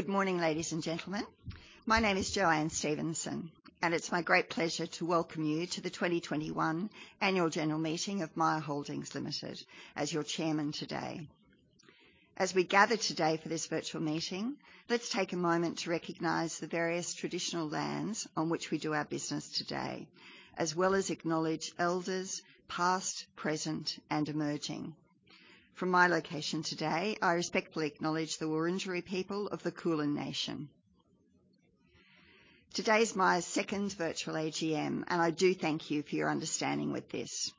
Good morning, ladies and gentlemen. My name is JoAnne Stephenson, and it's my great pleasure to welcome you to the 2021 annual general meeting of Myer Holdings Limited as your Chairman today. As we gather today for this virtual meeting, let's take a moment to recognize the various traditional lands on which we do our business today, as well as acknowledge elders past, present, and emerging. From my location today, I respectfully acknowledge the Wurundjeri people of the Kulin nation. Today is Myer's second virtual AGM, and I do thank you for your understanding with this.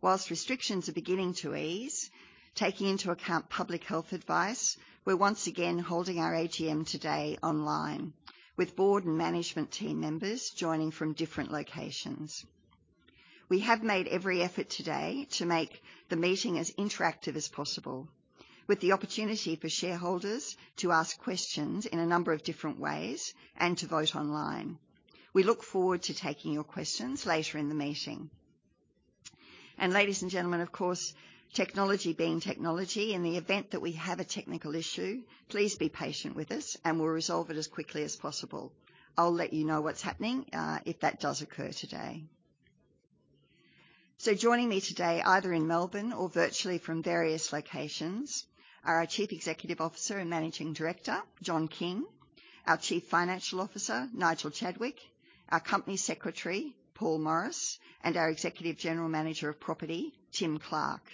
While restrictions are beginning to ease, taking into account public health advice, we're once again holding our AGM today online, with board and management team members joining from different locations. We have made every effort today to make the meeting as interactive as possible, with the opportunity for shareholders to ask questions in a number of different ways and to vote online. We look forward to taking your questions later in the meeting. Ladies and gentlemen, of course, technology being technology, in the event that we have a technical issue, please be patient with us, and we'll resolve it as quickly as possible. I'll let you know what's happening if that does occur today. Joining me today, either in Melbourne or virtually from various locations, are our Chief Executive Officer and Managing Director, John King; our Chief Financial Officer, Nigel Chadwick; our Company Secretary, Paul Morris; and our Executive General Manager of Property, Tim Clark;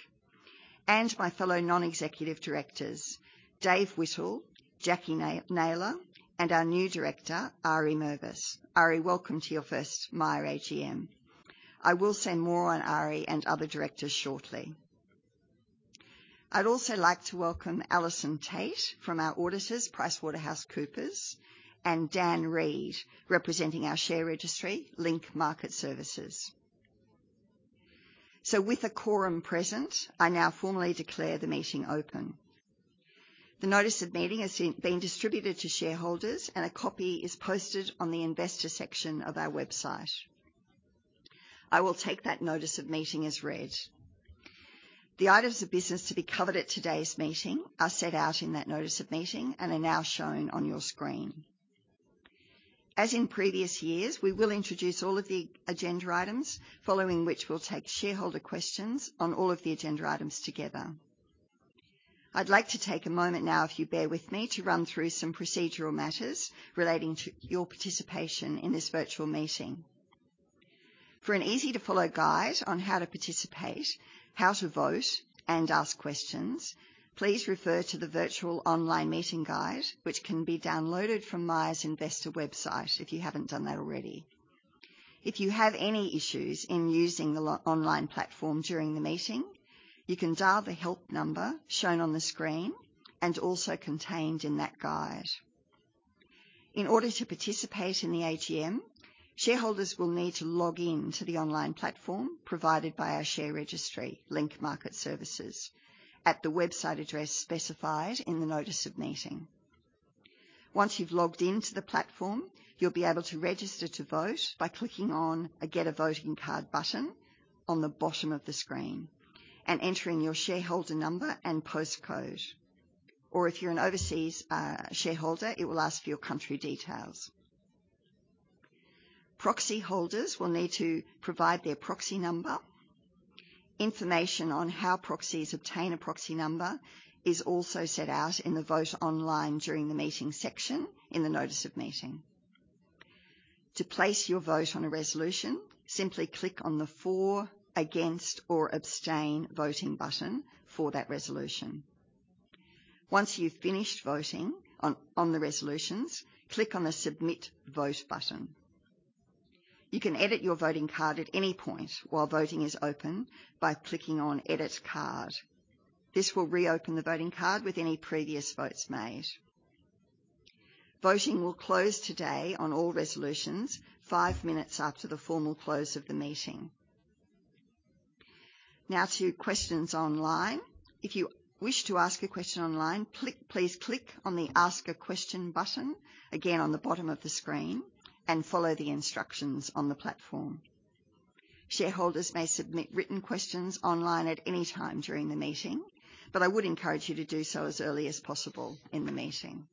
and my fellow non-executive directors, Dave Whittle, Jacquie Naylor, and our new director, Ari Mervis. Ari, welcome to your first Myer AGM. I will say more on Ari and other directors shortly. I'd also like to welcome Alison Tait from our auditors, PricewaterhouseCoopers, and Dan Reed, representing our share registry, Link Market Services. With a quorum present, I now formally declare the meeting open. The notice of meeting has been distributed to shareholders, and a copy is posted on the investor section of our website. I will take that notice of meeting as read. The items of business to be covered at today's meeting are set out in that notice of meeting and are now shown on your screen. As in previous years, we will introduce all of the agenda items, following which we'll take shareholder questions on all of the agenda items together. I'd like to take a moment now, if you bear with me, to run through some procedural matters relating to your participation in this virtual meeting. For an easy-to-follow guide on how to participate, how to vote and ask questions, please refer to the Virtual Online Meeting Guide, which can be downloaded from Myer's investor website, if you haven't done that already. If you have any issues in using the online platform during the meeting, you can dial the help number shown on the screen and also contained in that guide. In order to participate in the AGM, shareholders will need to log in to the online platform provided by our share registry, Link Market Services, at the website address specified in the notice of meeting. Once you've logged in to the platform, you'll be able to register to vote by clicking on a Get A Voting Card button on the bottom of the screen and entering your shareholder number and postcode. If you're an overseas shareholder, it will ask for your country details. Proxy holders will need to provide their proxy number. Information on how proxies obtain a proxy number is also set out in the Vote Online During the Meeting section in the notice of meeting. To place your vote on a resolution, simply click on the For, Against, or Abstain voting button for that resolution. Once you've finished voting on the resolutions, click on the Submit Vote button. You can edit your voting card at any point while voting is open by clicking on Edit Card. This will reopen the voting card with any previous votes made. Voting will close today on all resolutions five minutes after the formal close of the meeting. Now to questions online. If you wish to ask a question online, please click on the Ask a Question button, again on the bottom of the screen, and follow the instructions on the platform. Shareholders may submit written questions online at any time during the meeting, but I would encourage you to do so as early as possible in the meeting.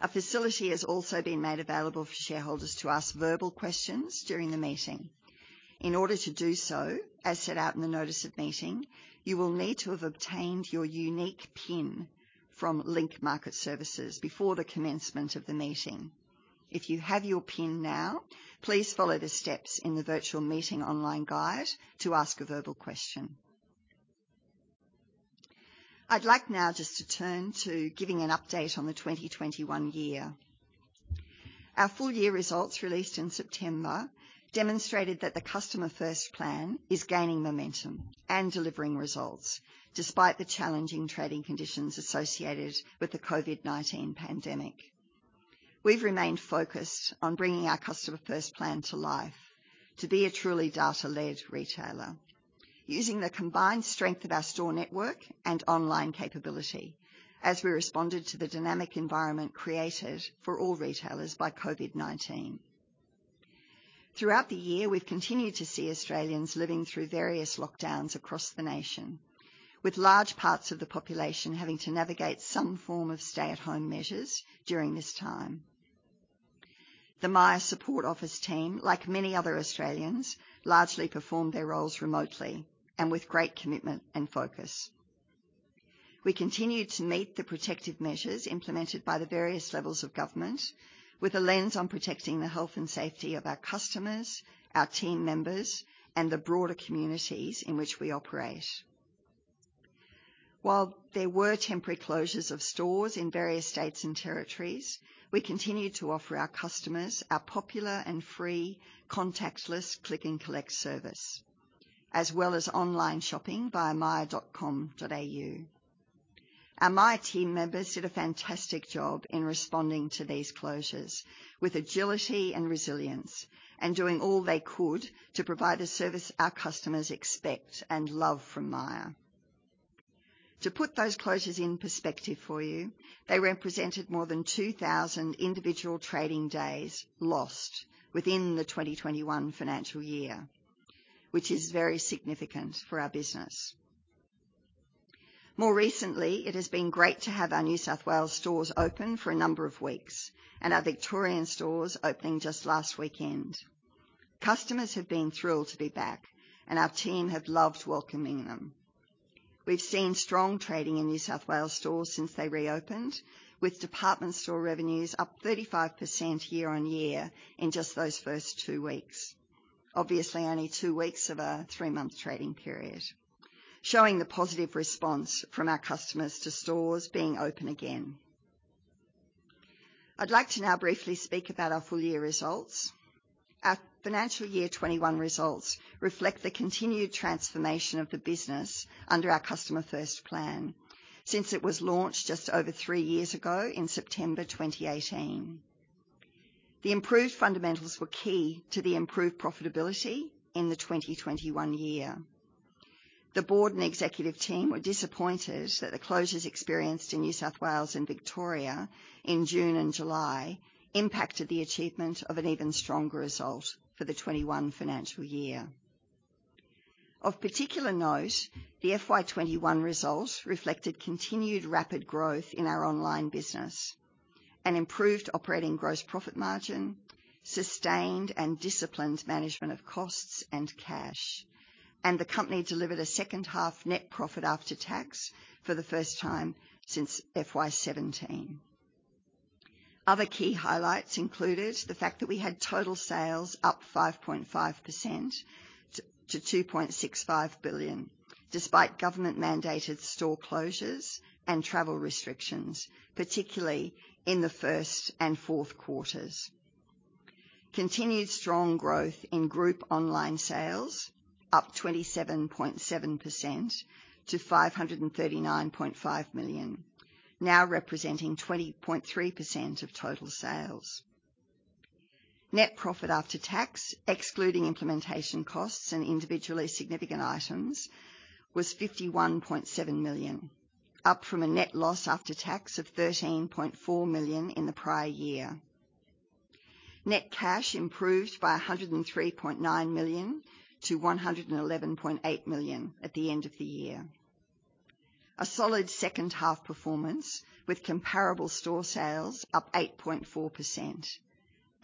A facility has also been made available for shareholders to ask verbal questions during the meeting. In order to do so, as set out in the notice of meeting, you will need to have obtained your unique PIN from Link Market Services before the commencement of the meeting. If you have your PIN now, please follow the steps in the Virtual Meeting Online Guide to ask a verbal question. I'd like now just to turn to giving an update on the 2021 year. Our full-year results released in September demonstrated that the Customer First Plan is gaining momentum and delivering results despite the challenging trading conditions associated with the COVID-19 pandemic. We've remained focused on bringing our Customer First Plan to life to be a truly data-led retailer using the combined strength of our store network and online capability as we responded to the dynamic environment created for all retailers by COVID-19. Throughout the year, we've continued to see Australians living through various lockdowns across the nation, with large parts of the population having to navigate some form of stay-at-home measures during this time. The Myer support office team, like many other Australians, largely performed their roles remotely and with great commitment and focus. We continued to meet the protective measures implemented by the various levels of government with a lens on protecting the health and safety of our customers, our team members, and the broader communities in which we operate. While there were temporary closures of stores in various states and territories, we continued to offer our customers our popular and free contactless click and collect service, as well as online shopping via myer.com.au. Our Myer team members did a fantastic job in responding to these closures with agility and resilience and doing all they could to provide the service our customers expect and love from Myer. To put those closures in perspective for you, they represented more than 2,000 individual trading days lost within the 2021 financial year, which is very significant for our business. More recently, it has been great to have our New South Wales stores open for a number of weeks and our Victorian stores opening just last weekend. Customers have been thrilled to be back and our team have loved welcoming them. We've seen strong trading in New South Wales stores since they reopened, with department store revenues up 35% year-over-year in just those first two weeks. Obviously, only two weeks of a three-month trading period, showing the positive response from our customers to stores being open again. I'd like to now briefly speak about our full year results. Our financial year 2021 results reflect the continued transformation of the business under our Customer First Plan since it was launched just over three years ago in September 2018. The improved fundamentals were key to the improved profitability in the 2021 year. The board and executive team were disappointed that the closures experienced in New South Wales and Victoria in June and July impacted the achievement of an even stronger result for the 2021 financial year. Of particular note, the FY 2021 results reflected continued rapid growth in our online business, an improved operating gross profit margin, sustained and disciplined management of costs and cash, and the company delivered a second-half net profit after tax for the first time since FY 2017. Other key highlights included the fact that we had total sales up 5.5% to 2.65 billion, despite government-mandated store closures and travel restrictions, particularly in the first and fourth quarters. Continued strong growth in group online sales up 27.7% to 539.5 million, now representing 20.3% of total sales. Net profit after tax, excluding implementation costs and individually significant items, was 51.7 million, up from a net loss after tax of 13.4 million in the prior year. Net cash improved by 103.9 million to 111.8 million at the end of the year. A solid second half performance with comparable store sales up 8.4%,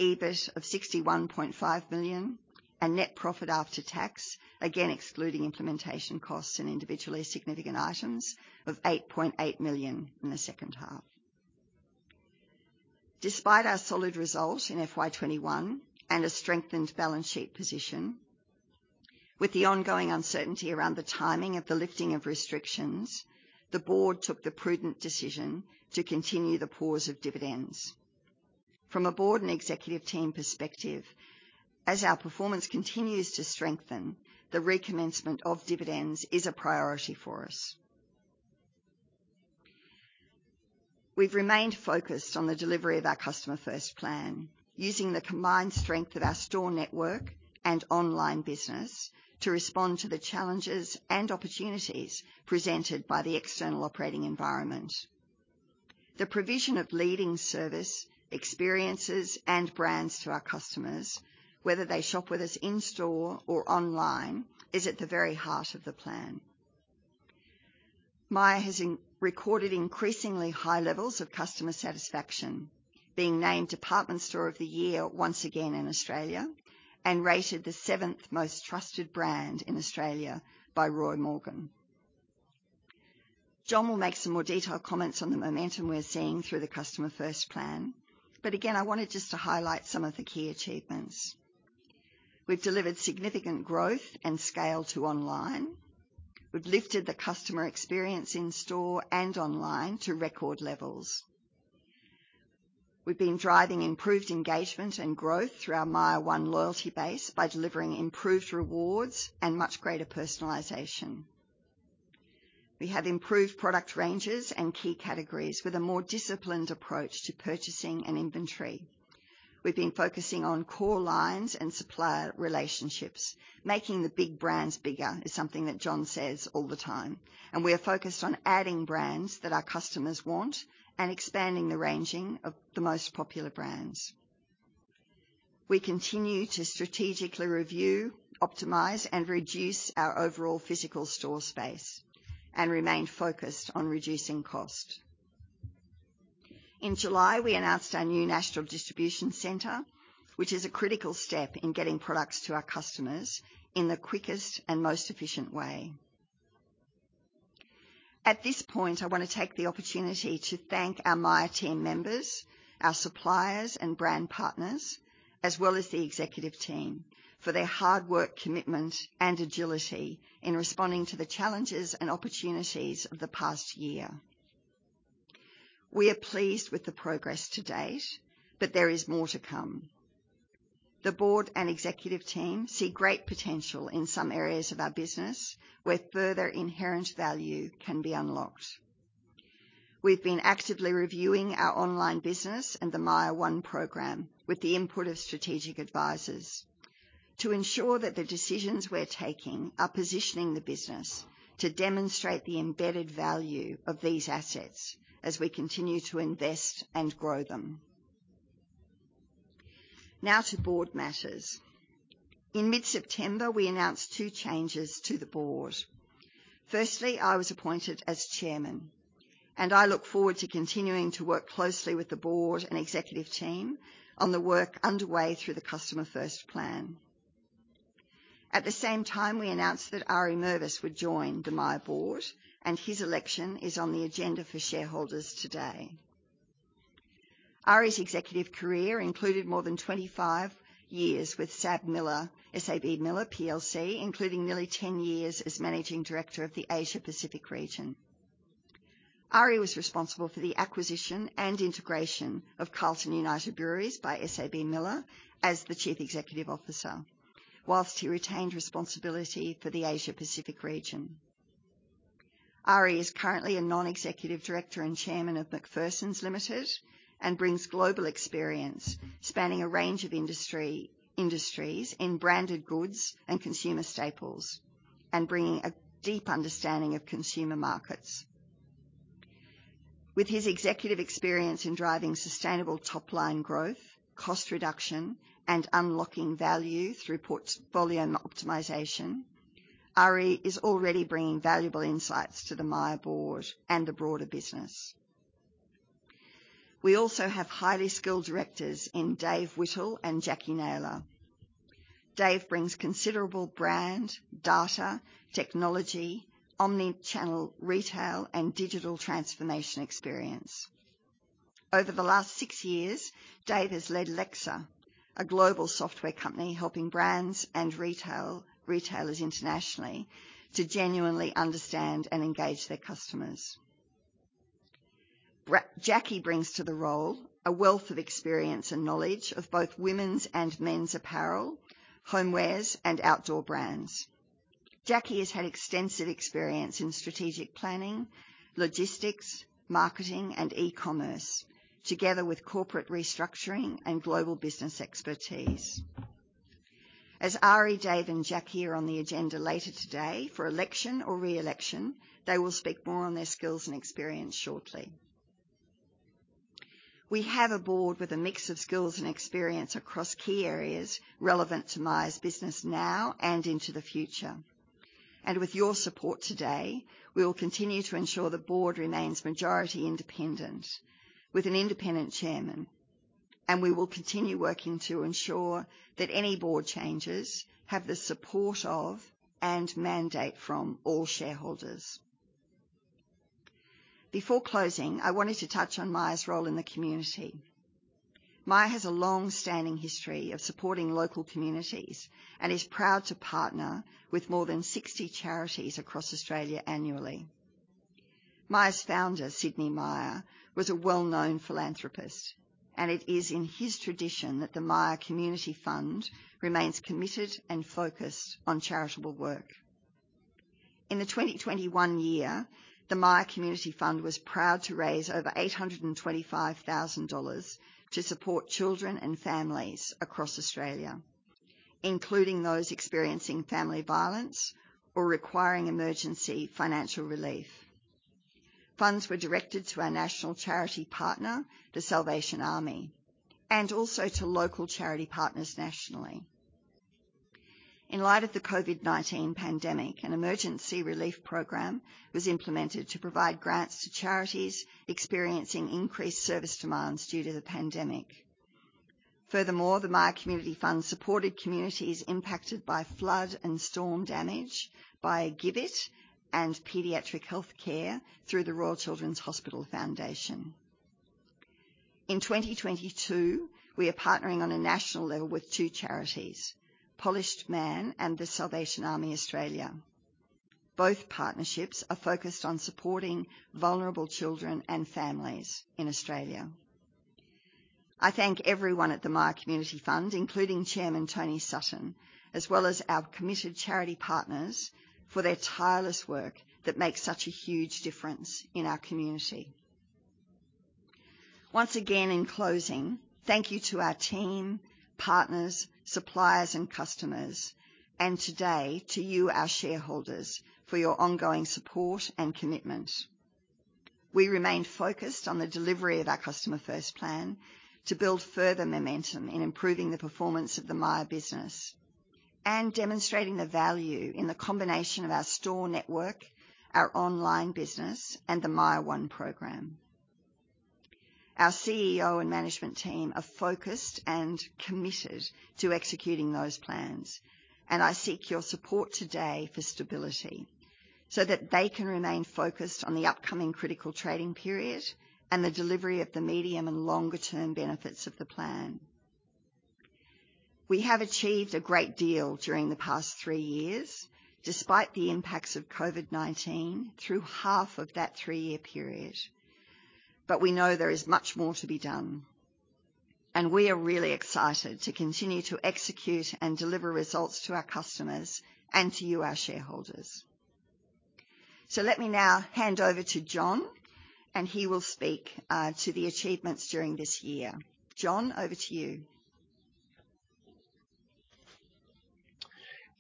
EBIT of 61.5 million, and net profit after tax, again excluding implementation costs and individually significant items of 8.8 million in the second half. Despite our solid result in FY 2021 and a strengthened balance sheet position, with the ongoing uncertainty around the timing of the lifting of restrictions, the board took the prudent decision to continue the pause of dividends. From a board and executive team perspective, as our performance continues to strengthen, the recommencement of dividends is a priority for us. We've remained focused on the delivery of our Customer First Plan, using the combined strength of our store network and online business to respond to the challenges and opportunities presented by the external operating environment. The provision of leading service, experiences, and brands to our customers, whether they shop with us in-store or online, is at the very heart of the plan. Myer has recorded increasingly high levels of customer satisfaction, being named Department Store of the Year once again in Australia and rated the seventh most trusted brand in Australia by Roy Morgan. John will make some more detailed comments on the momentum we're seeing through the Customer First Plan, but again, I wanted just to highlight some of the key achievements. We've delivered significant growth and scale to online. We've lifted the customer experience in-store and online to record levels. We've been driving improved engagement and growth through our MYER one loyalty base by delivering improved rewards and much greater personalization. We have improved product ranges and key categories with a more disciplined approach to purchasing and inventory. We've been focusing on core lines and supplier relationships. Making the big brands bigger is something that John says all the time, and we are focused on adding brands that our customers want and expanding the ranging of the most popular brands. We continue to strategically review, optimize, and reduce our overall physical store space and remain focused on reducing cost. In July, we announced our new national distribution center, which is a critical step in getting products to our customers in the quickest and most efficient way. At this point, I wanna take the opportunity to thank our Myer team members, our suppliers, and brand partners, as well as the executive team for their hard work, commitment, and agility in responding to the challenges and opportunities of the past year. We are pleased with the progress to date, but there is more to come. The board and executive team see great potential in some areas of our business where further inherent value can be unlocked. We've been actively reviewing our online business and the MYER one program with the input of strategic advisors to ensure that the decisions we're taking are positioning the business to demonstrate the embedded value of these assets as we continue to invest and grow them. Now to board matters. In mid-September, we announced two changes to the board. Firstly, I was appointed as chairman, and I look forward to continuing to work closely with the board and executive team on the work underway through the Customer First Plan. At the same time, we announced that Ari Mervis would join the Myer board, and his election is on the agenda for shareholders today. Ari's executive career included more than 25 years with SABMiller plc, including nearly 10 years as managing director of the Asia Pacific region. Ari was responsible for the acquisition and integration of Carlton & United Breweries by SABMiller as the chief executive officer, while he retained responsibility for the Asia Pacific region. Ari is currently a non-executive director and chairman of McPherson's Limited and brings global experience spanning a range of industries in branded goods and consumer staples and bringing a deep understanding of consumer markets. With his executive experience in driving sustainable top-line growth, cost reduction, and unlocking value through portfolio optimization, Ari is already bringing valuable insights to the Myer Board and the broader business. We also have highly skilled directors in Dave Whittle and Jacquie Naylor. Dave brings considerable brand, data, technology, omni-channel retail, and digital transformation experience. Over the last six years, Dave has led Lexer, a global software company helping brands and retail, retailers internationally to genuinely understand and engage their customers. Jacquie brings to the role a wealth of experience and knowledge of both women's and men's apparel, homewares, and outdoor brands. Jacquie has had extensive experience in strategic planning, logistics, marketing, and e-commerce, together with corporate restructuring and global business expertise. As Ari, Dave, and Jacquie are on the agenda later today for election or re-election, they will speak more on their skills and experience shortly. We have a board with a mix of skills and experience across key areas relevant to Myer's business now and into the future. With your support today, we will continue to ensure the board remains majority independent with an independent chairman, and we will continue working to ensure that any board changes have the support of and mandate from all shareholders. Before closing, I wanted to touch on Myer's role in the community. Myer has a long-standing history of supporting local communities and is proud to partner with more than 60 charities across Australia annually. Myer's founder, Sidney Myer, was a well-known philanthropist, and it is in his tradition that the Myer Community Fund remains committed and focused on charitable work. In the 2021 year, the Myer Community Fund was proud to raise over 825 thousand dollars to support children and families across Australia, including those experiencing family violence or requiring emergency financial relief. Funds were directed to our national charity partner, The Salvation Army, and also to local charity partners nationally. In light of the COVID-19 pandemic, an emergency relief program was implemented to provide grants to charities experiencing increased service demands due to the pandemic. Furthermore, the Myer Community Fund supported communities impacted by flood and storm damage by GIVIT and pediatric health care through The Royal Children's Hospital Foundation. In 2022, we are partnering on a national level with two charities, Polished Man and The Salvation Army Australia. Both partnerships are focused on supporting vulnerable children and families in Australia. I thank everyone at the Myer Community Fund, including Chairman Tony Sutton, as well as our committed charity partners for their tireless work that makes such a huge difference in our community. Once again, in closing, thank you to our team, partners, suppliers, and customers, and today to you, our shareholders, for your ongoing support and commitment. We remain focused on the delivery of our Customer First Plan to build further momentum in improving the performance of the Myer business and demonstrating the value in the combination of our store network, our online business, and the MYER one program. Our CEO and management team are focused and committed to executing those plans, and I seek your support today for stability so that they can remain focused on the upcoming critical trading period and the delivery of the medium- and longer-term benefits of the plan. We have achieved a great deal during the past three years, despite the impacts of COVID-19 through half of that three-year period. We know there is much more to be done, and we are really excited to continue to execute and deliver results to our customers and to you, our shareholders. Let me now hand over to John, and he will speak to the achievements during this year. John, over to you.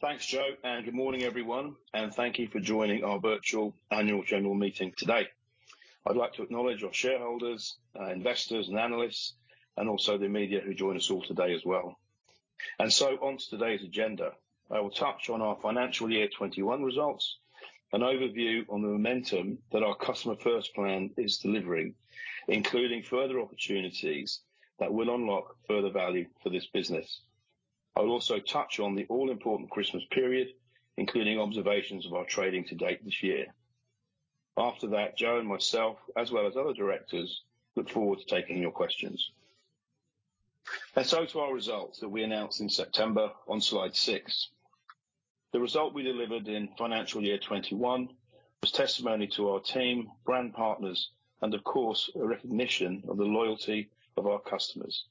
Thanks, Jo, and good morning, everyone, and thank you for joining our virtual annual general meeting today. I'd like to acknowledge our shareholders, our investors and analysts, and also the media who joined us all today as well. On to today's agenda. I will touch on our financial year 2021 results, an overview on the momentum that our Customer First Plan is delivering, including further opportunities that will unlock further value for this business. I'll also touch on the all-important Christmas period, including observations of our trading to date this year. After that, Jo and myself, as well as other directors, look forward to taking your questions. To our results that we announced in September on slide six. The result we delivered in financial year 2021 was testimony to our team, brand partners and of course, a recognition of the loyalty of our customers.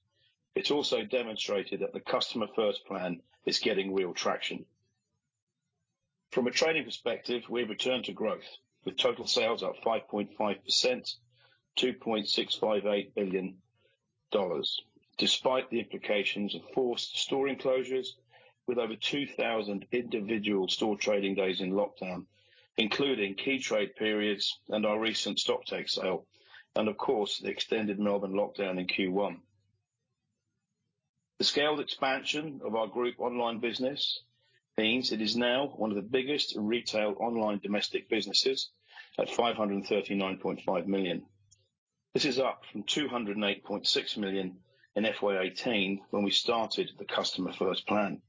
It's also demonstrated that the Customer First Plan is getting real traction. From a trading perspective, we returned to growth with total sales up 5.5% to 2.658 billion dollars, despite the implications of forced store enclosures with over 2,000 individual store trading days in lockdown, including key trade periods and our recent stocktake sale and of course, the extended Melbourne lockdown in Q1. The scaled expansion of our group online business means it is now one of the biggest retail online domestic businesses at 539.5 million. This is up from 208.6 million in FY 2018 when we started the Customer First Plan,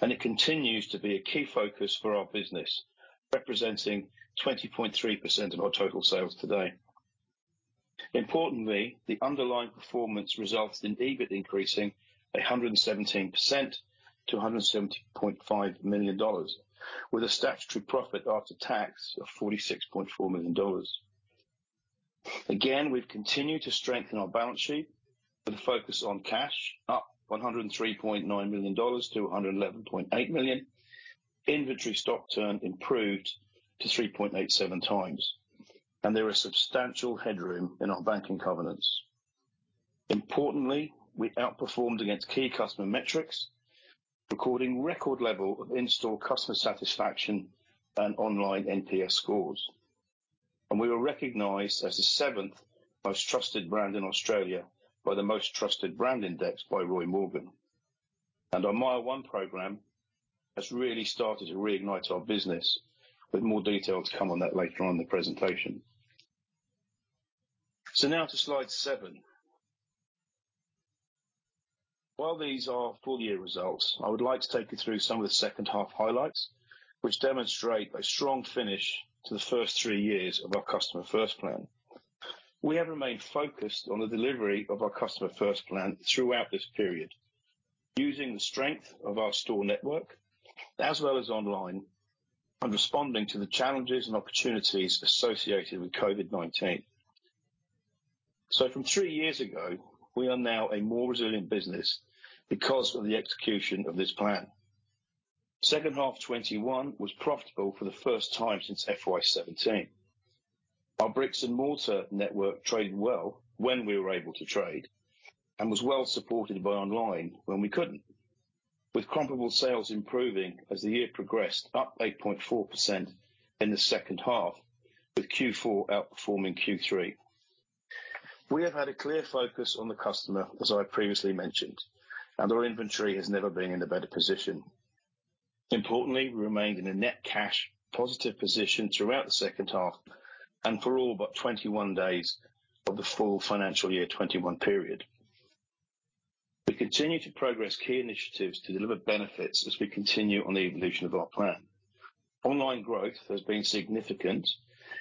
and it continues to be a key focus for our business, representing 20.3% of our total sales today. Importantly, the underlying performance results in EBIT increasing 117% to 170.5 million dollars with a statutory profit after tax of 46.4 million dollars. We've continued to strengthen our balance sheet with a focus on cash up 103.9 million dollars to 111.8 million. Inventory stock turn improved to 3.87 times, and there is substantial headroom in our banking covenants. Importantly, we outperformed against key customer metrics, recording record level of in-store customer satisfaction and online NPS scores. We were recognized as the seventh most trusted brand in Australia by the Most Trusted Brand Index by Roy Morgan. Our Myer one program has really started to reignite our business with more detail to come on that later on in the presentation. Now to slide seven. While these are full-year results, I would like to take you through some of the second half highlights which demonstrate a strong finish to the first three years of our Customer First Plan. We have remained focused on the delivery of our Customer First Plan throughout this period, using the strength of our store network as well as online, and responding to the challenges and opportunities associated with COVID-19. From three years ago, we are now a more resilient business because of the execution of this plan. Second half 2021 was profitable for the first time since FY 2017. Our bricks and mortar network traded well when we were able to trade and was well supported by online when we couldn't. With comparable sales improving as the year progressed up 8.4% in the second half with Q4 outperforming Q3. We have had a clear focus on the customer, as I previously mentioned, and our inventory has never been in a better position. Importantly, we remained in a net cash positive position throughout the second half and for all but 21 days of the full financial year 2021 period. We continue to progress key initiatives to deliver benefits as we continue on the evolution of our plan. Online growth has been significant,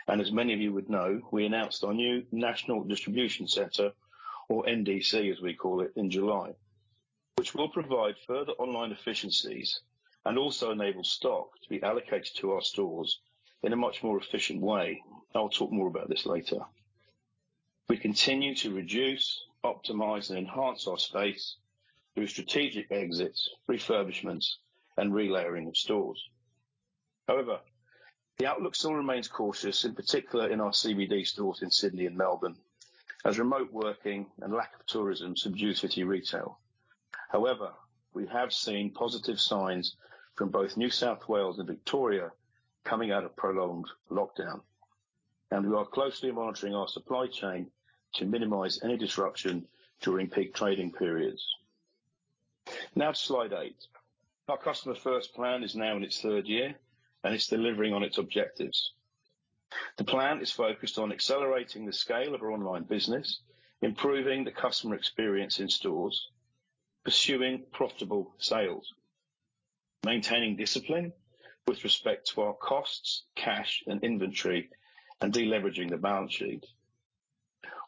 and as many of you would know, we announced our new national distribution center or NDC as we call it in July, which will provide further online efficiencies and also enable stock to be allocated to our stores in a much more efficient way. I'll talk more about this later. We continue to reduce, optimize, and enhance our space through strategic exits, refurbishments, and relayering of stores. However, the outlook still remains cautious, in particular in our CBD stores in Sydney and Melbourne as remote working and lack of tourism subdue city retail. However, we have seen positive signs from both New South Wales and Victoria coming out of prolonged lockdown, and we are closely monitoring our supply chain to minimize any disruption during peak trading periods. Now to slide eight. Our Customer First Plan is now in its third year and it's delivering on its objectives. The plan is focused on accelerating the scale of our online business, improving the customer experience in stores, pursuing profitable sales, maintaining discipline with respect to our costs, cash, and inventory, and deleveraging the balance sheet.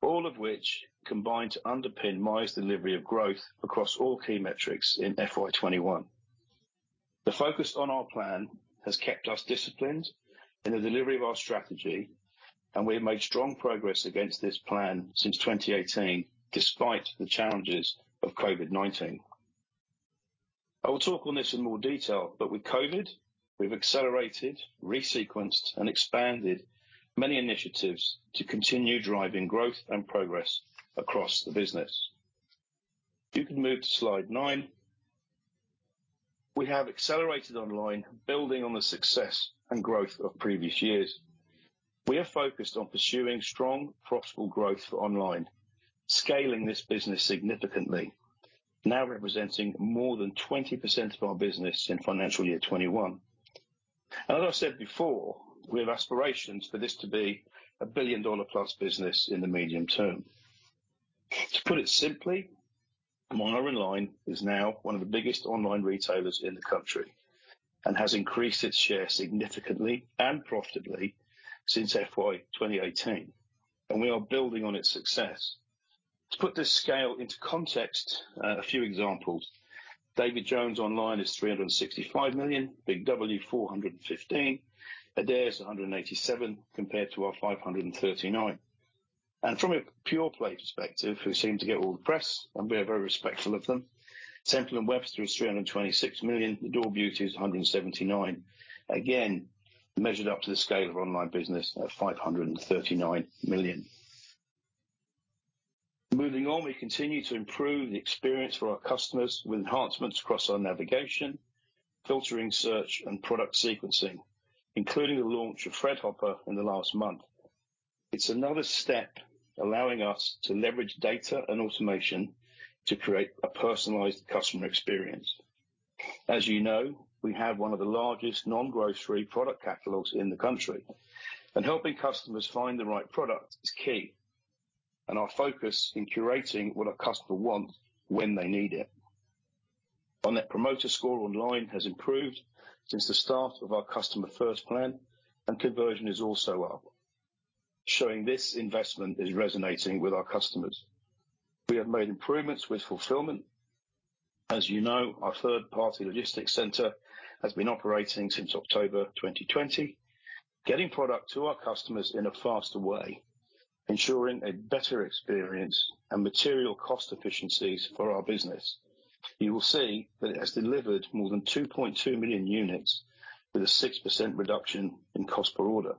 All of which combine to underpin Myer's delivery of growth across all key metrics in FY 2021. The focus on our plan has kept us disciplined in the delivery of our strategy, and we have made strong progress against this plan since 2018, despite the challenges of COVID-19. I will talk on this in more detail, but with COVID, we've accelerated, re-sequenced, and expanded many initiatives to continue driving growth and progress across the business. You can move to slide nine. We have accelerated online, building on the success and growth of previous years. We are focused on pursuing strong, profitable growth for online, scaling this business significantly, now representing more than 20% of our business in FY 2021. As I said before, we have aspirations for this to be a billion-dollar plus business in the medium term. To put it simply, Myer online is now one of the biggest online retailers in the country and has increased its share significantly and profitably since FY 2018, and we are building on its success. To put this scale into context, a few examples. David Jones online is 365 million, BIG W 415 million, Adairs 187 million compared to our 539 million. From a pure play perspective, who seem to get all the press, and we are very respectful of them, Temple & Webster is 326 million, Adore Beauty is 179 million. Again, measured up to the scale of online business at 539 million. Moving on, we continue to improve the experience for our customers with enhancements across our navigation, filtering, search and product sequencing, including the launch of Threadhopper in the last month. It's another step allowing us to leverage data and automation to create a personalized customer experience. As you know, we have one of the largest non-grocery product catalogs in the country, and helping customers find the right product is key, and our focus in curating what a customer wants when they need it. On that, our promoter score online has improved since the start of our Customer First Plan, and conversion is also up, showing this investment is resonating with our customers. We have made improvements with fulfillment. As you know, our third-party logistics center has been operating since October 2020, getting product to our customers in a faster way, ensuring a better experience and material cost efficiencies for our business. You will see that it has delivered more than 2.2 million units with a 6% reduction in cost per order.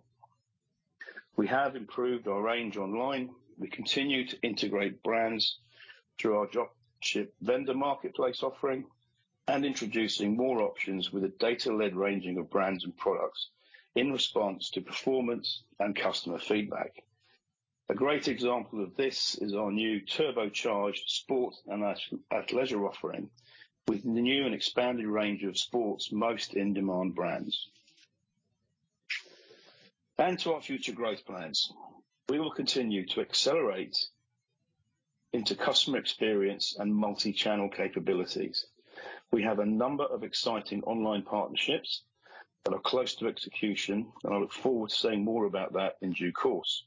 We have improved our range online. We continue to integrate brands through our dropship vendor marketplace offering and introducing more options with a data-led ranging of brands and products in response to performance and customer feedback. A great example of this is our new turbocharged sport and leisure offering with the new and expanded range of sports most in-demand brands. To our future growth plans, we will continue to accelerate into customer experience and multi-channel capabilities. We have a number of exciting online partnerships that are close to execution, and I look forward to saying more about that in due course.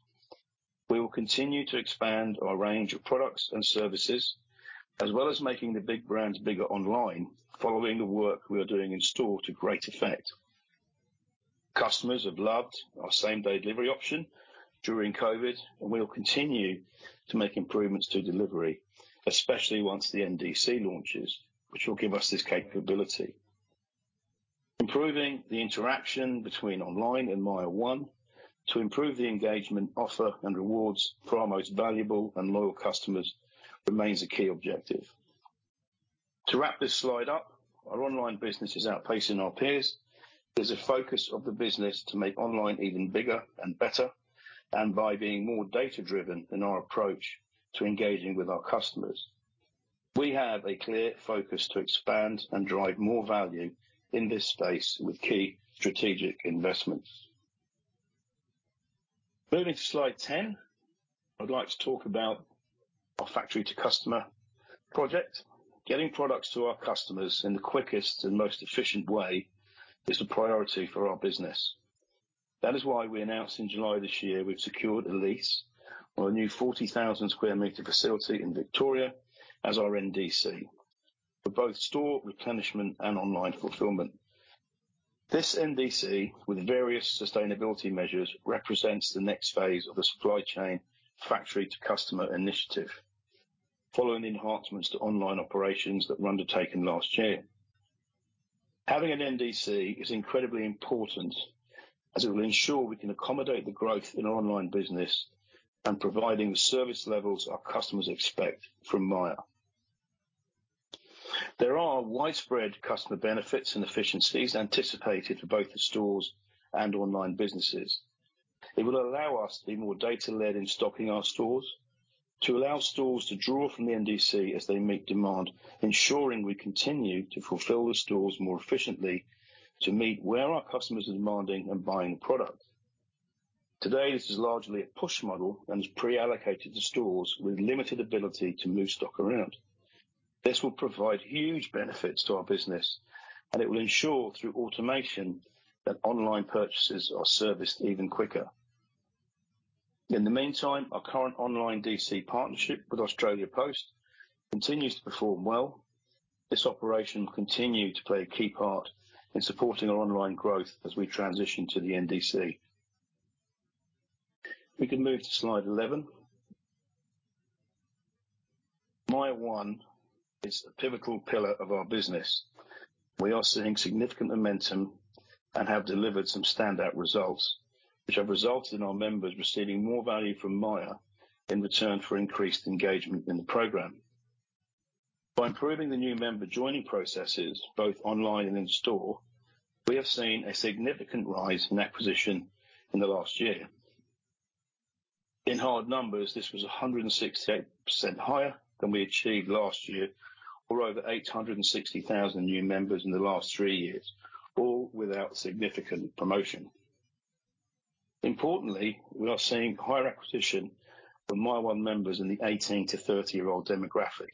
We will continue to expand our range of products and services, as well as making the big brands bigger online following the work we are doing in store to great effect. Customers have loved our same-day delivery option during COVID, and we will continue to make improvements to delivery, especially once the NDC launches, which will give us this capability. Improving the interaction between online and MYER one to improve the engagement offer and rewards for our most valuable and loyal customers remains a key objective. To wrap this slide up, our online business is outpacing our peers. There's a focus of the business to make online even bigger and better, and by being more data-driven in our approach to engaging with our customers. We have a clear focus to expand and drive more value in this space with key strategic investments. Moving to slide 10, I'd like to talk about our factory to customer project. Getting products to our customers in the quickest and most efficient way is a priority for our business. That is why we announced in July this year we've secured a lease on a new 40,000 sq m facility in Victoria as our NDC for both store replenishment and online fulfillment. This NDC with various sustainability measures represents the next phase of the supply chain factory to customer initiative following enhancements to online operations that were undertaken last year. Having an NDC is incredibly important as it will ensure we can accommodate the growth in online business and providing the service levels our customers expect from Myer. There are widespread customer benefits and efficiencies anticipated for both the stores and online businesses. It will allow us to be more data-led in stocking our stores, to allow stores to draw from the NDC as they meet demand, ensuring we continue to fulfill the stores more efficiently to meet where our customers are demanding and buying products. Today, this is largely a push model and is pre-allocated to stores with limited ability to move stock around. This will provide huge benefits to our business, and it will ensure through automation that online purchases are serviced even quicker. In the meantime, our current online DC partnership with Australia Post continues to perform well. This operation will continue to play a key part in supporting our online growth as we transition to the NDC. We can move to slide 11. MYER one is a pivotal pillar of our business. We are seeing significant momentum and have delivered some standout results, which have resulted in our members receiving more value from Myer in return for increased engagement in the program. By improving the new member joining processes, both online and in store, we have seen a significant rise in acquisition in the last year. In hard numbers, this was 168% higher than we achieved last year, or over 860,000 new members in the last three years, all without significant promotion. Importantly, we are seeing higher acquisition for MYER one members in the 18- to 30-year-old demographic,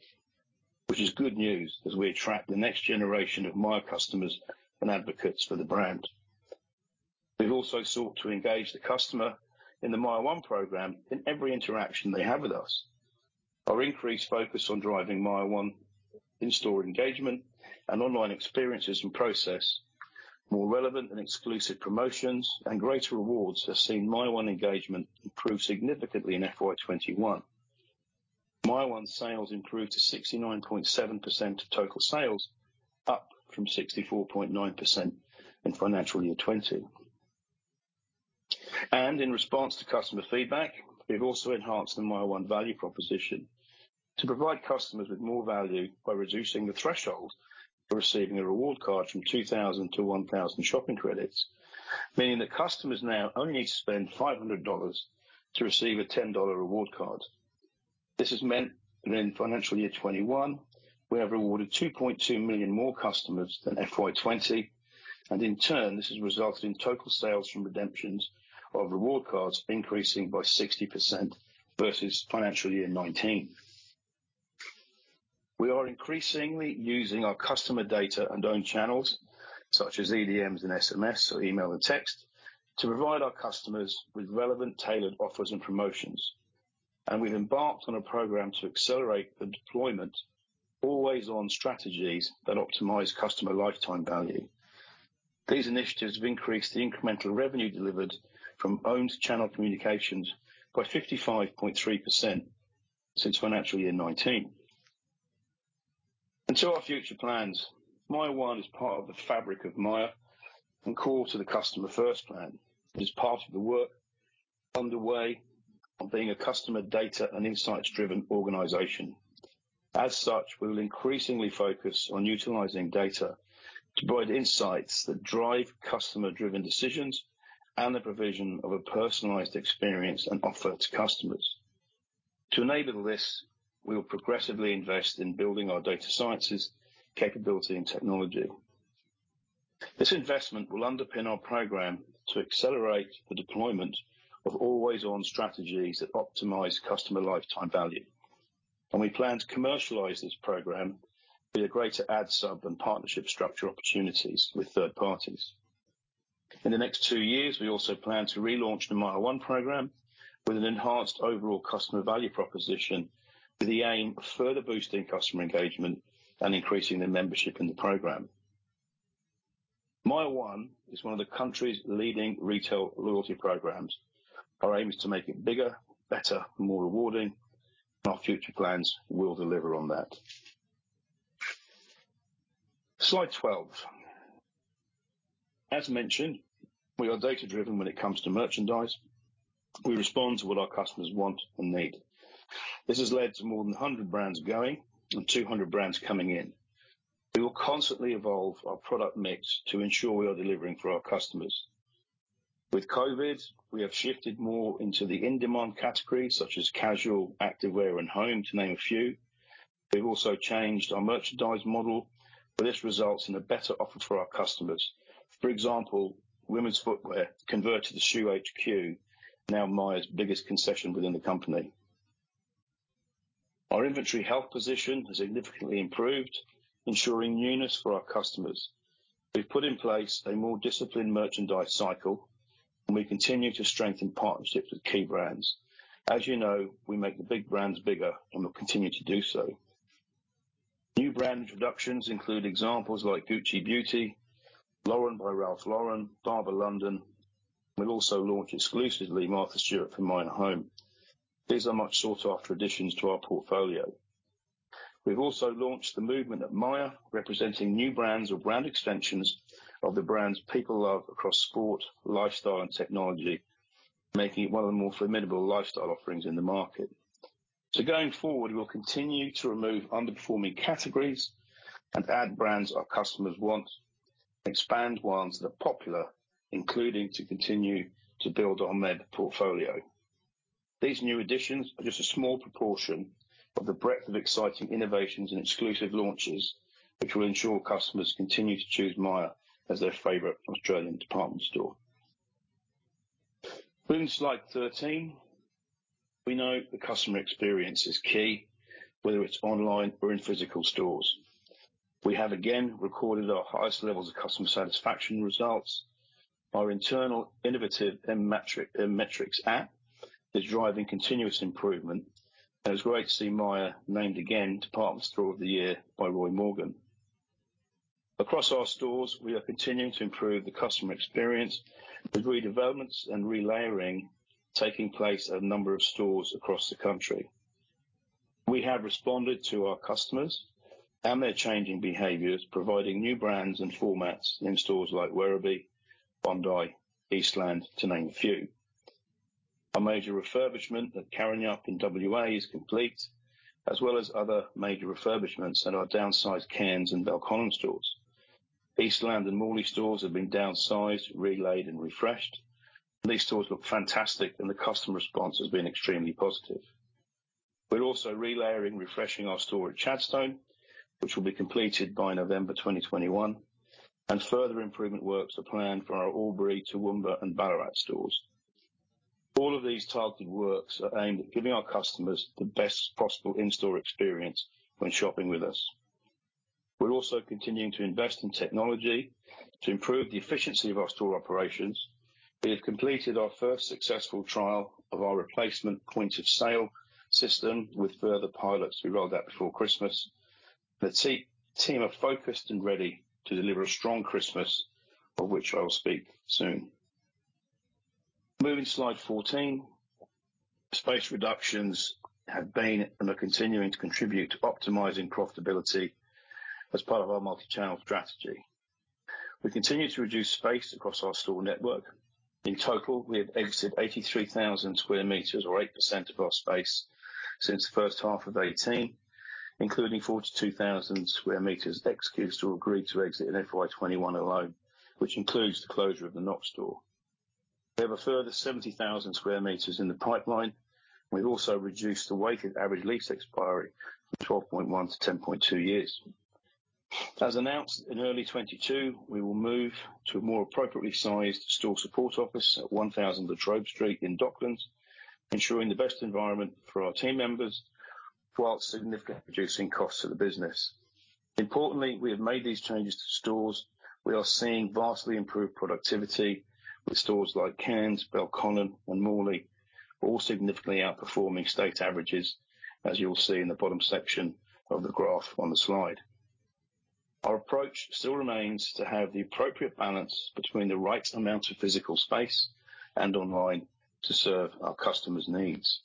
which is good news as we attract the next generation of Myer customers and advocates for the brand. We've also sought to engage the customer in the MYER one program in every interaction they have with us. Our increased focus on driving MYER one in-store engagement and online experiences and process, more relevant and exclusive promotions, and greater rewards have seen MYER one engagement improve significantly in FY 2021. MYER one sales improved to 69.7% of total sales, up from 64.9% in financial year 2020. In response to customer feedback, we've also enhanced the MYER one value proposition to provide customers with more value by reducing the threshold for receiving a reward card from 2,000 to 1,000 shopping credits, meaning that customers now only need to spend 500 dollars to receive a 10 dollar reward card. This has meant that in FY 2021, we have rewarded 2.2 million more customers than FY 2020, and in turn, this has resulted in total sales from redemptions of reward cards increasing by 60% versus FY 2019. We are increasingly using our customer data and own channels, such as EDMs and SMS or email and text, to provide our customers with relevant tailored offers and promotions. We've embarked on a program to accelerate the deployment of always-on strategies that optimize customer lifetime value. These initiatives have increased the incremental revenue delivered from owned channel communications by 55.3% since FY 2019. To our future plans, MYER one is part of the fabric of Myer and core to the Customer First Plan. It is part of the work underway on being a customer data and insights-driven organization. As such, we will increasingly focus on utilizing data to provide insights that drive customer-driven decisions and the provision of a personalized experience and offer to customers. To enable this, we will progressively invest in building our data sciences capability and technology. This investment will underpin our program to accelerate the deployment of always-on strategies that optimize customer lifetime value. We plan to commercialize this program via greater ad sub and partnership structure opportunities with third parties. In the next two years, we also plan to relaunch the MYER one program with an enhanced overall customer value proposition, with the aim of further boosting customer engagement and increasing the membership in the program. MYER one is one of the country's leading retail loyalty programs. Our aim is to make it bigger, better, more rewarding. Our future plans will deliver on that. Slide 12. As mentioned, we are data-driven when it comes to merchandise. We respond to what our customers want and need. This has led to more than 100 brands going and 200 brands coming in. We will constantly evolve our product mix to ensure we are delivering for our customers. With COVID, we have shifted more into the in-demand categories such as casual, activewear, and home, to name a few. We've also changed our merchandise model, but this results in a better offer for our customers. For example, women's footwear converted to Shoe HQ, now Myer's biggest concession within the company. Our inventory health position has significantly improved, ensuring newness for our customers. We've put in place a more disciplined merchandise cycle, and we continue to strengthen partnerships with key brands. As you know, we make the big brands bigger, and we'll continue to do so. New brand introductions include examples like Gucci Beauty, Lauren Ralph Lauren, Barbour. We'll also launch exclusively Martha Stewart for Myer Home. These are much sought after additions to our portfolio. We've also launched the movement at Myer, representing new brands or brand extensions of the brands people love across sport, lifestyle, and technology, making it one of the more formidable lifestyle offerings in the market. Going forward, we will continue to remove underperforming categories and add brands our customers want, expand ones that are popular, including to continue to build on their portfolio. These new additions are just a small proportion of the breadth of exciting innovations and exclusive launches, which will ensure customers continue to choose Myer as their favorite Australian department store. Moving to slide 13. We know the customer experience is key, whether it's online or in physical stores. We have again recorded our highest levels of customer satisfaction results. Our internal innovative M-Metrics app is driving continuous improvement, and it's great to see Myer named again Department Store of the Year by Roy Morgan. Across our stores, we are continuing to improve the customer experience with redevelopments and relayering taking place at a number of stores across the country. We have responded to our customers and their changing behaviors, providing new brands and formats in stores like Werribee, Bondi, Eastland, to name a few. A major refurbishment at Karrinyup in WA is complete, as well as other major refurbishments at our downsized Cairns and Belconnen stores. Eastland and Morley stores have been downsized, relaid, and refreshed. These stores look fantastic, and the customer response has been extremely positive. We're also relayering, refreshing our store at Chadstone, which will be completed by November 2021, and further improvement works are planned for our Albury, Toowoomba, and Ballarat stores. All of these targeted works are aimed at giving our customers the best possible in-store experience when shopping with us. We're also continuing to invest in technology to improve the efficiency of our store operations. We have completed our first successful trial of our replacement point of sale system with further pilots. We rolled out before Christmas. The team are focused and ready to deliver a strong Christmas, of which I will speak soon. Moving to slide 14. Space reductions have been and are continuing to contribute to optimizing profitability as part of our multi-channel strategy. We continue to reduce space across our store network. In total, we have exited 83,000 sq m or 8% of our space since the first half of 2018, including 42,000 sq m executed or agreed to exit in FY 2021 alone, which includes the closure of the Knox store. We have a further 70,000 sq m in the pipeline. We've also reduced the weighted average lease expiry from 12.1 to 10.2 years. As announced in early 2022, we will move to a more appropriately sized store support office at 1,000 La Trobe Street in Docklands, ensuring the best environment for our team members while significantly reducing costs to the business. Importantly, we have made these changes to stores. We are seeing vastly improved productivity with stores like Cairns, Belconnen, and Morley, all significantly outperforming state averages, as you'll see in the bottom section of the graph on the slide. Our approach still remains to have the appropriate balance between the right amount of physical space and online to serve our customers' needs.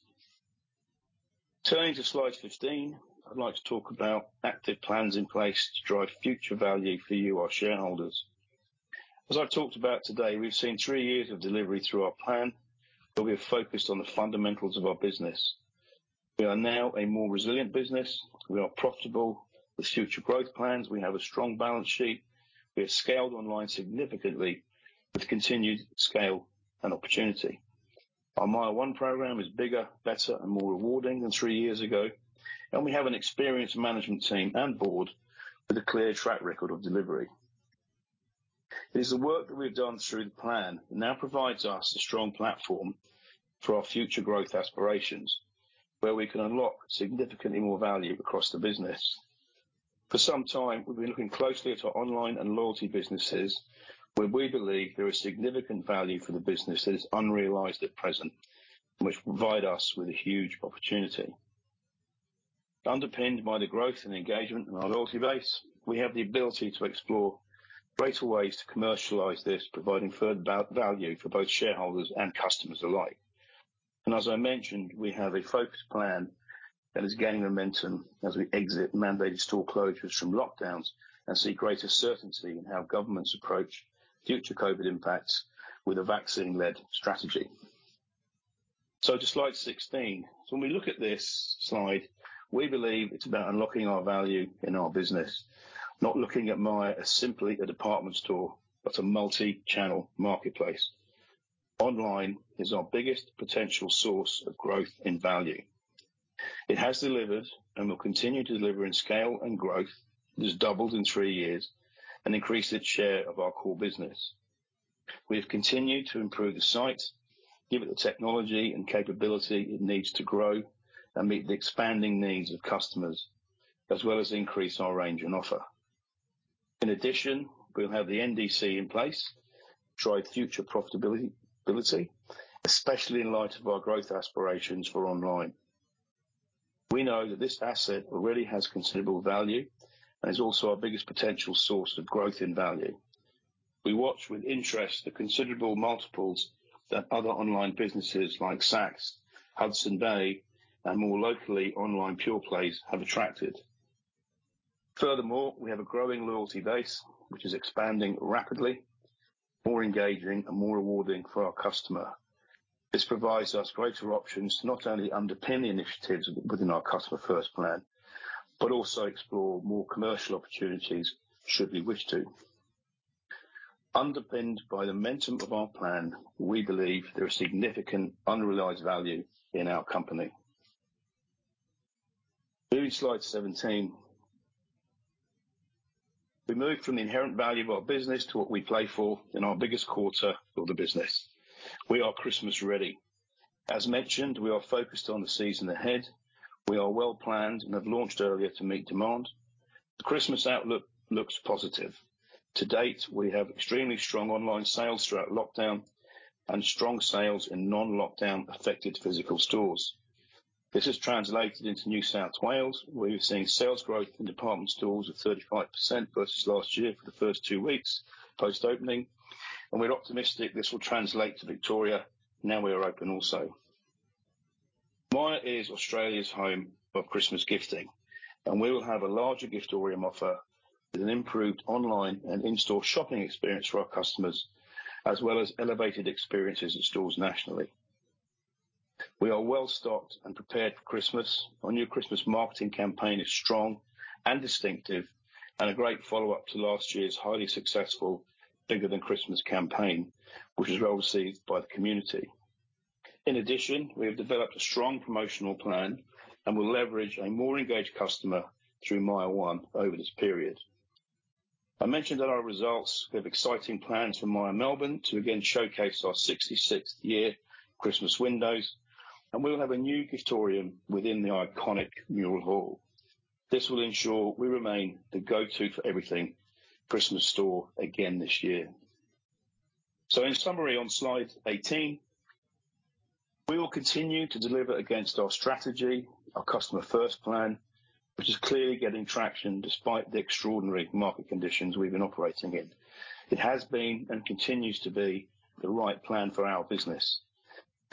Turning to slide 15. I'd like to talk about active plans in place to drive future value for you, our shareholders. As I've talked about today, we've seen three years of delivery through our plan, where we have focused on the fundamentals of our business. We are now a more resilient business. We are profitable with future growth plans. We have a strong balance sheet. We have scaled online significantly with continued scale and opportunity. Our Myer one program is bigger, better, and more rewarding than three years ago, and we have an experienced management team and board with a clear track record of delivery. It is the work that we've done through the plan now provides us a strong platform for our future growth aspirations, where we can unlock significantly more value across the business. For some time, we've been looking closely at our online and loyalty businesses, where we believe there is significant value for the business that is unrealized at present, which provide us with a huge opportunity. Underpinned by the growth and engagement in our loyalty base, we have the ability to explore greater ways to commercialize this, providing further value for both shareholders and customers alike. As I mentioned, we have a focused plan that is gaining momentum as we exit mandated store closures from lockdowns and see greater certainty in how governments approach future COVID impacts with a vaccine-led strategy. To slide 16. When we look at this slide, we believe it's about unlocking our value in our business, not looking at Myer as simply a department store, but a multi-channel marketplace. Online is our biggest potential source of growth in value. It has delivered and will continue to deliver in scale and growth. It has doubled in three years and increased its share of our core business. We have continued to improve the site, give it the technology and capability it needs to grow and meet the expanding needs of customers, as well as increase our range and offer. In addition, we'll have the NDC in place to drive future profitability, especially in light of our growth aspirations for online. We know that this asset really has considerable value and is also our biggest potential source of growth in value. We watch with interest the considerable multiples that other online businesses like Saks, Hudson's Bay, and more locally, online pure plays have attracted. Furthermore, we have a growing loyalty base which is expanding rapidly, more engaging, and more rewarding for our customer. This provides us greater options to not only underpin the initiatives within our Customer First Plan, but also explore more commercial opportunities should we wish to. Underpinned by the momentum of our plan, we believe there is significant unrealized value in our company. Moving to slide 17. We move from the inherent value of our business to what we play for in our biggest quarter of the business. We are Christmas ready. As mentioned, we are focused on the season ahead. We are well planned and have launched earlier to meet demand. The Christmas outlook looks positive. To date, we have extremely strong online sales throughout lockdown and strong sales in non-lockdown affected physical stores. This has translated into New South Wales, where we've seen sales growth in department stores of 35% versus last year for the first two weeks post-opening, and we're optimistic this will translate to Victoria now we are open also. Myer is Australia's home of Christmas gifting, and we will have a larger Giftorium offer with an improved online and in-store shopping experience for our customers, as well as elevated experiences in stores nationally. We are well stocked and prepared for Christmas. Our new Christmas marketing campaign is strong and distinctive, and a great follow-up to last year's highly successful Bigger than Christmas campaign, which was well received by the community. In addition, we have developed a strong promotional plan and will leverage a more engaged customer through MYER one over this period. I mentioned in our results, we have exciting plans for Myer Melbourne to again showcase our 66th year Christmas windows, and we'll have a new Giftorium within the iconic Mural Hall. This will ensure we remain the go-to for everything Christmas store again this year. In summary on slide 18, we will continue to deliver against our strategy, our Customer First Plan, which is clearly getting traction despite the extraordinary market conditions we've been operating in. It has been and continues to be the right plan for our business.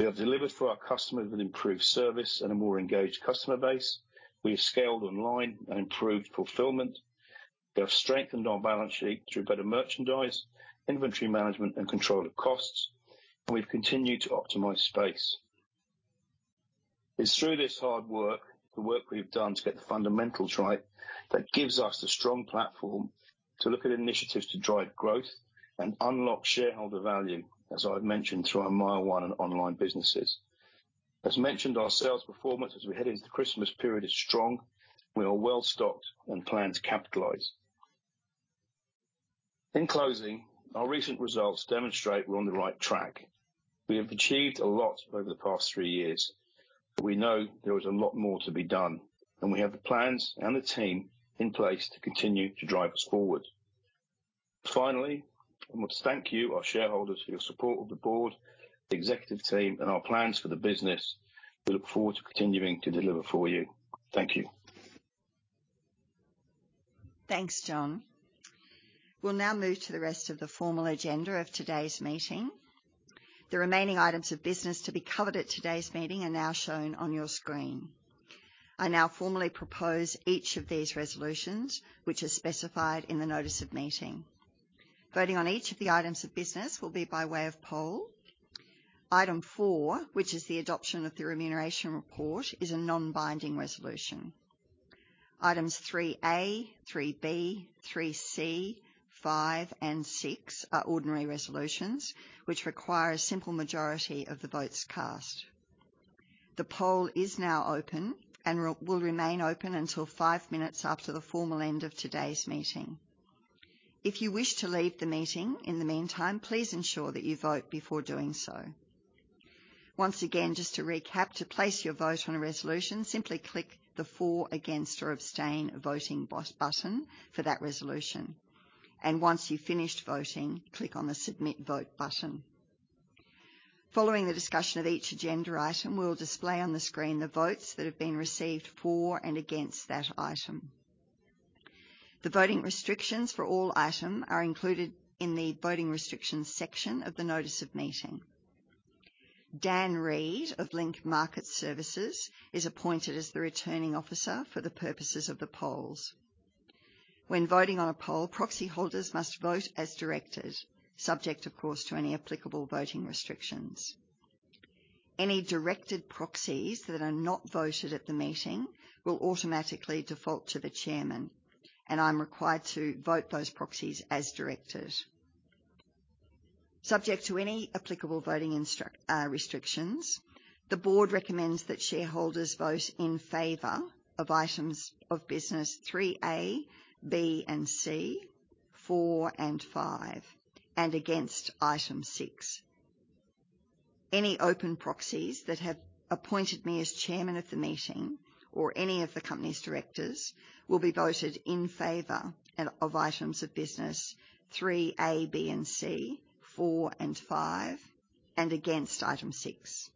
We have delivered for our customers an improved service and a more engaged customer base. We have scaled online and improved fulfillment. We have strengthened our balance sheet through better merchandise, inventory management, and control of costs. We've continued to optimize space. It's through this hard work, the work we've done to get the fundamentals right, that gives us the strong platform to look at initiatives to drive growth and unlock shareholder value, as I've mentioned through our Myer one and online businesses. As mentioned, our sales performance as we head into the Christmas period is strong. We are well stocked and plan to capitalize. In closing, our recent results demonstrate we're on the right track. We have achieved a lot over the past three years, but we know there is a lot more to be done, and we have the plans and the team in place to continue to drive us forward. Finally, I want to thank you, our shareholders, for your support of the board, the executive team, and our plans for the business. We look forward to continuing to deliver for you. Thank you. Thanks, John. We'll now move to the rest of the formal agenda of today's meeting. The remaining items of business to be covered at today's meeting are now shown on your screen. I now formally propose each of these resolutions, which are specified in the notice of meeting. Voting on each of the items of business will be by way of poll. Item four, which is the adoption of the remuneration report, is a non-binding resolution. Items three A, three B, three C, five, and six are ordinary resolutions, which require a simple majority of the votes cast. The poll is now open and will remain open until five minutes after the formal end of today's meeting. If you wish to leave the meeting in the meantime, please ensure that you vote before doing so. Once again, just to recap, to place your vote on a resolution, simply click the for, against, or abstain voting button for that resolution. Once you've finished voting, click on the Submit Vote button. Following the discussion of each agenda item, we will display on the screen the votes that have been received for and against that item. The voting restrictions for all items are included in the Voting Restrictions section of the Notice of Meeting. Dan Reed of Link Market Services is appointed as the Returning Officer for the purposes of the polls. When voting on a poll, proxy holders must vote as directed, subject, of course, to any applicable voting restrictions. Any directed proxies that are not voted at the meeting will automatically default to the chairman, and I'm required to vote those proxies as directed. Subject to any applicable voting instructions, restrictions, the board recommends that shareholders vote in favor of items of business three A, B, and C, four and five, and against item six. Any open proxies that have appointed me as Chairman of the meeting or any of the company's directors, will be voted in favor of items of business three A, B, and C, four and five and against item six.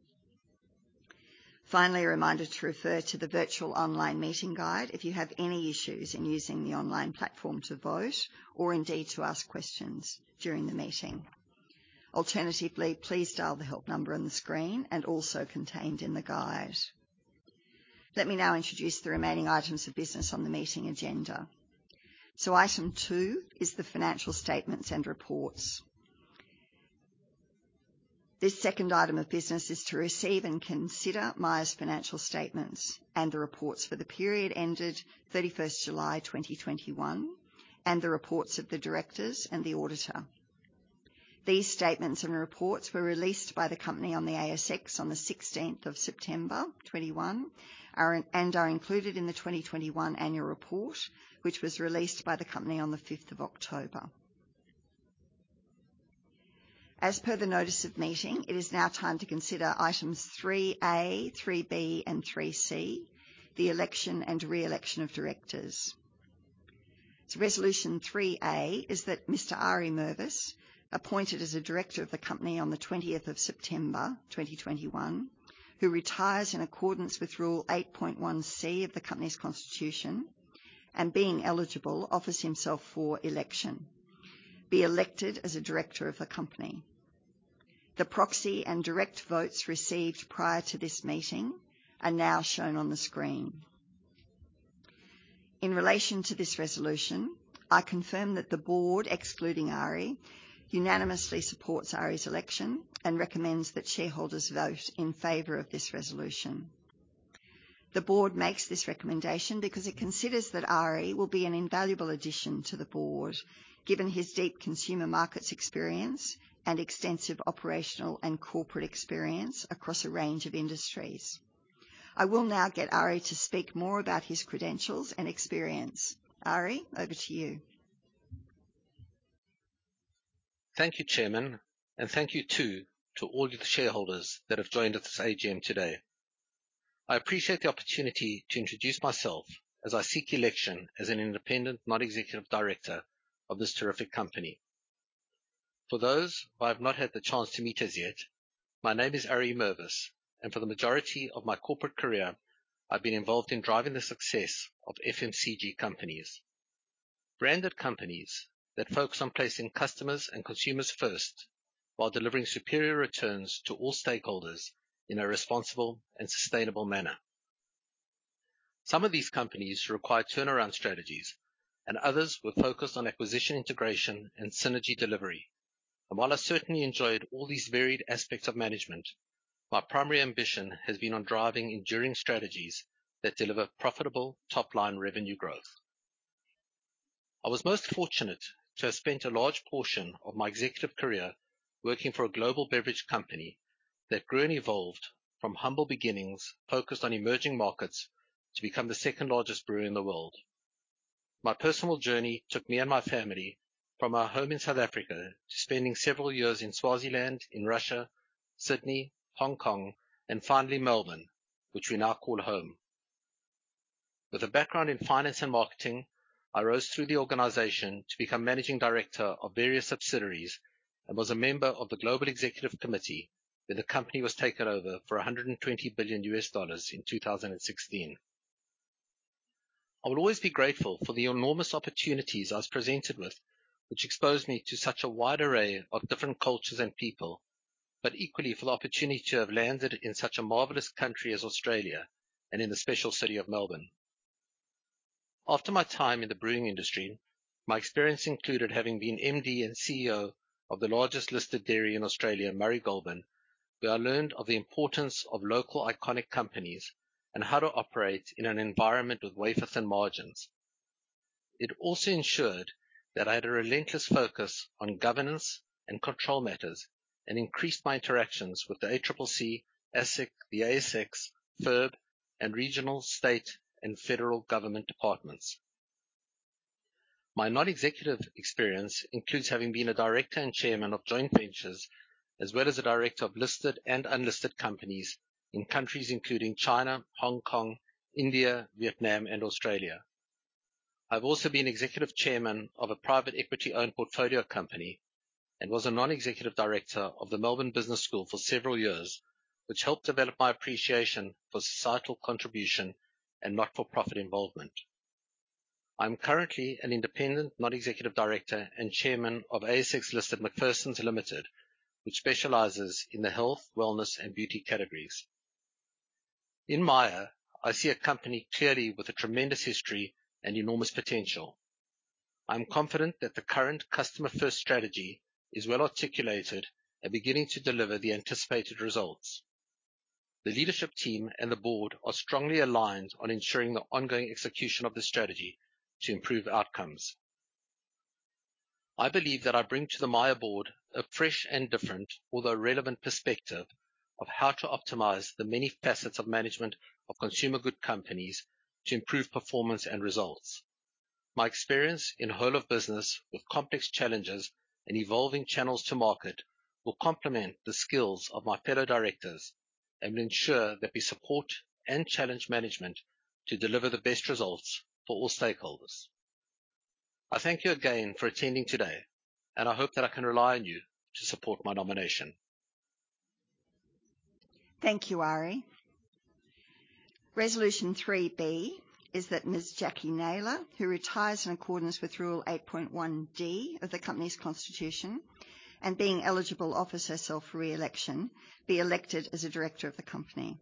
Finally, a reminder to refer to the virtual online meeting guide if you have any issues in using the online platform to vote or indeed to ask questions during the meeting. Alternatively, please dial the help number on the screen and also contained in the guide. Let me now introduce the remaining items of business on the meeting agenda. Item two is the financial statements and reports. This second item of business is to receive and consider Myer's financial statements and the reports for the period ended 31st July 2021, and the reports of the directors and the auditor. These statements and reports were released by the company on the ASX on 16th September 2021, and are included in the 2021 annual report, which was released by the company on 5th October. As per the notice of meeting, it is now time to consider items 3A, 3B, and 3C, the election and re-election of directors. Resolution 3A is that Mr. Ari Mervis, appointed as a director of the company on the 20th of September 2021, who retires in accordance with Rule 8.1C of the company's constitution and being eligible, offers himself for election, be elected as a director of the company. The proxy and direct votes received prior to this meeting are now shown on the screen. In relation to this resolution, I confirm that the board, excluding Ari, unanimously supports Ari's election and recommends that shareholders vote in favor of this resolution. The board makes this recommendation because it considers that Ari will be an invaluable addition to the board, given his deep consumer markets experience and extensive operational and corporate experience across a range of industries. I will now get Ari to speak more about his credentials and experience. Ari, over to you. Thank you, Chairman, and thank you, too, to all the shareholders that have joined us this AGM today. I appreciate the opportunity to introduce myself as I seek election as an independent non-executive director of this terrific company. For those who have not had the chance to meet us yet, my name is Ari Mervis, and for the majority of my corporate career, I've been involved in driving the success of FMCG companies. Branded companies that focus on placing customers and consumers first while delivering superior returns to all stakeholders in a responsible and sustainable manner. Some of these companies require turnaround strategies, and others were focused on acquisition integration and synergy delivery. While I certainly enjoyed all these varied aspects of management, my primary ambition has been on driving enduring strategies that deliver profitable top-line revenue growth. I was most fortunate to have spent a large portion of my executive career working for a global beverage company that grew and evolved from humble beginnings, focused on emerging markets to become the second-largest brewer in the world. My personal journey took me and my family from our home in South Africa to spending several years in Swaziland, in Russia, Sydney, Hong Kong, and finally Melbourne, which we now call home. With a background in finance and marketing, I rose through the organization to become managing director of various subsidiaries and was a member of the Global Executive Committee when the company was taken over for $120 billion in 2016. I will always be grateful for the enormous opportunities I was presented with, which exposed me to such a wide array of different cultures and people, but equally for the opportunity to have landed in such a marvelous country as Australia and in the special city of Melbourne. After my time in the brewing industry, my experience included having been MD and CEO of the largest listed dairy in Australia, Murray Goulburn, where I learned of the importance of local iconic companies and how to operate in an environment with wafer-thin margins. It also ensured that I had a relentless focus on governance and control matters and increased my interactions with the ACCC, ASIC, the ASX, FIRB, and regional, state, and federal government departments. My non-executive experience includes having been a director and chairman of joint ventures, as well as a director of listed and unlisted companies in countries including China, Hong Kong, India, Vietnam, and Australia. I've also been executive chairman of a private equity-owned portfolio company and was a non-executive director of the Melbourne Business School for several years, which helped develop my appreciation for societal contribution and not-for-profit involvement. I'm currently an independent non-executive director and chairman of ASX-listed McPherson's Limited, which specializes in the health, wellness, and beauty categories. In Myer, I see a company clearly with a tremendous history and enormous potential. I'm confident that the current customer-first strategy is well articulated and beginning to deliver the anticipated results. The leadership team and the board are strongly aligned on ensuring the ongoing execution of the strategy to improve outcomes. I believe that I bring to the Myer board a fresh and different, although relevant perspective of how to optimize the many facets of management of consumer good companies to improve performance and results. My experience in whole of business with complex challenges and evolving channels to market will complement the skills of my fellow directors and ensure that we support and challenge management to deliver the best results for all stakeholders. I thank you again for attending today, and I hope that I can rely on you to support my nomination. Thank you, Ari. Resolution 3B is that Ms. Jacquie Naylor, who retires in accordance with Rule 8.1(d) of the company's constitution and being eligible, offers herself for re-election, be elected as a director of the company.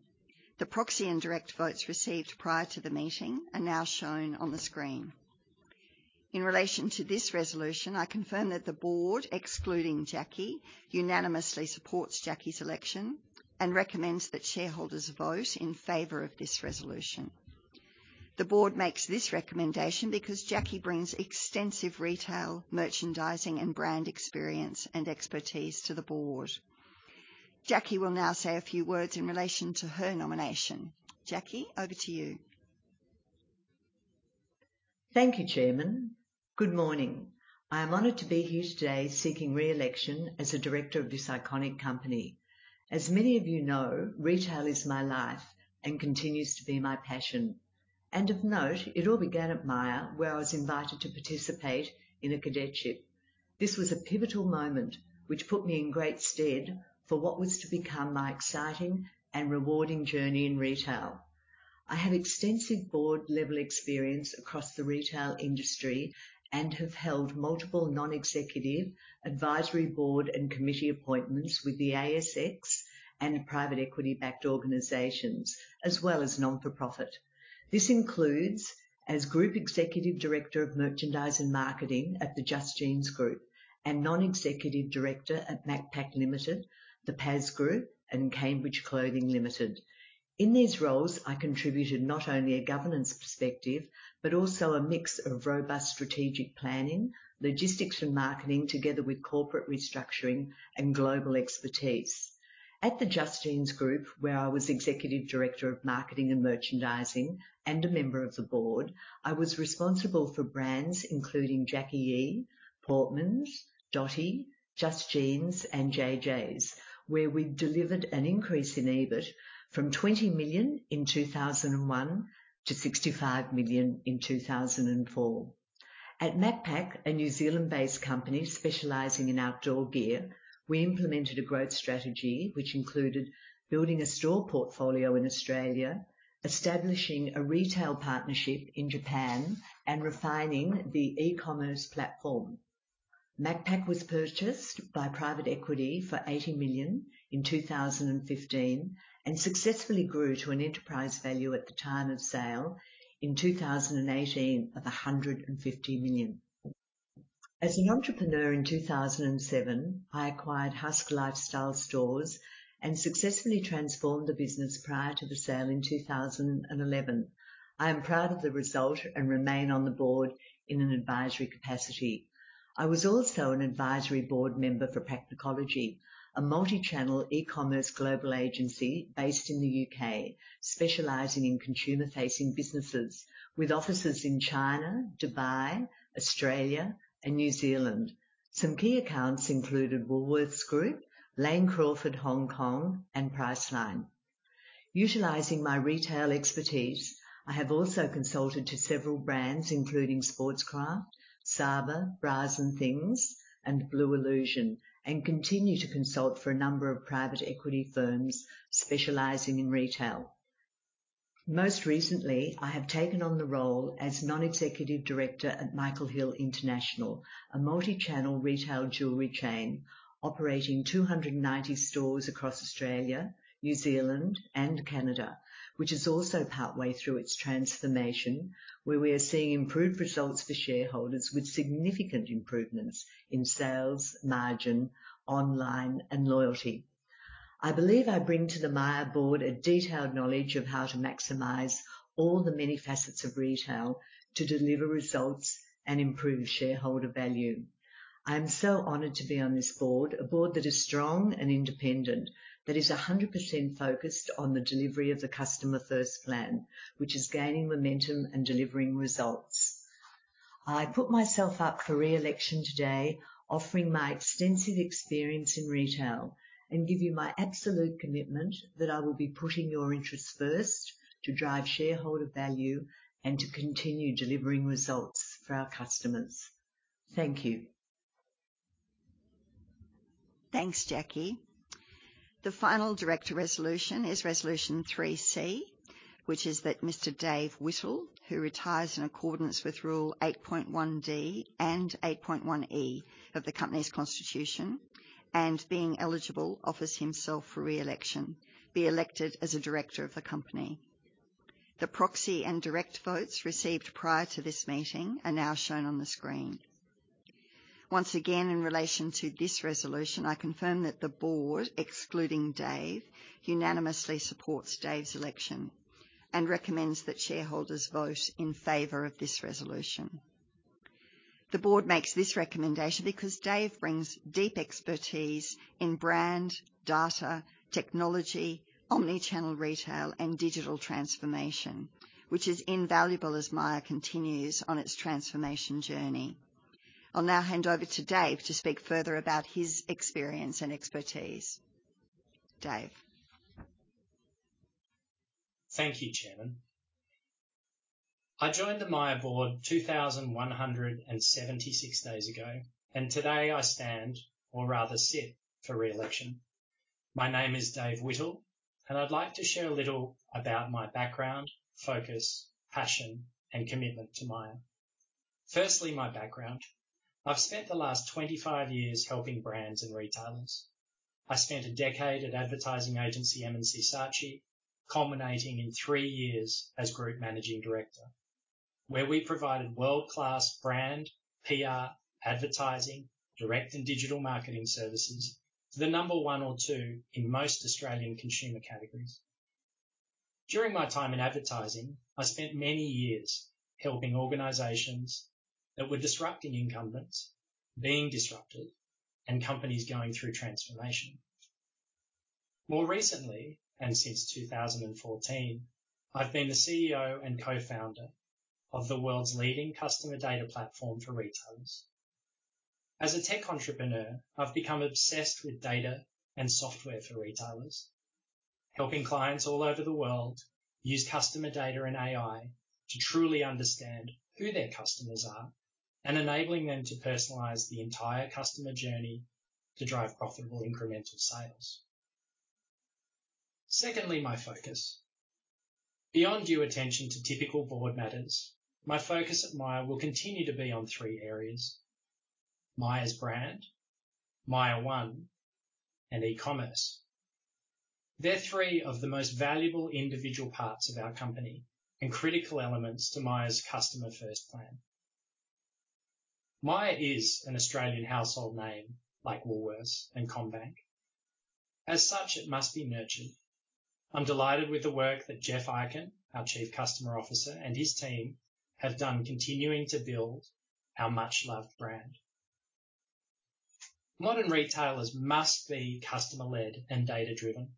The proxy and direct votes received prior to the meeting are now shown on the screen. In relation to this resolution, I confirm that the board, excluding Jacquie, unanimously supports Jacquie 's election and recommends that shareholders vote in favor of this resolution. The board makes this recommendation because Jacquie brings extensive retail, merchandising, and brand experience and expertise to the board. Jacquie will now say a few words in relation to her nomination. Jacquie, over to you. Thank you, Chairman. Good morning. I am honored to be here today seeking re-election as a director of this iconic company. As many of you know, retail is my life and continues to be my passion. Of note, it all began at Myer, where I was invited to participate in a cadetship. This was a pivotal moment which put me in great stead for what was to become my exciting and rewarding journey in retail. I have extensive board-level experience across the retail industry and have held multiple non-executive advisory board and committee appointments with the ASX and private equity-backed organizations, as well as not-for-profit. This includes as Group Executive Director of Merchandise and Marketing at the Just Jeans Group and Non-Executive Director at Macpac Limited, the PAS Group, and Cambridge Clothing Company. In these roles, I contributed not only a governance perspective, but also a mix of robust strategic planning, logistics, and marketing, together with corporate restructuring and global expertise. At the Just Jeans Group, where I was Executive Director of Marketing and Merchandising and a member of the board, I was responsible for brands including Jacqui E, Portmans, Dotti, Just Jeans, and Jay Jays, where we delivered an increase in EBIT from 20 million in 2001 to 65 million in 2004. At Macpac, a New Zealand-based company specializing in outdoor gear, we implemented a growth strategy which included building a store portfolio in Australia, establishing a retail partnership in Japan, and refining the e-commerce platform. Macpac was purchased by private equity for 80 million in 2015 and successfully grew to an enterprise value at the time of sale in 2018 of 150 million. As an entrepreneur in 2007, I acquired Huske Lifestyle Stores and successfully transformed the business prior to the sale in 2011. I am proud of the result and remain on the board in an advisory capacity. I was also an advisory board member for Practicology, a multi-channel e-commerce global agency based in the U.K., specializing in consumer-facing businesses with offices in China, Dubai, Australia, and New Zealand. Some key accounts included Woolworths Group, Lane Crawford Hong Kong, and Priceline. Utilizing my retail expertise, I have also consulted to several brands, including Sportscraft, SABA, Bras N Things, and Blue Illusion, and continue to consult for a number of private equity firms specializing in retail. Most recently, I have taken on the role as Non-Executive Director at Michael Hill International, a multi-channel retail jewelry chain operating 290 stores across Australia, New Zealand, and Canada, which is also partway through its transformation, where we are seeing improved results for shareholders with significant improvements in sales, margin, online, and loyalty. I believe I bring to the Myer board a detailed knowledge of how to maximize all the many facets of retail to deliver results and improve shareholder value. I am so honored to be on this board, a board that is strong and independent, that is 100% focused on the delivery of the Customer First Plan, which is gaining momentum and delivering results. I put myself up for re-election today, offering my extensive experience in retail and give you my absolute commitment that I will be putting your interests first to drive shareholder value and to continue delivering results for our customers. Thank you. Thanks, Jacquie. The final director resolution is Resolution 3C, which is that Mr. Dave Whittle, who retires in accordance with Rule 8.1D and 8.1E of the company's constitution and being eligible, offers himself for re-election, be elected as a director of the company. The proxy and direct votes received prior to this meeting are now shown on the screen. Once again, in relation to this resolution, I confirm that the board, excluding Dave, unanimously supports Dave's election and recommends that shareholders vote in favor of this resolution. The board makes this recommendation because Dave brings deep expertise in brand, data, technology, omni-channel retail, and digital transformation, which is invaluable as Myer continues on its transformation journey. I'll now hand over to Dave to speak further about his experience and expertise. Dave Thank you, Chairman. I joined the Myer board 2,176 days ago, and today I stand, or rather sit, for re-election. My name is Dave Whittle, and I'd like to share a little about my background, focus, passion, and commitment to Myer. Firstly, my background. I've spent the last 25 years helping brands and retailers. I spent a decade at advertising agency M+C Saatchi, culminating in three years as group managing director, where we provided world-class brand, PR, advertising, direct and digital marketing services to the number one or two in most Australian consumer categories. During my time in advertising, I spent many years helping organizations that were disrupting incumbents, being disrupted, and companies going through transformation. More recently, and since 2014, I've been the CEO and co-founder of the world's leading customer data platform for retailers. As a tech entrepreneur, I've become obsessed with data and software for retailers. Helping clients all over the world use customer data and AI to truly understand who their customers are and enabling them to personalize the entire customer journey to drive profitable incremental sales. Secondly, my focus beyond due attention to typical board matters, my focus at Myer will continue to be on three areas: Myer's brand, MYER one, and e-commerce. They're three of the most valuable individual parts of our company and critical elements to Myer's Customer First Plan. Myer is an Australian household name like Woolworths and CommBank. As such, it must be nurtured. I'm delighted with the work that Geoff Ikin, our Chief Customer Officer, and his team have done continuing to build our much-loved brand. Modern retailers must be customer-led and data-driven,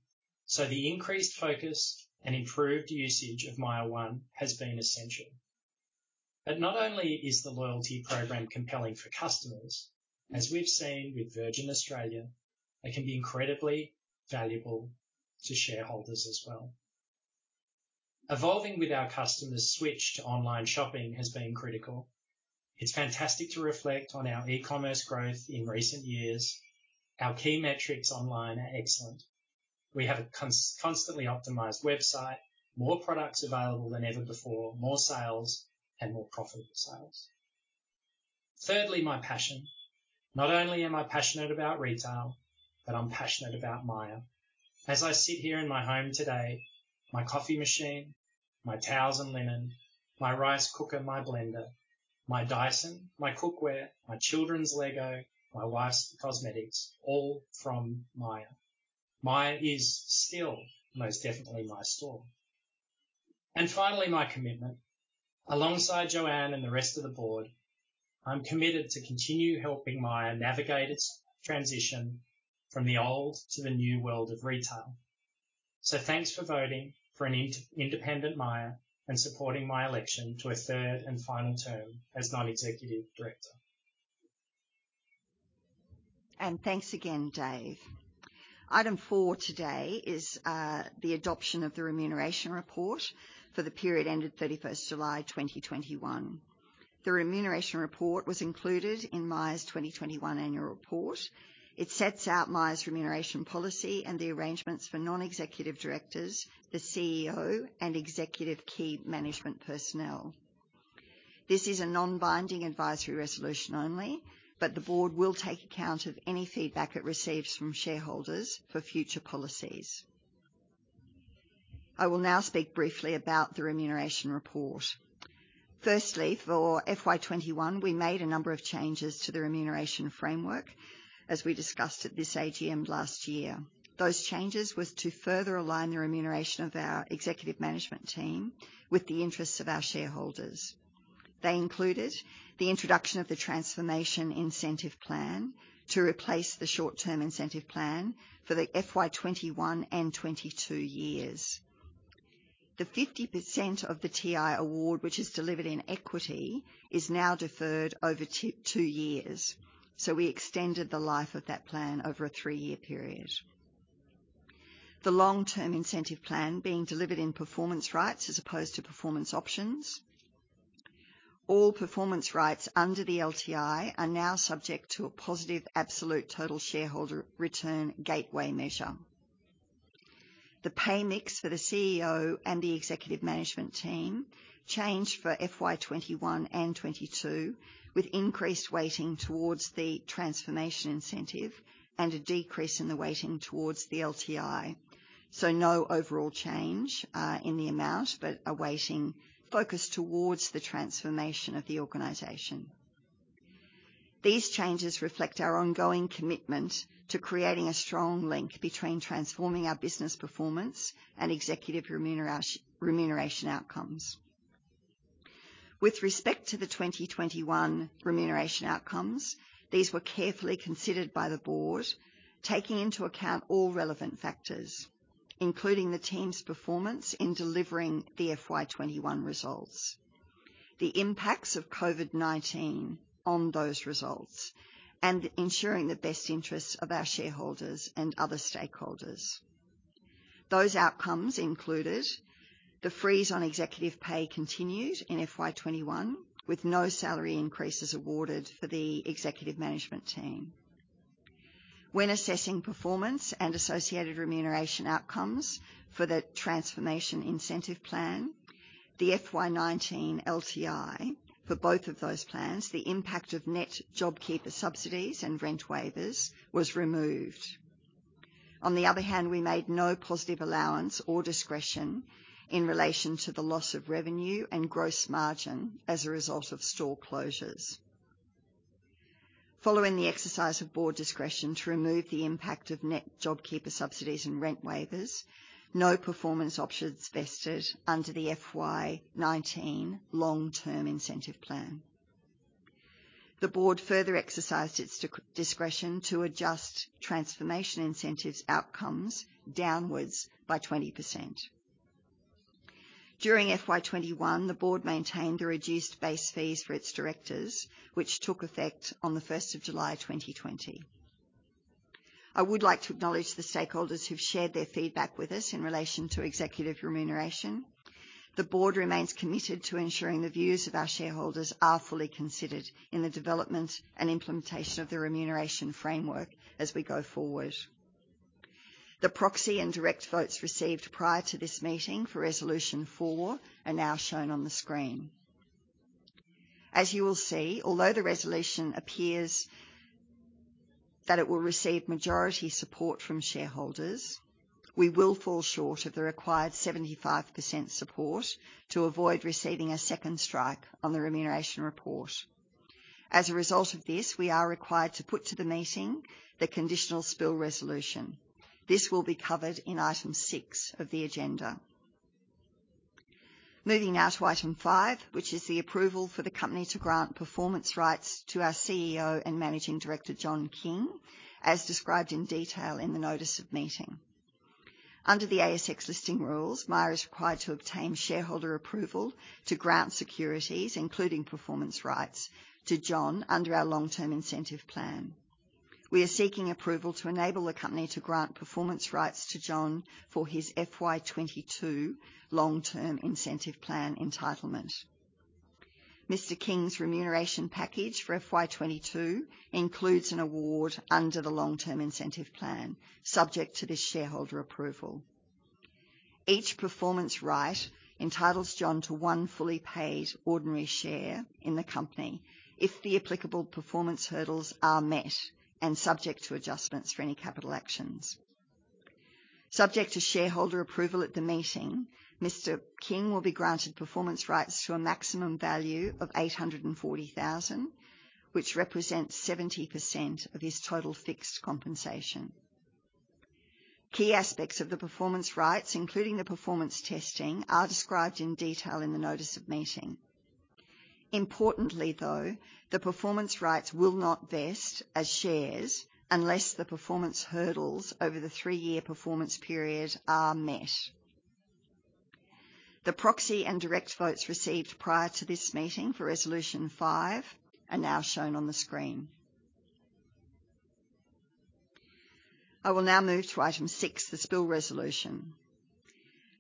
so the increased focus and improved usage of MYER one has been essential. Not only is the loyalty program compelling for customers, as we've seen with Virgin Australia, it can be incredibly valuable to shareholders as well. Evolving with our customers' switch to online shopping has been critical. It's fantastic to reflect on our e-commerce growth in recent years. Our key metrics online are excellent. We have a constantly optimized website, more products available than ever before, more sales, and more profitable sales. Thirdly, my passion. Not only am I passionate about retail, but I'm passionate about Myer. As I sit here in my home today, my coffee machine, my towels and linen, my rice cooker, my blender, my Dyson, my cookware, my children's LEGO, my wife's cosmetics, all from Myer. Myer is still most definitely my store. Finally, my commitment. Alongside JoAnne and the rest of the board, I'm committed to continue helping Myer navigate its transition from the old to the new world of retail. Thanks for voting for an independent Myer and supporting my election to a third and final term as Non-Executive Director. Thanks again, Dave. Item four today is the adoption of the remuneration report for the period ended 31 July 2021. The remuneration report was included in Myer's 2021 annual report. It sets out Myer's remuneration policy and the arrangements for non-executive directors, the CEO, and executive key management personnel. This is a non-binding advisory resolution only, but the board will take account of any feedback it receives from shareholders for future policies. I will now speak briefly about the remuneration report. Firstly, for FY 2021, we made a number of changes to the remuneration framework, as we discussed at this AGM last year. Those changes was to further align the remuneration of our executive management team with the interests of our shareholders. They included the introduction of the transformation incentive plan to replace the short-term incentive plan for the FY 2021 and 2022 years. The 50% of the TI award which is delivered in equity is now deferred over two years. We extended the life of that plan over a three-year period. The long-term incentive plan being delivered in performance rights as opposed to performance options. All performance rights under the LTI are now subject to a positive absolute total shareholder return gateway measure. The pay mix for the CEO and the executive management team changed for FY 2021 and 2022, with increased weighting towards the transformation incentive and a decrease in the weighting towards the LTI. No overall change in the amount, but a weighting focus towards the transformation of the organization. These changes reflect our ongoing commitment to creating a strong link between transforming our business performance and executive remuneration outcomes. With respect to the 2021 remuneration outcomes, these were carefully considered by the board, taking into account all relevant factors, including the team's performance in delivering the FY 2021 results, the impacts of COVID-19 on those results and ensuring the best interests of our shareholders and other stakeholders. Those outcomes included the freeze on executive pay continued in FY 2021, with no salary increases awarded for the executive management team. When assessing performance and associated remuneration outcomes for the transformation incentive plan, the FY 2019 LTI for both of those plans, the impact of net JobKeeper subsidies and rent waivers was removed. On the other hand, we made no positive allowance or discretion in relation to the loss of revenue and gross margin as a result of store closures. Following the exercise of board discretion to remove the impact of net JobKeeper subsidies and rent waivers, no performance options vested under the FY 2019 long-term incentive plan. The board further exercised its discretion to adjust transformation incentives outcomes downwards by 20%. During FY 2021, the board maintained the reduced base fees for its directors, which took effect on July 1st, 2020. I would like to acknowledge the stakeholders who've shared their feedback with us in relation to executive remuneration. The board remains committed to ensuring the views of our shareholders are fully considered in the development and implementation of the remuneration framework as we go forward. The proxy and direct votes received prior to this meeting for resolution four are now shown on the screen. As you will see, although the resolution appears that it will receive majority support from shareholders, we will fall short of the required 75% support to avoid receiving a second strike on the remuneration report. As a result of this, we are required to put to the meeting the conditional spill resolution. This will be covered in item six of the agenda. Moving now to item five, which is the approval for the company to grant performance rights to our CEO and Managing Director, John King, as described in detail in the notice of meeting. Under the ASX listing rules, Myer is required to obtain shareholder approval to grant securities, including performance rights to John under our long-term incentive plan. We are seeking approval to enable the company to grant performance rights to John for his FY 2022 long-term incentive plan entitlement. Mr. King's remuneration package for FY 2022 includes an award under the long-term incentive plan, subject to this shareholder approval. Each performance right entitles John to one fully paid ordinary share in the company if the applicable performance hurdles are met and subject to adjustments for any capital actions. Subject to shareholder approval at the meeting, Mr. King will be granted performance rights to a maximum value of 840,000, which represents 70% of his total fixed compensation. Key aspects of the performance rights, including the performance testing, are described in detail in the notice of meeting. Importantly, though, the performance rights will not vest as shares unless the performance hurdles over the three-year performance period are met. The proxy and direct votes received prior to this meeting for resolution five are now shown on the screen. I will now move to item six, the spill resolution.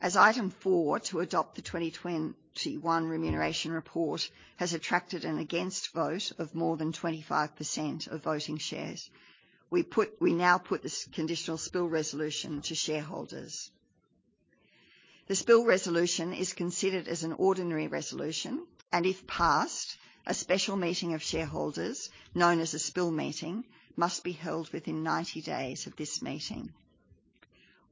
As item four to adopt the 2021 remuneration report has attracted an against vote of more than 25% of voting shares, we now put this conditional spill resolution to shareholders. The spill resolution is considered as an ordinary resolution, and if passed, a special meeting of shareholders, known as a spill meeting, must be held within 90 days of this meeting.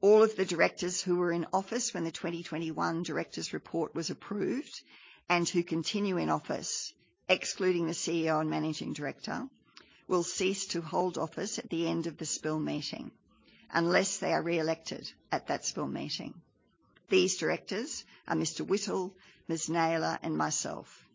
All of the directors who were in office when the 2021 directors' report was approved and who continue in office, excluding the CEO and Managing Director, will cease to hold office at the end of the spill meeting unless they are re-elected at that spill meeting. These directors are Mr. Whittle, Ms. Naylor, and myself.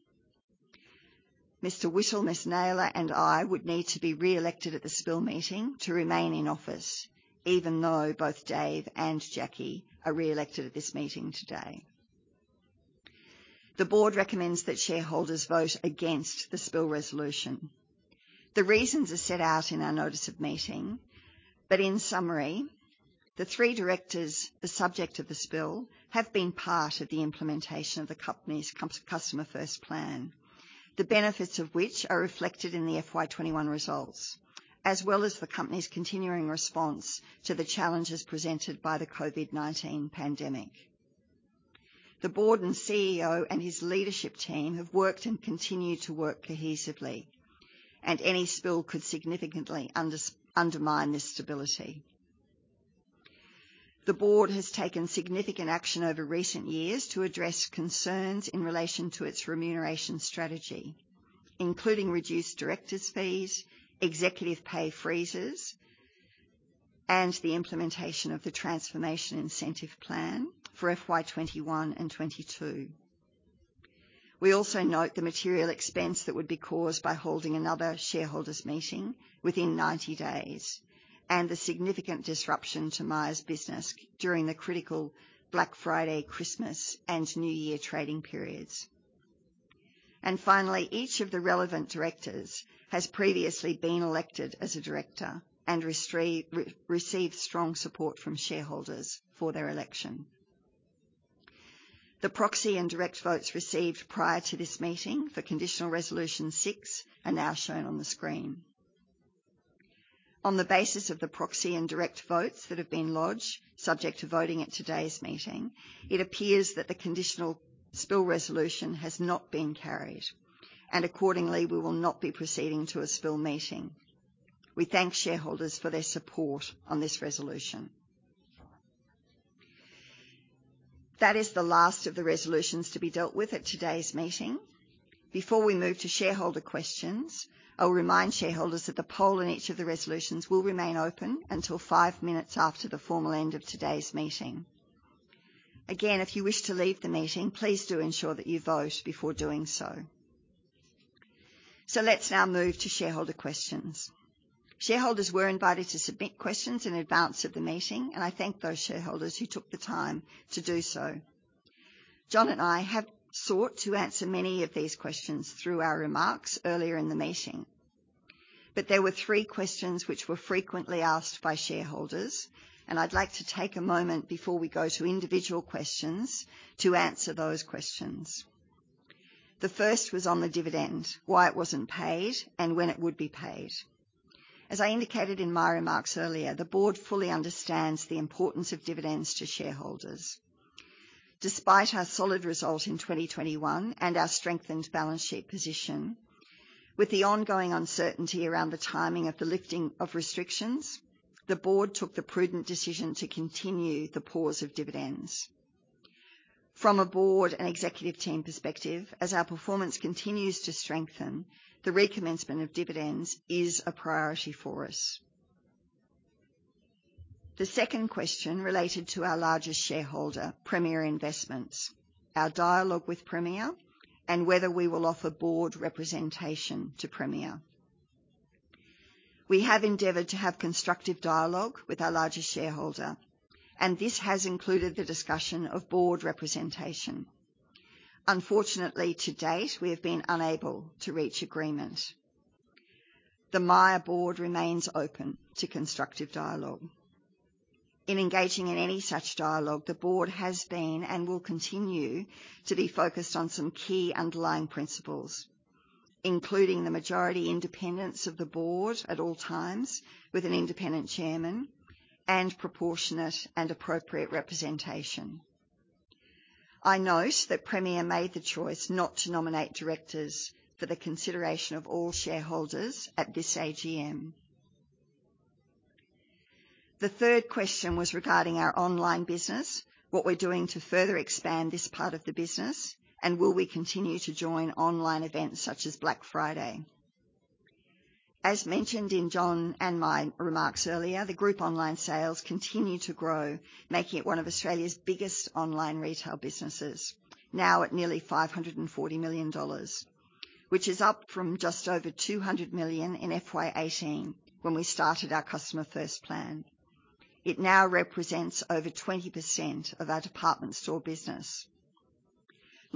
Mr. Whittle, Ms. Naylor, and I would need to be re-elected at the spill meeting to remain in office, even though both Dave and Jacqui are re-elected at this meeting today. The board recommends that shareholders vote against the spill resolution. The reasons are set out in our notice of meeting, but in summary, the three directors, the subject of the spill, have been part of the implementation of the company's Customer First Plan, the benefits of which are reflected in the FY 2021 results, as well as the company's continuing response to the challenges presented by the COVID-19 pandemic. The board and CEO and his leadership team have worked and continue to work cohesively, and any spill could significantly undermine this stability. The board has taken significant action over recent years to address concerns in relation to its remuneration strategy, including reduced directors' fees, executive pay freezes, and the implementation of the transformation incentive plan for FY 2021 and 2022. We also note the material expense that would be caused by holding another shareholders' meeting within 90 days and the significant disruption to Myer's business during the critical Black Friday, Christmas, and New Year trading periods. Finally, each of the relevant directors has previously been elected as a director and received strong support from shareholders for their election. The proxy and direct votes received prior to this meeting for conditional resolution 6 are now shown on the screen. On the basis of the proxy and direct votes that have been lodged, subject to voting at today's meeting, it appears that the conditional spill resolution has not been carried, and accordingly, we will not be proceeding to a spill meeting. We thank shareholders for their support on this resolution. That is the last of the resolutions to be dealt with at today's meeting. Before we move to shareholder questions, I'll remind shareholders that the poll in each of the resolutions will remain open until five minutes after the formal end of today's meeting. Again, if you wish to leave the meeting, please do ensure that you vote before doing so. Let's now move to shareholder questions. Shareholders were invited to submit questions in advance of the meeting, and I thank those shareholders who took the time to do so. John and I have sought to answer many of these questions through our remarks earlier in the meeting. There were three questions which were frequently asked by shareholders, and I'd like to take a moment before we go to individual questions to answer those questions. The first was on the dividend, why it wasn't paid, and when it would be paid. As I indicated in my remarks earlier, the board fully understands the importance of dividends to shareholders. Despite our solid result in 2021 and our strengthened balance sheet position, with the ongoing uncertainty around the timing of the lifting of restrictions, the board took the prudent decision to continue the pause of dividends. From a board and executive team perspective, as our performance continues to strengthen, the recommencement of dividends is a priority for us. The second question related to our largest shareholder, Premier Investments, our dialogue with Premier, and whether we will offer board representation to Premier. We have endeavored to have constructive dialogue with our largest shareholder, and this has included the discussion of board representation. Unfortunately, to date, we have been unable to reach agreement. The Myer board remains open to constructive dialogue. In engaging in any such dialogue, the board has been and will continue to be focused on some key underlying principles, including the majority independence of the board at all times with an independent chairman and proportionate and appropriate representation. I note that Premier made the choice not to nominate directors for the consideration of all shareholders at this AGM. The third question was regarding our online business, what we're doing to further expand this part of the business, and will we continue to join online events such as Black Friday. As mentioned in John and my remarks earlier, the group online sales continue to grow, making it one of Australia's biggest online retail businesses, now at nearly 540 million dollars, which is up from just over 200 million in FY 2018 when we started our Customer First Plan. It now represents over 20% of our department store business.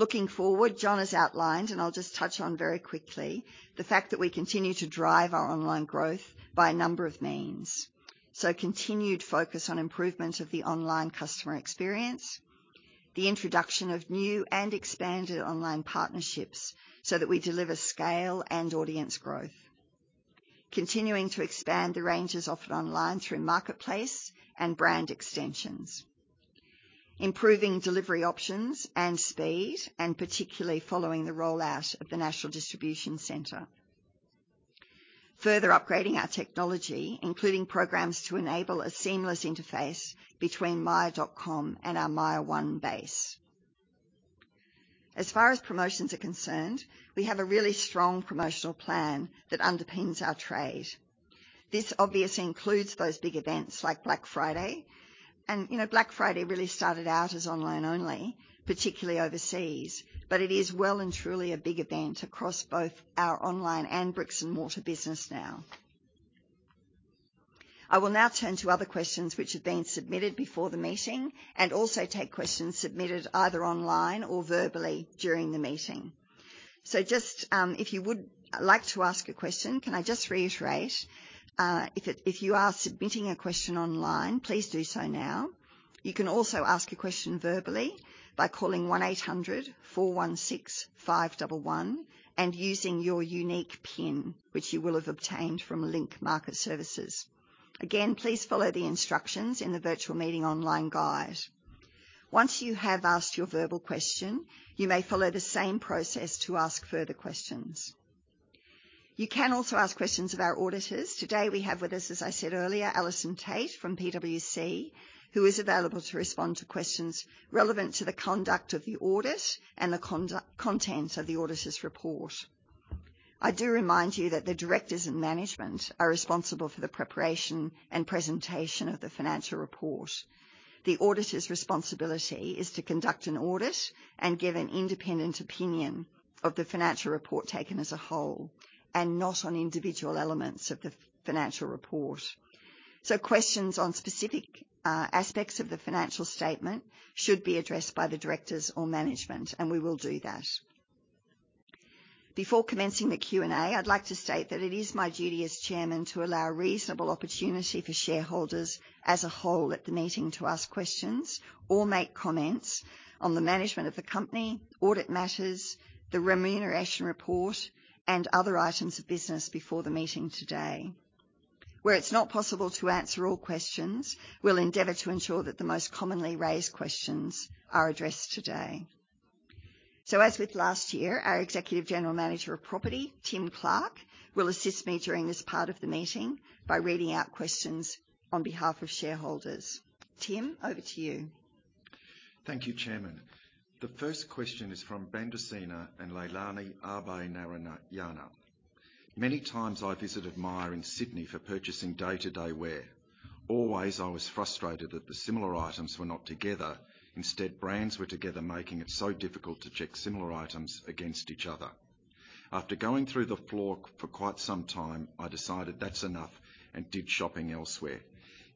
Looking forward, John has outlined, and I'll just touch on very quickly, the fact that we continue to drive our online growth by a number of means. Continued focus on improvement of the online customer experience, the introduction of new and expanded online partnerships so that we deliver scale and audience growth. Continuing to expand the ranges offered online through marketplace and brand extensions. Improving delivery options and speed, and particularly following the rollout of the National Distribution Center. Further upgrading our technology, including programs to enable a seamless interface between myer.com and our MYER one base. As far as promotions are concerned, we have a really strong promotional plan that underpins our trade. This obviously includes those big events like Black Friday. You know, Black Friday really started out as online only, particularly overseas, but it is well and truly a big event across both our online and bricks-and-mortar business now. I will now turn to other questions which have been submitted before the meeting and also take questions submitted either online or verbally during the meeting. Just, if you would like to ask a question, can I just reiterate, if you are submitting a question online, please do so now. You can also ask a question verbally by calling 1800 416 511 and using your unique PIN, which you will have obtained from Link Market Services. Again, please follow the instructions in the virtual meeting online guide. Once you have asked your verbal question, you may follow the same process to ask further questions. You can also ask questions of our auditors. Today we have with us, as I said earlier, Alison Tait from PwC, who is available to respond to questions relevant to the conduct of the audit and the contents of the auditor's report. I do remind you that the directors and management are responsible for the preparation and presentation of the financial report. The auditor's responsibility is to conduct an audit and give an independent opinion of the financial report taken as a whole and not on individual elements of the financial report. So questions on specific aspects of the financial statement should be addressed by the directors or management, and we will do that. Before commencing the Q&A, I'd like to state that it is my duty as Chairman to allow reasonable opportunity for shareholders as a whole at the meeting to ask questions or make comments on the management of the company, audit matters, the remuneration report, and other items of business before the meeting today. Where it's not possible to answer all questions, we'll endeavor to ensure that the most commonly raised questions are addressed today. As with last year, our Executive General Manager of Property, Tim Clark, will assist me during this part of the meeting by reading out questions on behalf of shareholders. Tim, over to you. Thank you, Chairman. The first question is from Bandusena and Leilani Abeyanayake. Many times I visit Myer in Sydney for purchasing day-to-day wear. Always, I was frustrated that the similar items were not together. Instead, brands were together making it so difficult to check similar items against each other. After going through the floor for quite some time, I decided that's enough and did shopping elsewhere.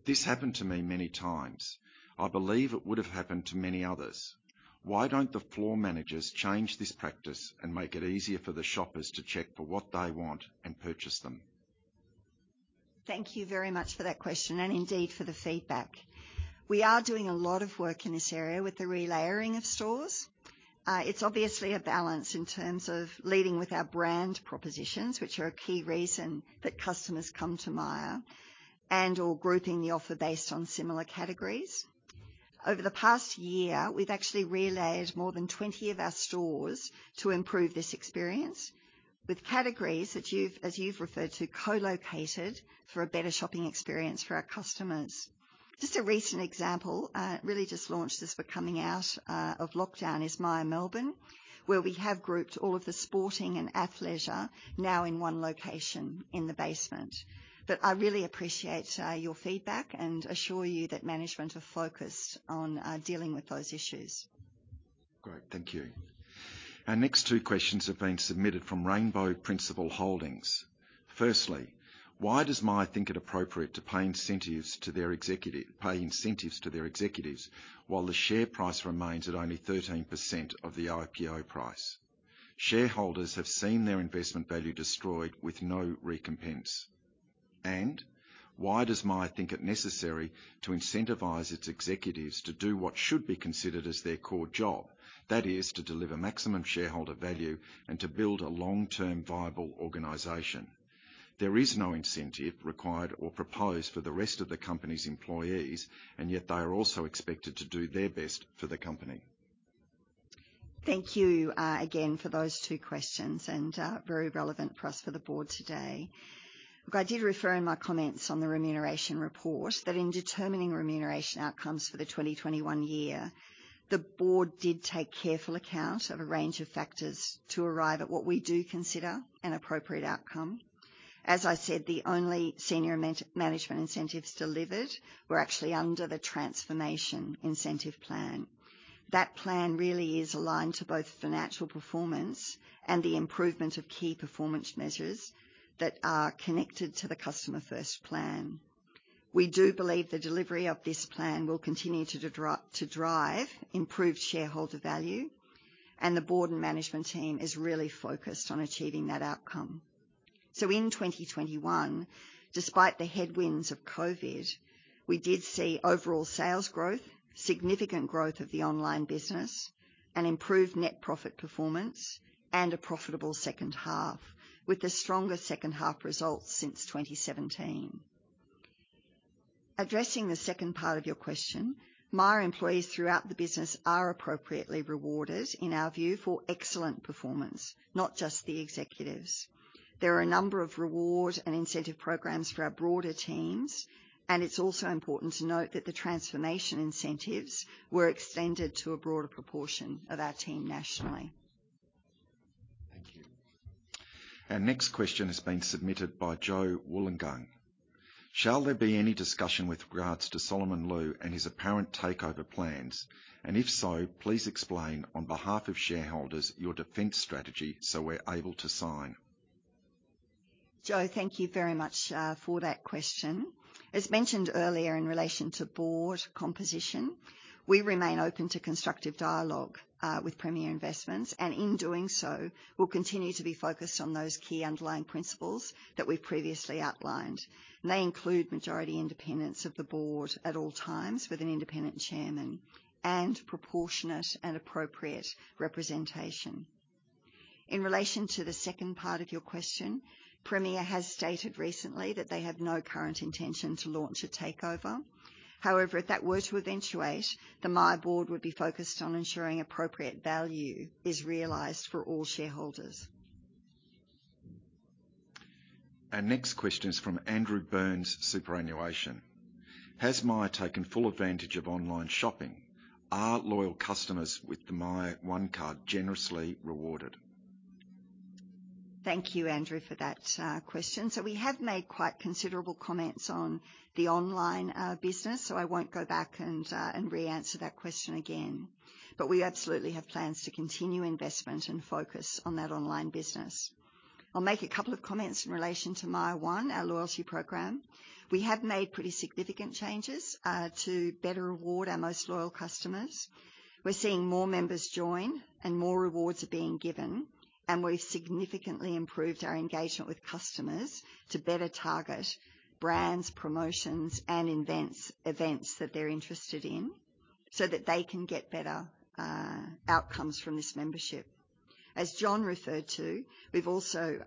This happened to me many times. I believe it would have happened to many others. Why don't the floor managers change this practice and make it easier for the shoppers to check for what they want and purchase them? Thank you very much for that question, and indeed, for the feedback. We are doing a lot of work in this area with the relayering of stores. It's obviously a balance in terms of leading with our brand propositions, which are a key reason that customers come to Myer and/or grouping the offer based on similar categories. Over the past year, we've actually relayered more than 20 of our stores to improve this experience with categories that you've, as you've referred to, co-located for a better shopping experience for our customers. Just a recent example, really just launched this for coming out, of lockdown is Myer Melbourne, where we have grouped all of the sporting and athleisure now in one location in the basement. I really appreciate your feedback and assure you that management are focused on dealing with those issues. Great. Thank you. Our next two questions have been submitted from Rainbow Principal Holdings. Firstly, why does Myer think it appropriate to pay incentives to their executives while the share price remains at only 13% of the IPO price? Shareholders have seen their investment value destroyed with no recompense. Why does Myer think it necessary to incentivize its executives to do what should be considered as their core job? That is, to deliver maximum shareholder value and to build a long-term viable organization. There is no incentive required or proposed for the rest of the company's employees, and yet they are also expected to do their best for the company. Thank you, again for those two questions and, very relevant for us for the board today. Look, I did refer in my comments on the remuneration report that in determining remuneration outcomes for the 2021 year, the board did take careful account of a range of factors to arrive at what we do consider an appropriate outcome. As I said, the only senior management incentives delivered were actually under the transformation incentive plan. That plan really is aligned to both financial performance and the improvement of key performance measures that are connected to the Customer First Plan. We do believe the delivery of this plan will continue to drive improved shareholder value, and the board and management team is really focused on achieving that outcome. In 2021, despite the headwinds of COVID, we did see overall sales growth, significant growth of the online business, an improved net profit performance, and a profitable second half with the strongest second half results since 2017. Addressing the second part of your question, Myer employees throughout the business are appropriately rewarded, in our view, for excellent performance, not just the executives. There are a number of reward and incentive programs for our broader teams, and it's also important to note that the transformation incentives were extended to a broader proportion of our team nationally. Thank you. Our next question has been submitted by Joe Wollongong. Shall there be any discussion with regards to Solomon Lew and his apparent takeover plans? If so, please explain on behalf of shareholders your defense strategy, so we're able to sign. Joe, thank you very much for that question. As mentioned earlier in relation to board composition, we remain open to constructive dialogue with Premier Investments, and in doing so, will continue to be focused on those key underlying principles that we've previously outlined. They include majority independence of the board at all times with an independent chairman and proportionate and appropriate representation. In relation to the second part of your question, Premier has stated recently that they have no current intention to launch a takeover. However, if that were to eventuate, the Myer board would be focused on ensuring appropriate value is realized for all shareholders. Our next question is from Andrew Burns Superannuation. Has Myer taken full advantage of online shopping? Are loyal customers with the MYER one card generously rewarded? Thank you, Andrew, for that question. We have made quite considerable comments on the online business, so I won't go back and re-answer that question again. We absolutely have plans to continue investment and focus on that online business. I'll make a couple of comments in relation to MYER one, our loyalty program. We have made pretty significant changes to better reward our most loyal customers. We're seeing more members join and more rewards are being given, and we've significantly improved our engagement with customers to better target brands, promotions, and events that they're interested in so that they can get better outcomes from this membership. As John referred to, we've also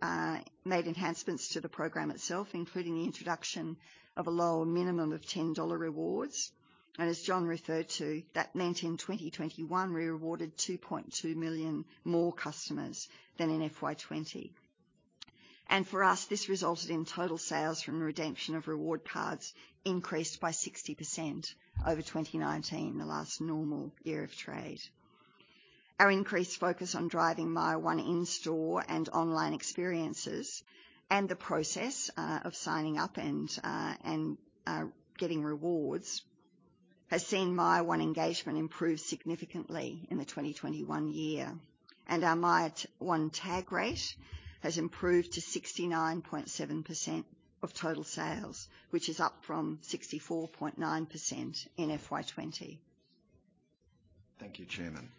made enhancements to the program itself, including the introduction of a lower minimum of 10 dollar rewards. As John referred to, that meant in 2021 we rewarded 2.2 million more customers than in FY 2020. For us, this resulted in total sales from redemption of reward cards increased by 60% over 2019, the last normal year of trade. Our increased focus on driving MYER one in-store and online experiences and the process of signing up and getting rewards has seen MYER one engagement improve significantly in the 2021 year. Our MYER one tag rate has improved to 69.7% of total sales, which is up from 64.9% in FY 2020. Thank you, Chairman.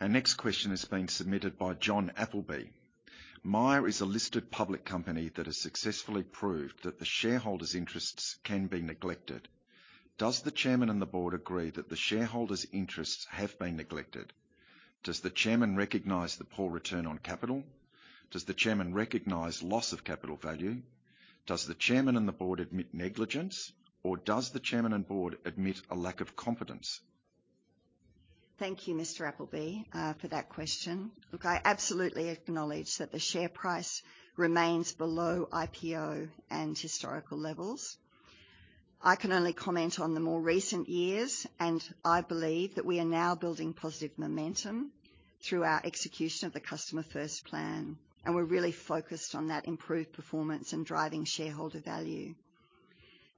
Our next question has been submitted by John Appleby. Myer is a listed public company that has successfully proved that the shareholders' interests can be neglected. Does the Chairman and the Board agree that the shareholders' interests have been neglected? Does the Chairman recognize the poor return on capital? Does the Chairman recognize loss of capital value? Does the Chairman and the Board admit negligence, or does the Chairman and Board admit a lack of competence? Thank you, Mr. Appleby, for that question. Look, I absolutely acknowledge that the share price remains below IPO and historical levels. I can only comment on the more recent years, and I believe that we are now building positive momentum through our execution of the Customer First Plan. We're really focused on that improved performance and driving shareholder value.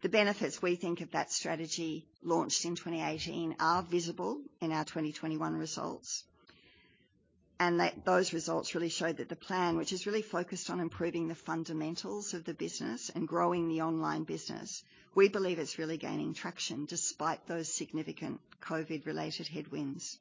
The benefits we think of that strategy launched in 2018 are visible in our 2021 results. Those results really show that the plan, which is really focused on improving the fundamentals of the business and growing the online business, we believe it's really gaining traction despite those significant COVID-related headwinds.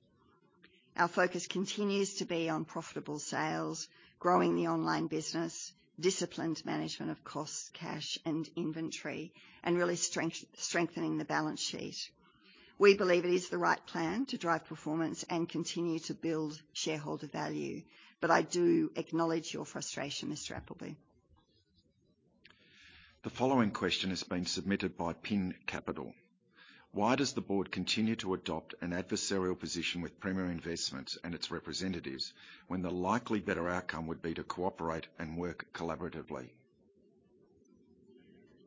Our focus continues to be on profitable sales, growing the online business, disciplined management of costs, cash and inventory, and really strengthening the balance sheet. We believe it is the right plan to drive performance and continue to build shareholder value. I do acknowledge your frustration, Mr. Appleby. The following question has been submitted by PIN Capital. Why does the board continue to adopt an adversarial position with Premier Investments and its representatives when the likely better outcome would be to cooperate and work collaboratively?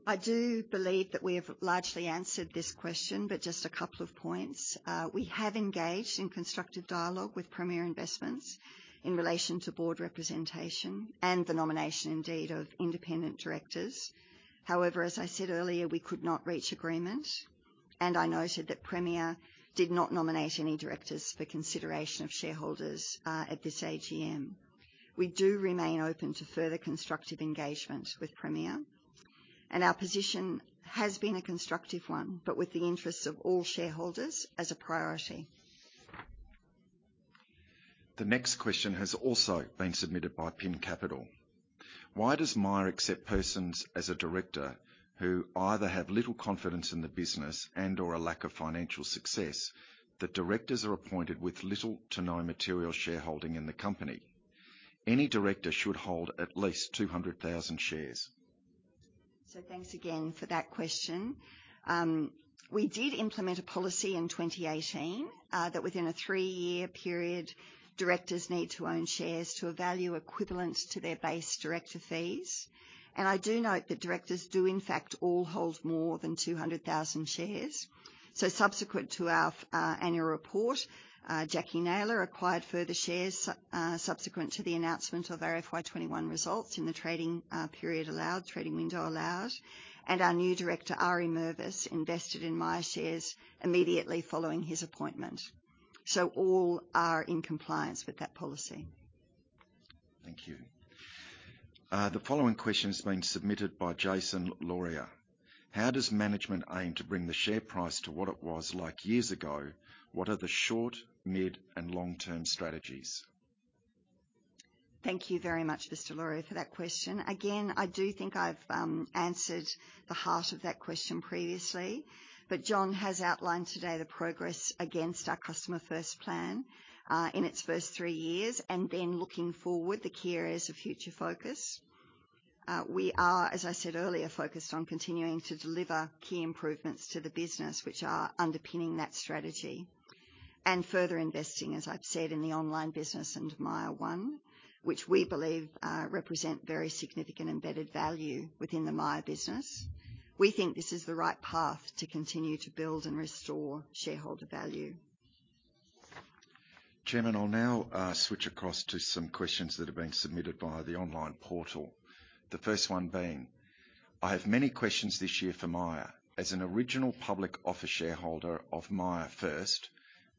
I do believe that we have largely answered this question, but just a couple of points. We have engaged in constructive dialogue with Premier Investments in relation to board representation and the nomination indeed of independent directors. However, as I said earlier, we could not reach agreement, and I noted that Premier did not nominate any directors for consideration of shareholders at this AGM. We do remain open to further constructive engagement with Premier, and our position has been a constructive one, but with the interests of all shareholders as a priority. The next question has also been submitted by PIN Capital. Why does Myer accept persons as a director who either have little confidence in the business and/or a lack of financial success? The directors are appointed with little to no material shareholding in the company. Any director should hold at least 200,000 shares. Thanks again for that question. We did implement a policy in 2018 that within a three-year period, directors need to own shares to a value equivalent to their base director fees. I do note that directors do in fact all hold more than 200,000 shares. Subsequent to our annual report, Jacquie Naylor acquired further shares subsequent to the announcement of our FY 2021 results in the trading window allowed. Our new director, Ari Mervis, invested in Myer shares immediately following his appointment. All are in compliance with that policy. Thank you. The following question has been submitted by Jason Laurier. How does management aim to bring the share price to what it was like years ago? What are the short, mid, and long-term strategies? Thank you very much, Mr. Laurier, for that question. Again, I do think I've answered the heart of that question previously, but John has outlined today the progress against our Customer First Plan in its first three years, and then looking forward, the key areas of future focus. We are, as I said earlier, focused on continuing to deliver key improvements to the business which are underpinning that strategy and further investing, as I've said, in the online business and MYER one, which we believe represent very significant embedded value within the Myer business. We think this is the right path to continue to build and restore shareholder value. Chairman, I'll now switch across to some questions that have been submitted via the online portal. The first one being, I have many questions this year for Myer. As an original public offer shareholder of Myer first,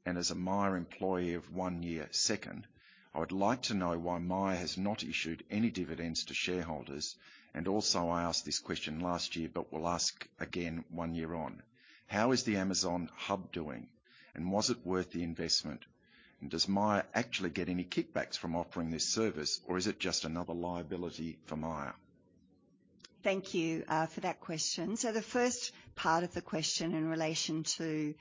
and as a Myer employee of one year second, I would like to know why Myer has not issued any dividends to shareholders. I asked this question last year, but will ask again one year on. How is the Amazon Hub doing, and was it worth the investment? Does Myer actually get any kickbacks from offering this service, or is it just another liability for Myer? Thank you for that question. The first part of the question in relation to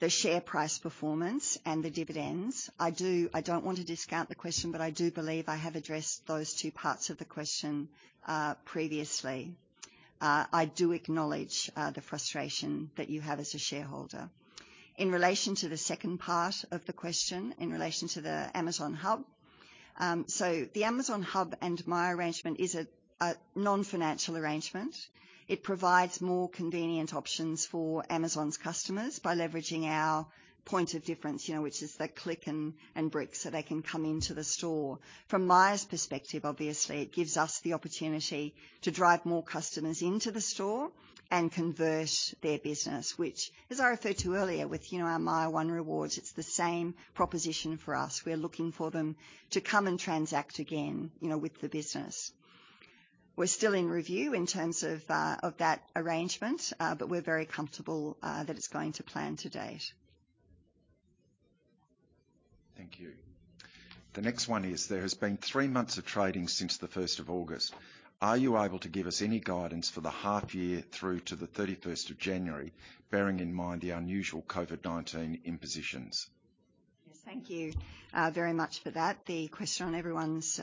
the share price performance and the dividends, I don't want to discount the question, but I do believe I have addressed those two parts of the question previously. I do acknowledge the frustration that you have as a shareholder. In relation to the second part of the question in relation to the Amazon Hub, the Amazon Hub and Myer arrangement is a non-financial arrangement. It provides more convenient options for Amazon's customers by leveraging our point of difference, you know, which is the click and brick, so they can come into the store. From Myer's perspective, obviously, it gives us the opportunity to drive more customers into the store and convert their business, which as I referred to earlier, with, you know, our MYER one, it's the same proposition for us. We're looking for them to come and transact again, you know, with the business. We're still in review in terms of that arrangement, but we're very comfortable that it's going to plan to date. Thank you. The next one is, there has been three months of trading since the first of August. Are you able to give us any guidance for the half year through to the thirty-first of January, bearing in mind the unusual COVID-19 impositions? Yes, thank you very much for that. The question on everyone's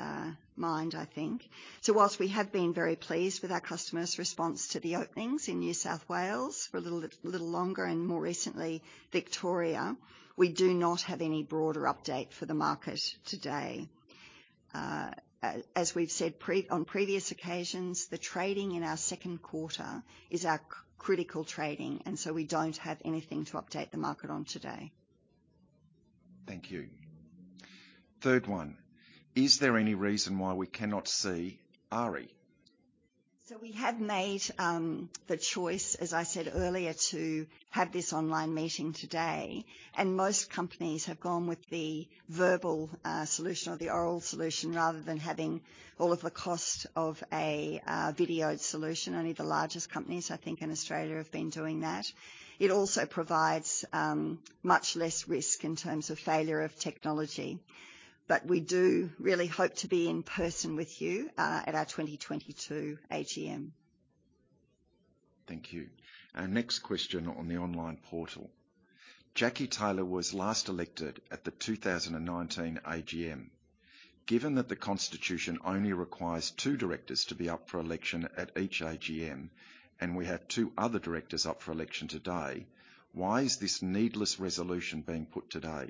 mind, I think. Whilst we have been very pleased with our customers' response to the openings in New South Wales for a little bit longer, and more recently, Victoria, we do not have any broader update for the market today. As we've said on previous occasions, the trading in our second quarter is our critical trading, and so we don't have anything to update the market on today. Thank you. Third one, is there any reason why we cannot see Ari? We have made the choice, as I said earlier, to have this online meeting today, and most companies have gone with the verbal solution or the oral solution rather than having all of the cost of a video solution. Only the largest companies, I think, in Australia have been doing that. It also provides much less risk in terms of failure of technology. We do really hope to be in person with you at our 2022 AGM. Thank you. Our next question on the online portal. Jacquie Naylor was last elected at the 2019 AGM. Given that the constitution only requires two directors to be up for election at each AGM, and we have two other directors up for election today, why is this needless resolution being put today?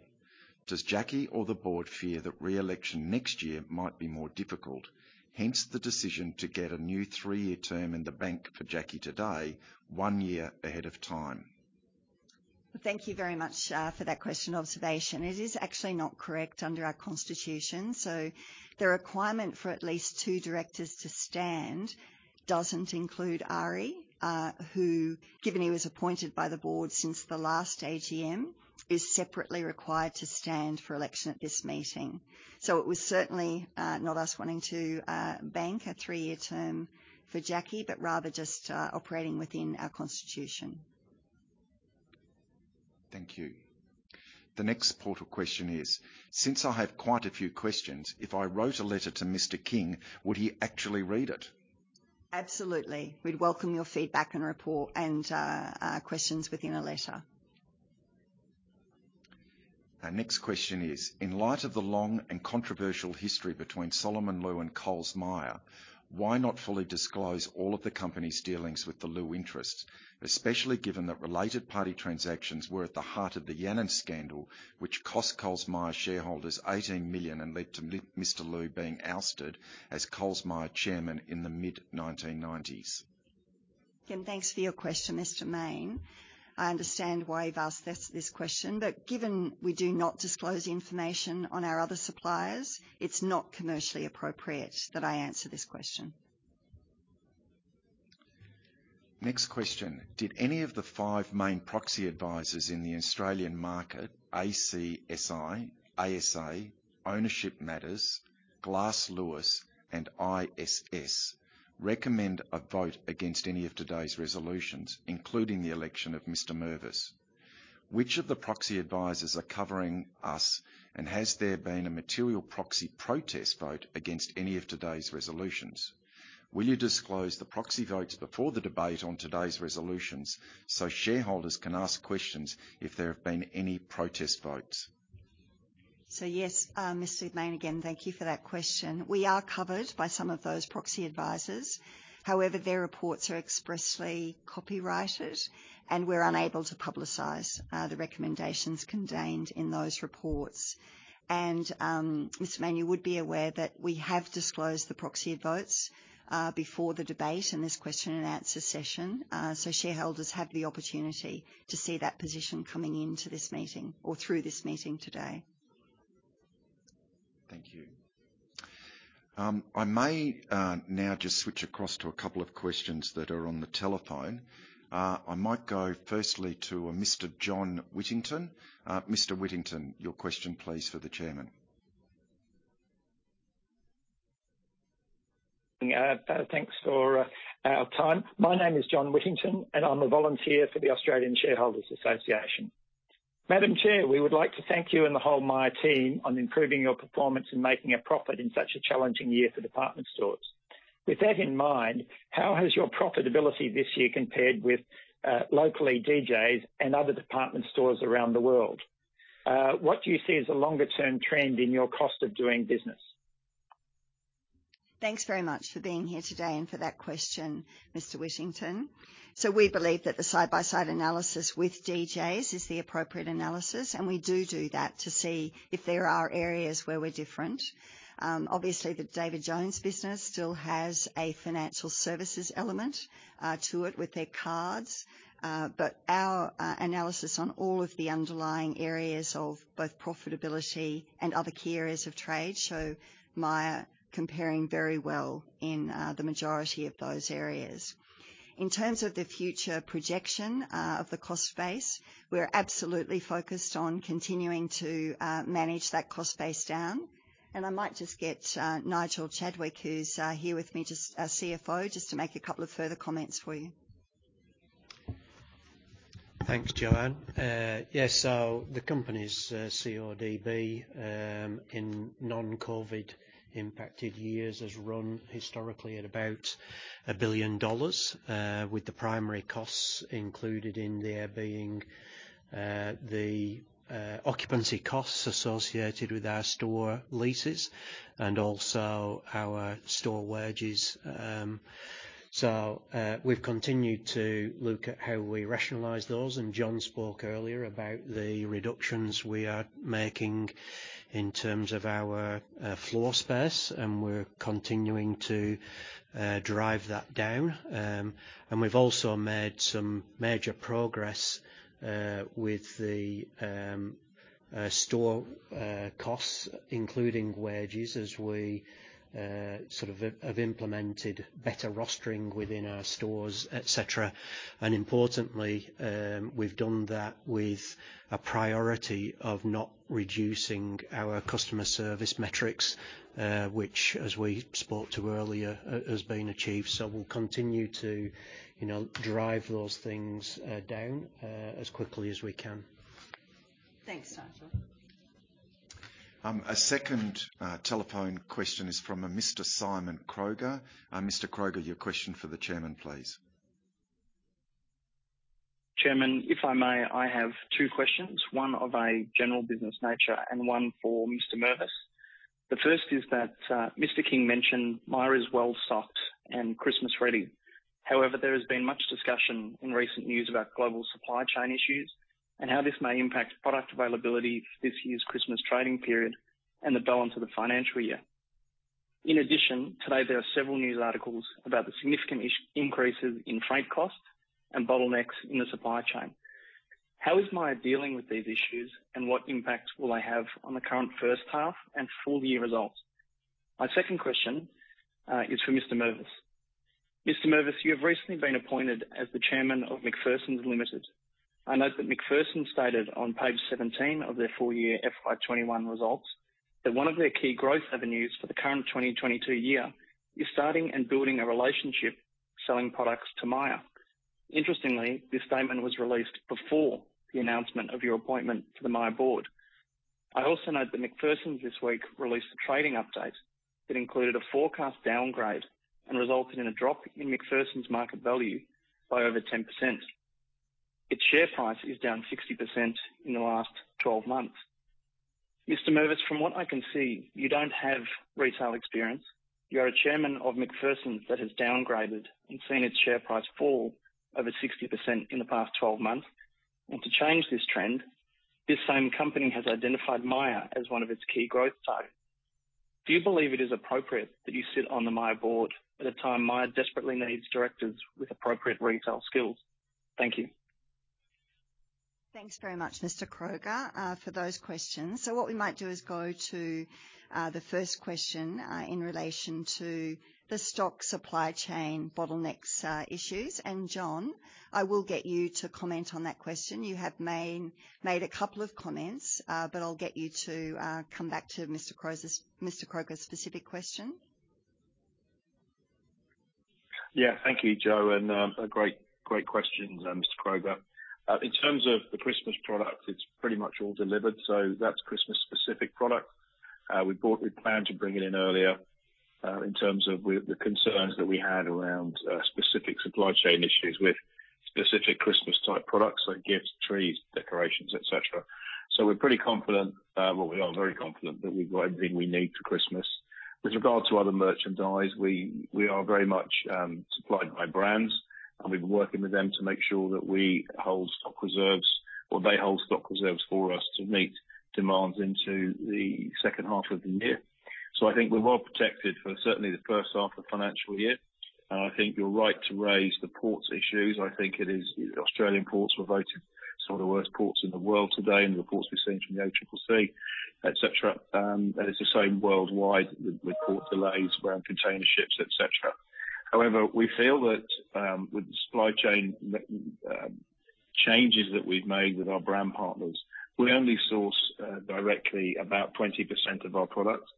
Does Jacquie or the board fear that re-election next year might be more difficult, hence the decision to get a new three-year term in the bank for Jacquie today, one year ahead of time? Thank you very much for that question observation. It is actually not correct under our constitution. The requirement for at least two directors to stand doesn't include Ari, who, given he was appointed by the board since the last AGM, is separately required to stand for election at this meeting. It was certainly not us wanting to bank a three-year term for Jacqui, but rather just operating within our constitution. Thank you. The next portal question is, since I have quite a few questions, if I wrote a letter to Mr. King, would he actually read it? Absolutely. We'd welcome your feedback and report and questions within a letter. Our next question is, in light of the long and controversial history between Solomon Lew and Coles Myer, why not fully disclose all of the company's dealings with the Lew interests, especially given that related party transactions were at the heart of the Yennora scandal, which cost Coles Myer shareholders 18 million and led to Mr. Lew being ousted as Coles Myer chairman in the mid-1990s? Again, thanks for your question, Mr. Mayne. I understand why you've asked this question, but given we do not disclose information on our other suppliers, it's not commercially appropriate that I answer this question. Next question. Did any of the five main proxy advisors in the Australian market, ACSI, ASA, Ownership Matters, Glass Lewis, and ISS, recommend a vote against any of today's resolutions, including the election of Mr. Mervis? Which of the proxy advisors are covering us, and has there been a material proxy protest vote against any of today's resolutions? Will you disclose the proxy votes before the debate on today's resolutions so shareholders can ask questions if there have been any protest votes? Yes, Mr. Mayne, again, thank you for that question. We are covered by some of those proxy advisors. However, their reports are expressly copyrighted, and we're unable to publicize the recommendations contained in those reports. Mr. Mayne, you would be aware that we have disclosed the proxy votes before the debate and this question and answer session. Shareholders had the opportunity to see that position coming into this meeting or through this meeting today. Thank you. I may now just switch across to a couple of questions that are on the telephone. I might go firstly to a Mr. John Whittington. Mr. Whittington, your question please, for the chairman. Thanks for your time. My name is John Whittington, and I'm a volunteer for the Australian Shareholders' Association. Madam Chair, we would like to thank you and the whole Myer team for improving your performance and making a profit in such a challenging year for department stores. With that in mind, how has your profitability this year compared with locally DJs and other department stores around the world? What do you see as a longer-term trend in your cost of doing business? Thanks very much for being here today and for that question, Mr. Whittington. We believe that the side-by-side analysis with DJs is the appropriate analysis, and we do that to see if there are areas where we're different. Obviously, the David Jones business still has a financial services element to it with their cards. Our analysis on all of the underlying areas of both profitability and other key areas of trade show Myer comparing very well in the majority of those areas. In terms of the future projection of the cost base, we're absolutely focused on continuing to manage that cost base down. I might just get Nigel Chadwick, who's here with me, just our CFO, just to make a couple of further comments for you. Thanks, JoAnne. Yes. The company's CODB in non-COVID impacted years has run historically at about 1 billion dollars, with the primary costs included in there being the occupancy costs associated with our store leases and also our store wages. We've continued to look at how we rationalize those, and John spoke earlier about the reductions we are making in terms of our floor space, and we're continuing to drive that down. We've also made some major progress with the store costs, including wages, as we sort of have implemented better rostering within our stores, et cetera. Importantly, we've done that with a priority of not reducing our customer service metrics, which as we spoke to earlier, has been achieved. We'll continue to, you know, drive those things down as quickly as we can. Thanks, Nigel. A second telephone question is from a Mr. Simon Kroger. Mr. Kroger, your question for the chairman, please. Chairman, if I may, I have two questions, one of a general business nature and one for Mr. Mervis. The first is that Mr. King mentioned Myer is well-stocked and Christmas ready. However, there has been much discussion in recent news about global supply chain issues and how this may impact product availability for this year's Christmas trading period and the balance of the financial year. In addition, today, there are several news articles about the significant increases in freight costs and bottlenecks in the supply chain. How is Myer dealing with these issues, and what impact will they have on the current first half and full year results? My second question is for Mr. Mervis. Mr. Mervis, you have recently been appointed as the chairman of McPherson's Limited. I note that McPherson's stated on page 17 of their full year FY 2021 results that one of their key growth avenues for the current 2022 year is starting and building a relationship selling products to Myer. Interestingly, this statement was released before the announcement of your appointment to the Myer board. I also note that McPherson's this week released a trading update that included a forecast downgrade and resulted in a drop in McPherson's market value by over 10%. Its share price is down 60% in the last 12 months. Mr. Mervis, from what I can see, you don't have retail experience. You are a chairman of McPherson's that has downgraded and seen its share price fall over 60% in the past 12 months. To change this trend, this same company has identified Myer as one of its key growth targets. Do you believe it is appropriate that you sit on the Myer board at a time Myer desperately needs directors with appropriate retail skills? Thank you. Thanks very much, Mr. Kroger, for those questions. What we might do is go to the first question in relation to the stock supply chain bottlenecks, issues. John, I will get you to comment on that question. You have made a couple of comments, but I'll get you to come back to Mr. Kroger's specific question. Yeah. Thank you, Jo. A great question, Mr. Kroger. In terms of the Christmas product, it's pretty much all delivered, so that's Christmas-specific product. We planned to bring it in earlier, in terms of with the concerns that we had around specific supply chain issues with specific Christmas type products, like gifts, trees, decorations, et cetera. We're pretty confident, we are very confident that we've got everything we need for Christmas. With regard to other merchandise, we are very much supplied by brands, and we've been working with them to make sure that we hold stock reserves or they hold stock reserves for us to meet demands into the second half of the year. I think we're well protected for certainly the first half of the financial year. I think you're right to raise the ports issues. I think it is Australian ports were voted some of the worst ports in the world today, in the reports we've seen from the ACCC, et cetera. It's the same worldwide with port delays around container ships, et cetera. However, we feel that with the supply chain changes that we've made with our brand partners, we only source directly about 20% of our products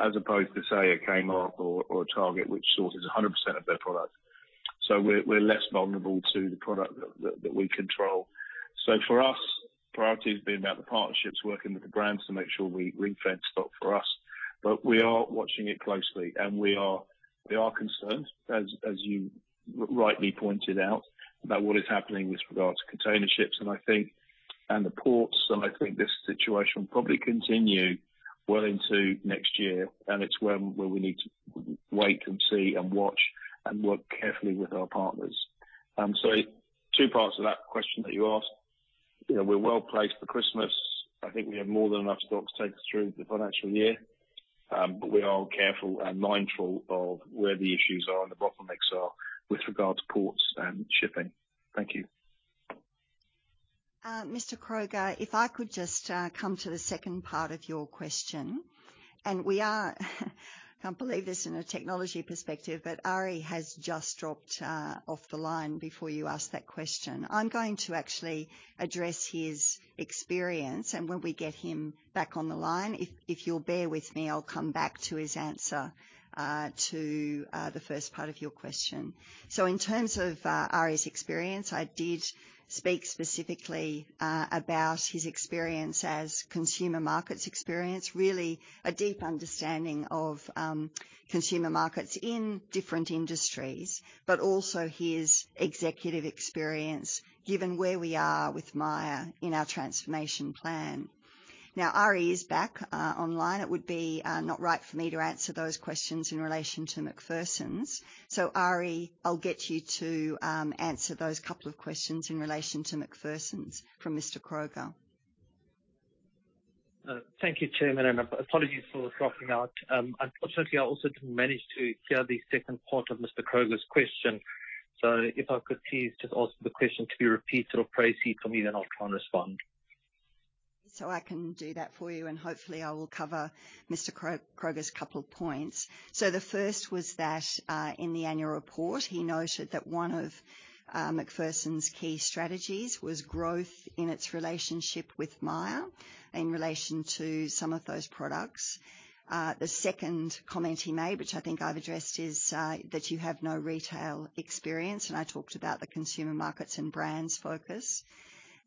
as opposed to, say, a Kmart or a Target, which sources 100% of their products. So we're less vulnerable to the product that we control. So for us, priority has been about the partnerships, working with the brands to make sure we ring-fence stock for us. We are watching it closely, and we are concerned, as you rightly pointed out, about what is happening with regards to container ships, and I think and the ports. I think this situation will probably continue well into next year, and it's when, where we need to wait and see and watch and work carefully with our partners. Two parts to that question that you asked. You know, we're well-placed for Christmas. I think we have more than enough stock to take us through the financial year. We are careful and mindful of where the issues are and the bottlenecks are with regards to ports and shipping. Thank you. Mr. Kroger, if I could just come to the second part of your question. We can't believe this in a technology perspective, but Ari has just dropped off the line before you asked that question. I'm going to actually address his experience, and when we get him back on the line, if you'll bear with me, I'll come back to his answer to the first part of your question. In terms of Ari's experience, I did speak specifically about his experience as consumer markets experience. Really a deep understanding of consumer markets in different industries. But also his executive experience, given where we are with Myer in our transformation plan. Now, Ari is back online. It would be not right for me to answer those questions in relation to McPherson's. Ari, I'll get you to answer those couple of questions in relation to McPherson's from Mr. Kroger. Thank you, Chairman, and apologies for dropping out. Unfortunately I also didn't manage to hear the second part of Mr. Kroger's question. If I could please just ask the question to be repeated or phrased for me, then I'll try and respond. I can do that for you, and hopefully I will cover Mr. Kroger's couple of points. The first was that, in the annual report, he noted that one of McPherson's key strategies was growth in its relationship with Myer in relation to some of those products. The second comment he made, which I think I've addressed, is that you have no retail experience, and I talked about the consumer markets and brands focus.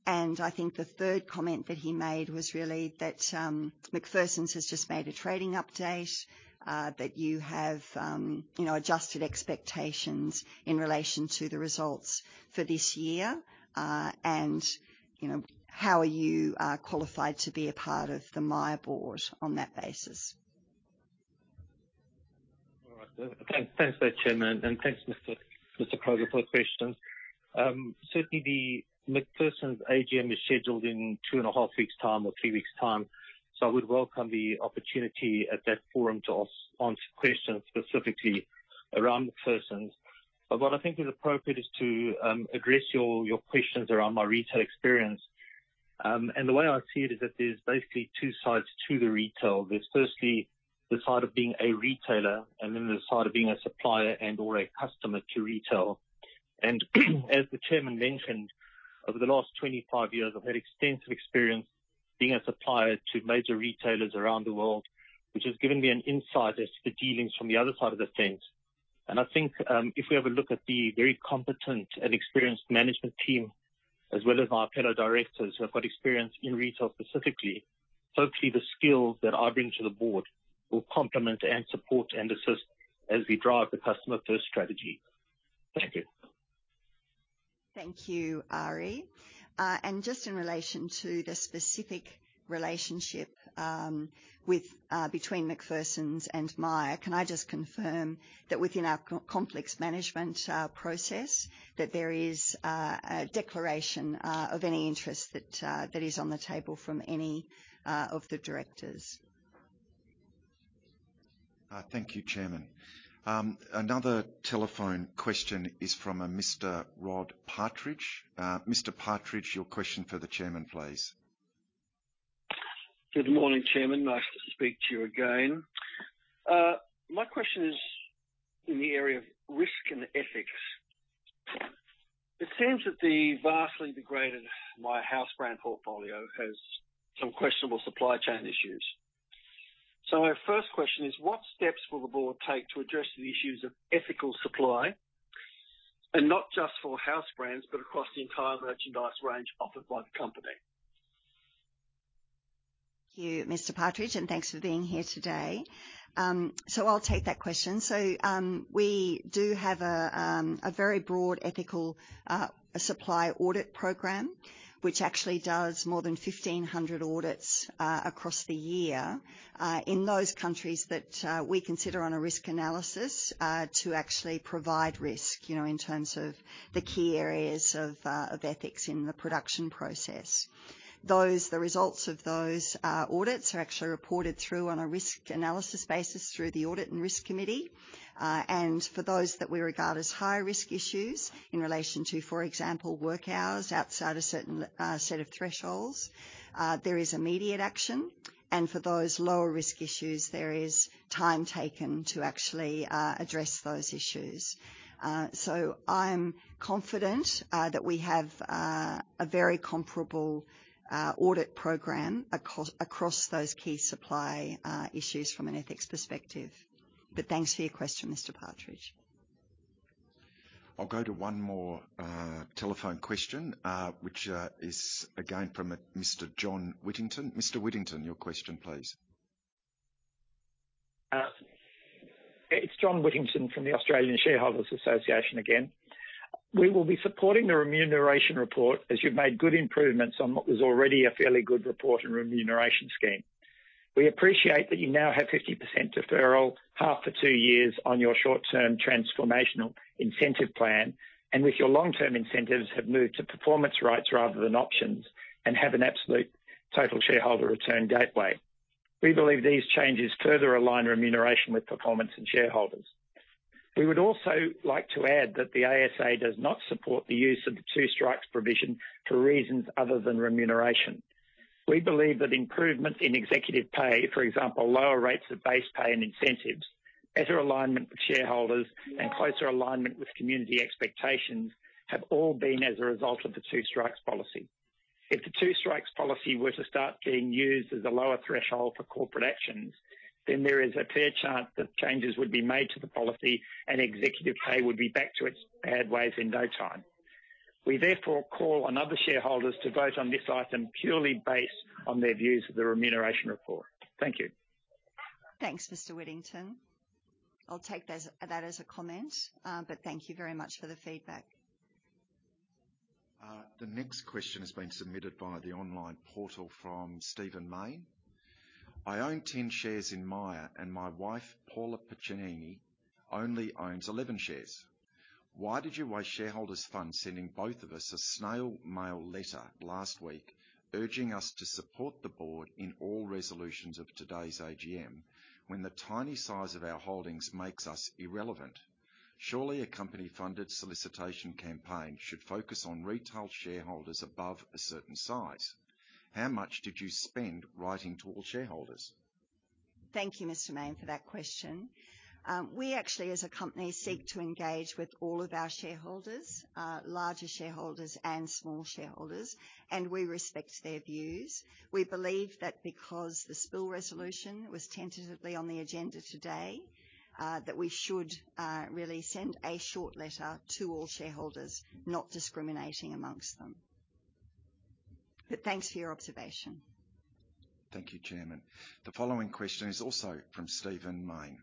I think the third comment that he made was really that McPherson's has just made a trading update that you have, you know, adjusted expectations in relation to the results for this year, you know, how are you qualified to be a part of the Myer board on that basis? Thanks for that, Chairman, and thanks, Mr. Kroger, for the question. Certainly the McPherson's AGM is scheduled in 2.5 weeks' time or three weeks' time. I would welcome the opportunity at that forum to answer questions specifically around McPherson's. What I think is appropriate is to address your questions around my retail experience. The way I see it is that there's basically two sides to the retail. There's firstly the side of being a retailer, and then the side of being a supplier and/or a customer to retail. As the Chairman mentioned, over the last 25 years, I've had extensive experience being a supplier to major retailers around the world, which has given me an insight as to dealings from the other side of the fence. I think, if we have a look at the very competent and experienced management team, as well as our fellow directors who have got experience in retail specifically, hopefully the skills that I bring to the board will complement and support and assist as we drive the Customer First strategy. Thank you. Thank you, Ari. Just in relation to the specific relationship between McPherson's and Myer, can I just confirm that within our compliance management process, that there is a declaration of any interest that is on the table from any of the directors? Thank you, Chairman. Another telephone question is from a Mr. Rod Partridge. Mr. Partridge, your question for the Chairman, please. Good morning, Chairman. Nice to speak to you again. My question is in the area of risk and ethics. It seems that the vastly degraded Myer house brand portfolio has some questionable supply chain issues. My first question is, what steps will the board take to address the issues of ethical supply, and not just for house brands, but across the entire merchandise range offered by the company? Thank you, Mr. Partridge, and thanks for being here today. I'll take that question. We do have a very broad ethical supply audit program, which actually does more than 1,500 audits across the year in those countries that we consider on a risk analysis to actually provide risk. You know, in terms of the key areas of ethics in the production process. The results of those audits are actually reported through on a risk analysis basis through the audit and risk committee. For those that we regard as high risk issues in relation to, for example, work hours outside a certain set of thresholds, there is immediate action. For those lower risk issues, there is time taken to actually address those issues. I'm confident that we have a very comparable audit program across those key supply issues from an ethics perspective. Thanks for your question, Mr. Partridge. I'll go to one more telephone question, which is again from a Mr. John Whittington. Mr. Whittington, your question, please. It's John Whittington from the Australian Shareholders' Association again. We will be supporting the remuneration report, as you've made good improvements on what was already a fairly good report and remuneration scheme. We appreciate that you now have 50% deferral, half for two years on your short-term transformational incentive plan. With your long-term incentives have moved to performance rights rather than options and have an absolute total shareholder return gateway. We believe these changes further align remuneration with performance and shareholders. We would also like to add that the ASA does not support the use of the two strikes provision for reasons other than remuneration. We believe that improvements in executive pay, for example, lower rates of base pay and incentives, better alignment with shareholders and closer alignment with community expectations, have all been as a result of the two strikes policy. If the two strikes policy were to start being used as a lower threshold for corporate actions, then there is a fair chance that changes would be made to the policy and executive pay would be back to its bad ways in no time. We therefore call on other shareholders to vote on this item purely based on their views of the remuneration report. Thank you. Thanks, Mr. Whittington. I'll take that as a comment, but thank you very much for the feedback. The next question has been submitted via the online portal from Stephen Mayne. I own 10 shares in Myer and my wife, Paula Piccinini, only owns 11 shares. Why did you waste shareholders funds sending both of us a snail mail letter last week urging us to support the board in all resolutions of today's AGM when the tiny size of our holdings makes us irrelevant? Surely a company-funded solicitation campaign should focus on retail shareholders above a certain size. How much did you spend writing to all shareholders? Thank you, Mr. Mayne, for that question. We actually, as a company, seek to engage with all of our shareholders, larger shareholders and small shareholders, and we respect their views. We believe that because the spill resolution was tentatively on the agenda today, that we should really send a short letter to all shareholders, not discriminating among them. Thanks for your observation. Thank you, Chairman. The following question is also from Stephen Mayne.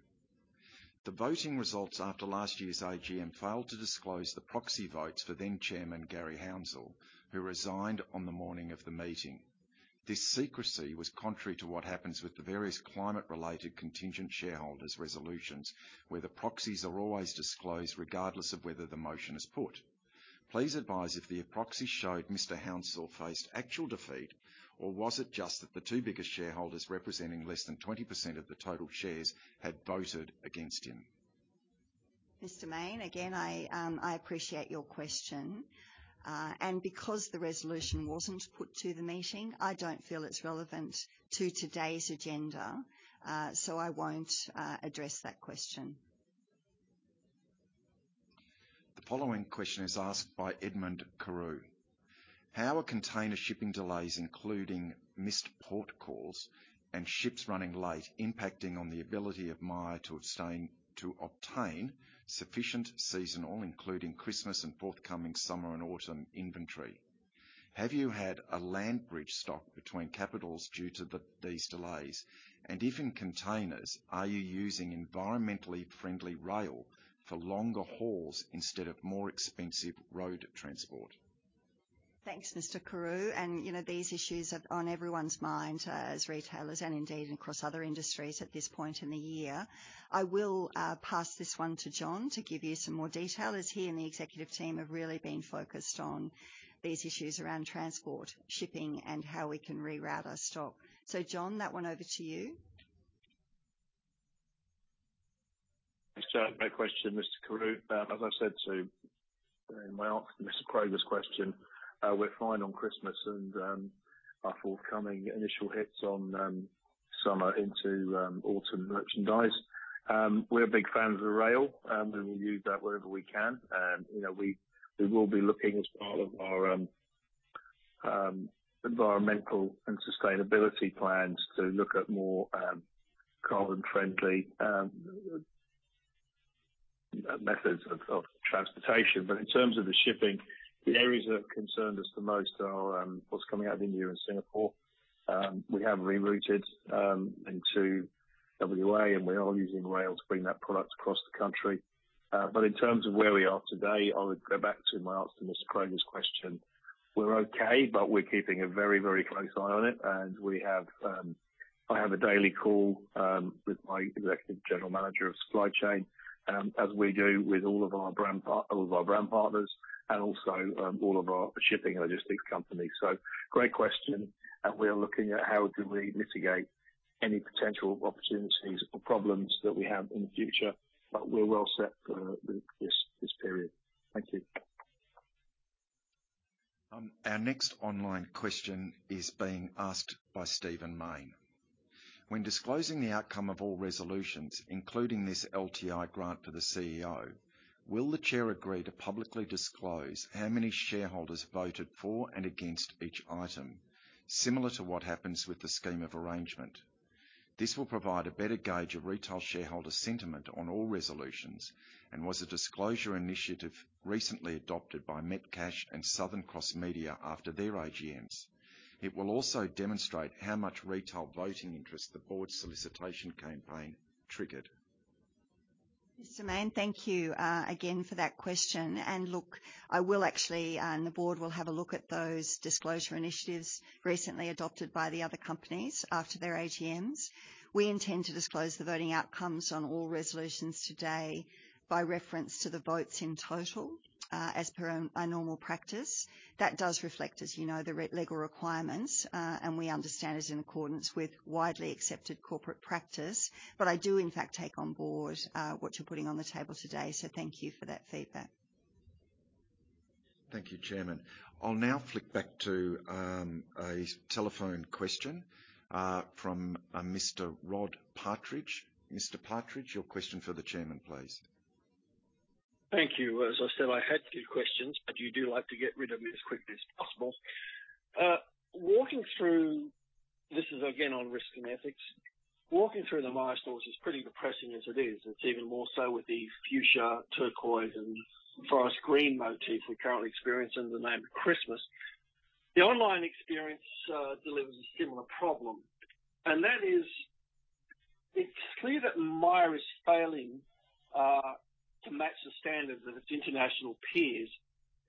The voting results after last year's AGM failed to disclose the proxy votes for then Chairman Garry Hounsell, who resigned on the morning of the meeting. This secrecy was contrary to what happens with the various climate-related contingent shareholders' resolutions, where the proxies are always disclosed regardless of whether the motion is put. Please advise if the proxies showed Mr. Hounsell faced actual defeat, or was it just that the two biggest shareholders, representing less than 20% of the total shares, had voted against him. Mr. Stephen Mayne, again, I appreciate your question. Because the resolution wasn't put to the meeting, I don't feel it's relevant to today's agenda, so I won't address that question. The following question is asked by Edmund Carew. How are container shipping delays, including missed port calls and ships running late, impacting on the ability of Myer to obtain sufficient seasonal, including Christmas and forthcoming summer and autumn inventory? Have you had a land bridge stock between capitals due to these delays? If in containers, are you using environmentally friendly rail for longer hauls instead of more expensive road transport? Thanks, Mr. Carew. You know, these issues are on everyone's mind as retailers and indeed across other industries at this point in the year. I will pass this one to John to give you some more detail as he and the executive team have really been focused on these issues around transport, shipping, and how we can reroute our stock. John, that one over to you. Thanks for that question, Mr. Carew. As I said to, well, Mr. Kroger's question, we're fine on Christmas and our forthcoming initial hits on summer into autumn merchandise. We're big fans of the rail and we'll use that wherever we can. You know, we will be looking as part of our environmental and sustainability plans to look at more carbon friendly methods of transportation. In terms of the shipping, the areas that have concerned us the most are what's coming out of India and Singapore. We have rerouted into WA, and we are using rail to bring that product across the country. In terms of where we are today, I would go back to my answer to Mr. Kroger's question. We're okay, but we're keeping a very, very close eye on it, and we have, I have a daily call with my Executive General Manager of Supply Chain, as we do with all of our brand partners and also all of our shipping and logistics companies. Great question, and we are looking at how do we mitigate any potential opportunities or problems that we have in the future, but we're well set for this period. Thank you. Our next online question is being asked by Stephen Mayne. When disclosing the outcome of all resolutions, including this LTI grant for the CEO, will the chair agree to publicly disclose how many shareholders voted for and against each item, similar to what happens with the scheme of arrangement? This will provide a better gauge of retail shareholder sentiment on all resolutions, and was a disclosure initiative recently adopted by Metcash and Southern Cross Media after their AGMs. It will also demonstrate how much retail voting interest the board solicitation campaign triggered. Mr. Mayne, thank you again for that question. Look, I will actually, and the board will have a look at those disclosure initiatives recently adopted by the other companies after their AGMs. We intend to disclose the voting outcomes on all resolutions today by reference to the votes in total, as per our normal practice. That does reflect, as you know, the regulatory requirements, and we understand it's in accordance with widely accepted corporate practice. I do in fact take on board what you're putting on the table today, so thank you for that feedback. Thank you, Chairman. I'll now flick back to a telephone question from a Mr. Rod Partridge. Mr. Partridge, your question for the chairman, please. Thank you. As I said, I had two questions, but you do like to get rid of me as quickly as possible. Walking through, this is again on risk and ethics. Walking through the Myer stores is pretty depressing as it is. It's even more so with the fuchsia, turquoise, and forest green motif we're currently experiencing in the name of Christmas. The online experience delivers a similar problem, and that is it's clear that Myer is failing to match the standards of its international peers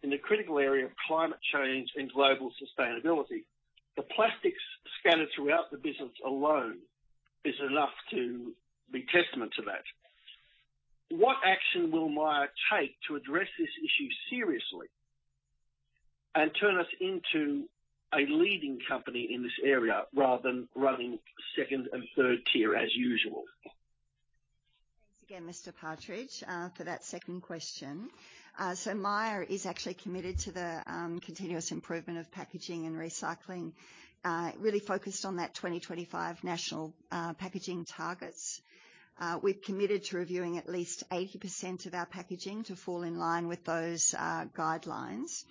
in the critical area of climate change and global sustainability. The plastics scattered throughout the business alone is enough to be testament to that. What action will Myer take to address this issue seriously and turn us into a leading company in this area rather than running second and third tier as usual? Thanks again, Mr. Partridge, for that second question. Myer is actually committed to the continuous improvement of packaging and recycling, really focused on that 2025 national packaging targets. We've committed to reviewing at least 80% of our packaging to fall in line with those guidelines.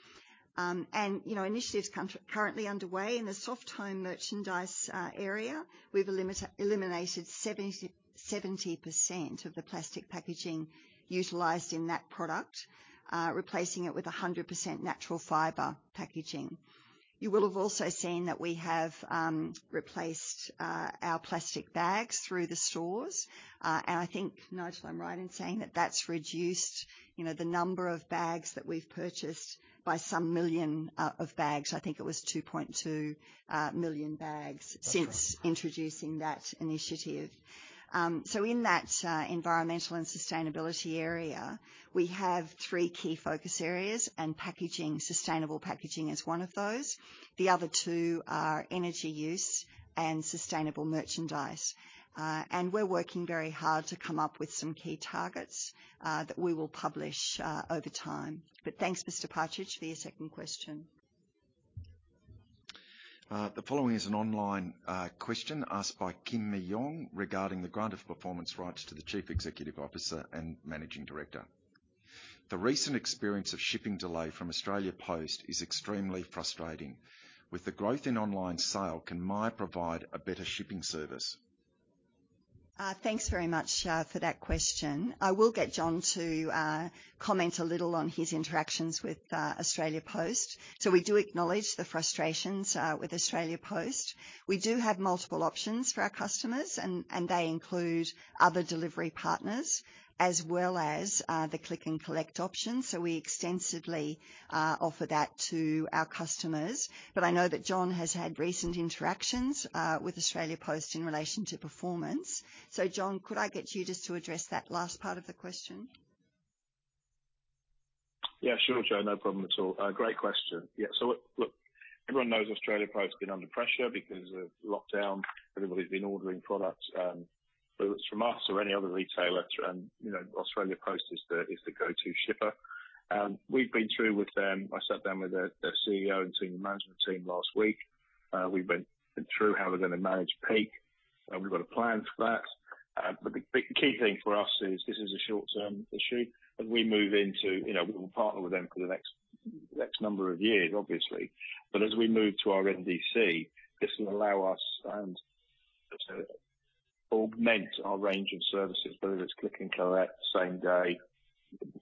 You know, initiatives currently underway in the soft home merchandise area. We've eliminated 70% of the plastic packaging utilized in that product, replacing it with 100% natural fiber packaging. You will have also seen that we have replaced our plastic bags through the stores. I think, Noel, I'm right in saying that that's reduced, you know, the number of bags that we've purchased by some million of bags. I think it was 2.2 million bags since introducing that initiative. In that environmental and sustainability area, we have three key focus areas, and packaging, sustainable packaging is one of those. The other two are energy use and sustainable merchandise. We're working very hard to come up with some key targets that we will publish over time. Thanks, Mr. Partridge, for your second question. The following is an online question asked by Kim Yong regarding the grant of performance rights to the Chief Executive Officer and Managing Director. The recent experience of shipping delay from Australia Post is extremely frustrating. With the growth in online sale, can Myer provide a better shipping service? Thanks very much for that question. I will get John to comment a little on his interactions with Australia Post. We do acknowledge the frustrations with Australia Post. We do have multiple options for our customers and they include other delivery partners as well as the click and collect option. We extensively offer that to our customers. I know that John has had recent interactions with Australia Post in relation to performance. John, could I get you just to address that last part of the question? Yeah, sure, Jo. No problem at all. Great question. Yeah. Look, everyone knows Australia Post has been under pressure because of lockdown. Everybody's been ordering products, whether it's from us or any other retailer, and you know, Australia Post is the go-to shipper. We've been through with them. I sat down with their CEO and senior management team last week. We've been through how we're gonna manage peak, and we've got a plan for that. The key thing for us is this is a short-term issue, and we move into, you know, we will partner with them for the next number of years, obviously. As we move to our NDC, this will allow us to augment our range of services, whether it's click and collect, same day,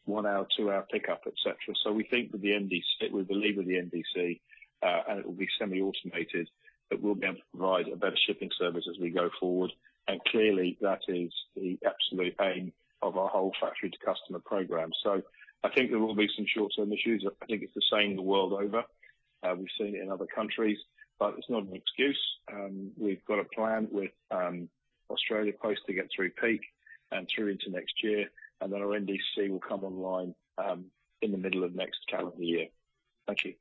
one-hour, two-hour pickup, et cetera. We think with the NDC, we believe with the NDC, and it will be semi-automated, that we'll be able to provide a better shipping service as we go forward. Clearly that is the absolute aim of our whole factory-to-customer program. I think there will be some short-term issues. I think it's the same the world over. We've seen it in other countries, but it's not an excuse. We've got a plan with Australia Post to get through peak and through into next year, and then our NDC will come online in the middle of next calendar year. Thank you.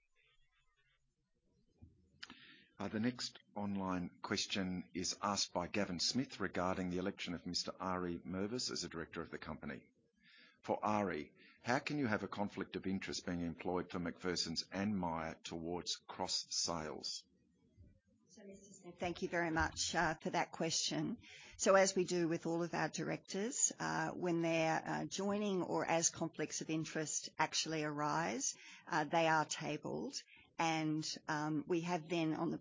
The next online question is asked by Gavin Smith regarding the election of Mr. Ari Mervis as a director of the company. For Ari, how can you have a conflict of interest being employed for McPherson's and Myer towards cross sales? Mr. Smith, thank you very much for that question. As we do with all of our directors, when they're joining or as conflicts of interest actually arise, they are tabled. We have, you know,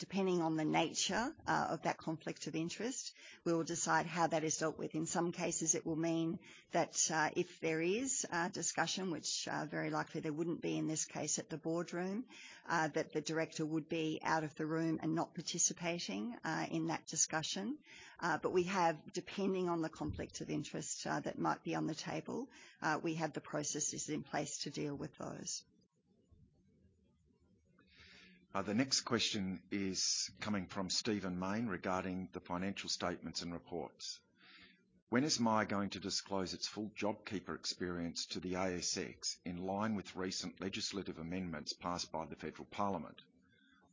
depending on the nature of that conflict of interest, we will decide how that is dealt with. In some cases, it will mean that if there is a discussion which very likely there wouldn't be in this case at the boardroom, that the director would be out of the room and not participating in that discussion. We have, depending on the conflict of interest that might be on the table, the processes in place to deal with those. The next question is coming from Stephen Mayne regarding the financial statements and reports. When is Myer going to disclose its full JobKeeper experience to the ASX in line with recent legislative amendments passed by the federal parliament?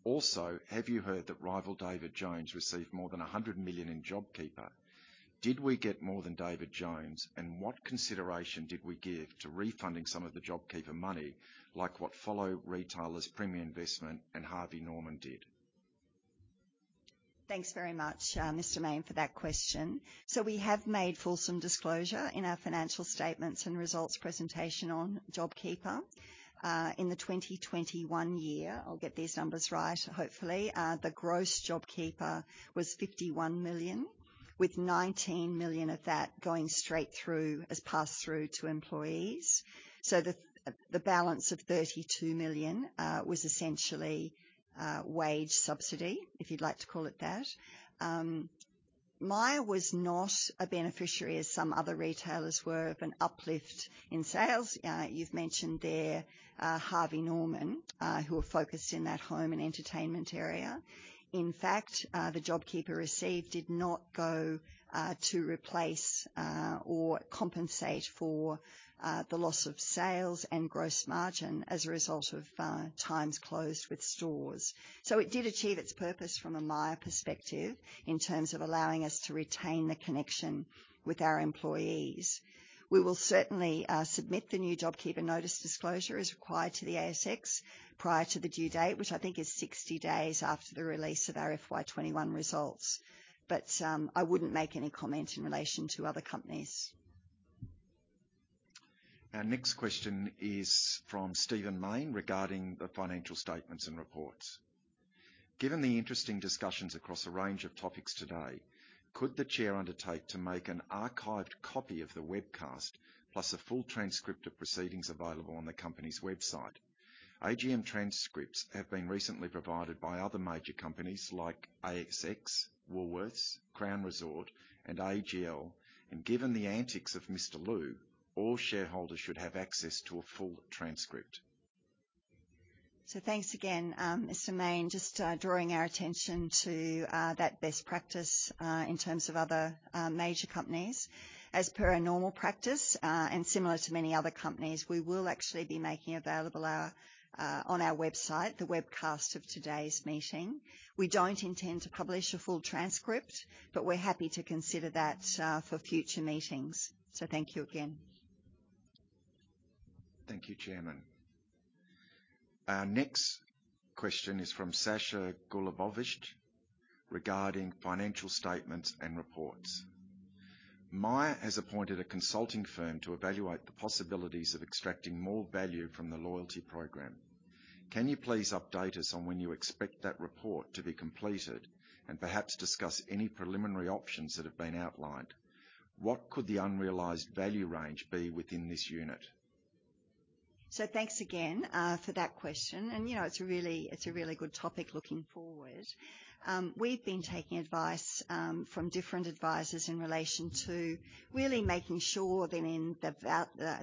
Also, have you heard that rival David Jones received more than 100 million in JobKeeper? Did we get more than David Jones? And what consideration did we give to refunding some of the JobKeeper money, like what fellow retailers Premier Investments and Harvey Norman did? Thanks very much, Mr. Mayne, for that question. We have made full disclosure in our financial statements and results presentation on JobKeeper. In the 2021 year, I'll get these numbers right, hopefully. The gross JobKeeper was 51 million, with 19 million of that going straight through as passed through to employees. The balance of 32 million was essentially wage subsidy, if you'd like to call it that. Myer was not a beneficiary as some other retailers were of an uplift in sales. You've mentioned there, Harvey Norman, who are focused in that home and entertainment area. In fact, the JobKeeper received did not go to replace or compensate for the loss of sales and gross margin as a result of times closed with stores. It did achieve its purpose from a Myer perspective in terms of allowing us to retain the connection with our employees. We will certainly submit the new JobKeeper notice disclosure as required to the ASX prior to the due date, which I think is 60 days after the release of our FY 2021 results. I wouldn't make any comment in relation to other companies. Our next question is from Stephen Mayne regarding the financial statements and reports. Given the interesting discussions across a range of topics today, could the chair undertake to make an archived copy of the webcast plus a full transcript of proceedings available on the company's website? AGM transcripts have been recently provided by other major companies like ASX, Woolworths, Crown Resorts and AGL. Given the antics of Mr. Lew, all shareholders should have access to a full transcript. Thanks again, Mr. Mayne, just drawing our attention to that best practice in terms of other major companies. As per our normal practice and similar to many other companies, we will actually be making available on our website the webcast of today's meeting. We don't intend to publish a full transcript, but we're happy to consider that for future meetings. Thank you again. Thank you, Chairman. Our next question is from Sasha Golubovic regarding financial statements and reports. Myer has appointed a consulting firm to evaluate the possibilities of extracting more value from the loyalty program. Can you please update us on when you expect that report to be completed and perhaps discuss any preliminary options that have been outlined? What could the unrealized value range be within this unit? Thanks again for that question. You know, it's a really good topic looking forward. We've been taking advice from different advisors in relation to really making sure that in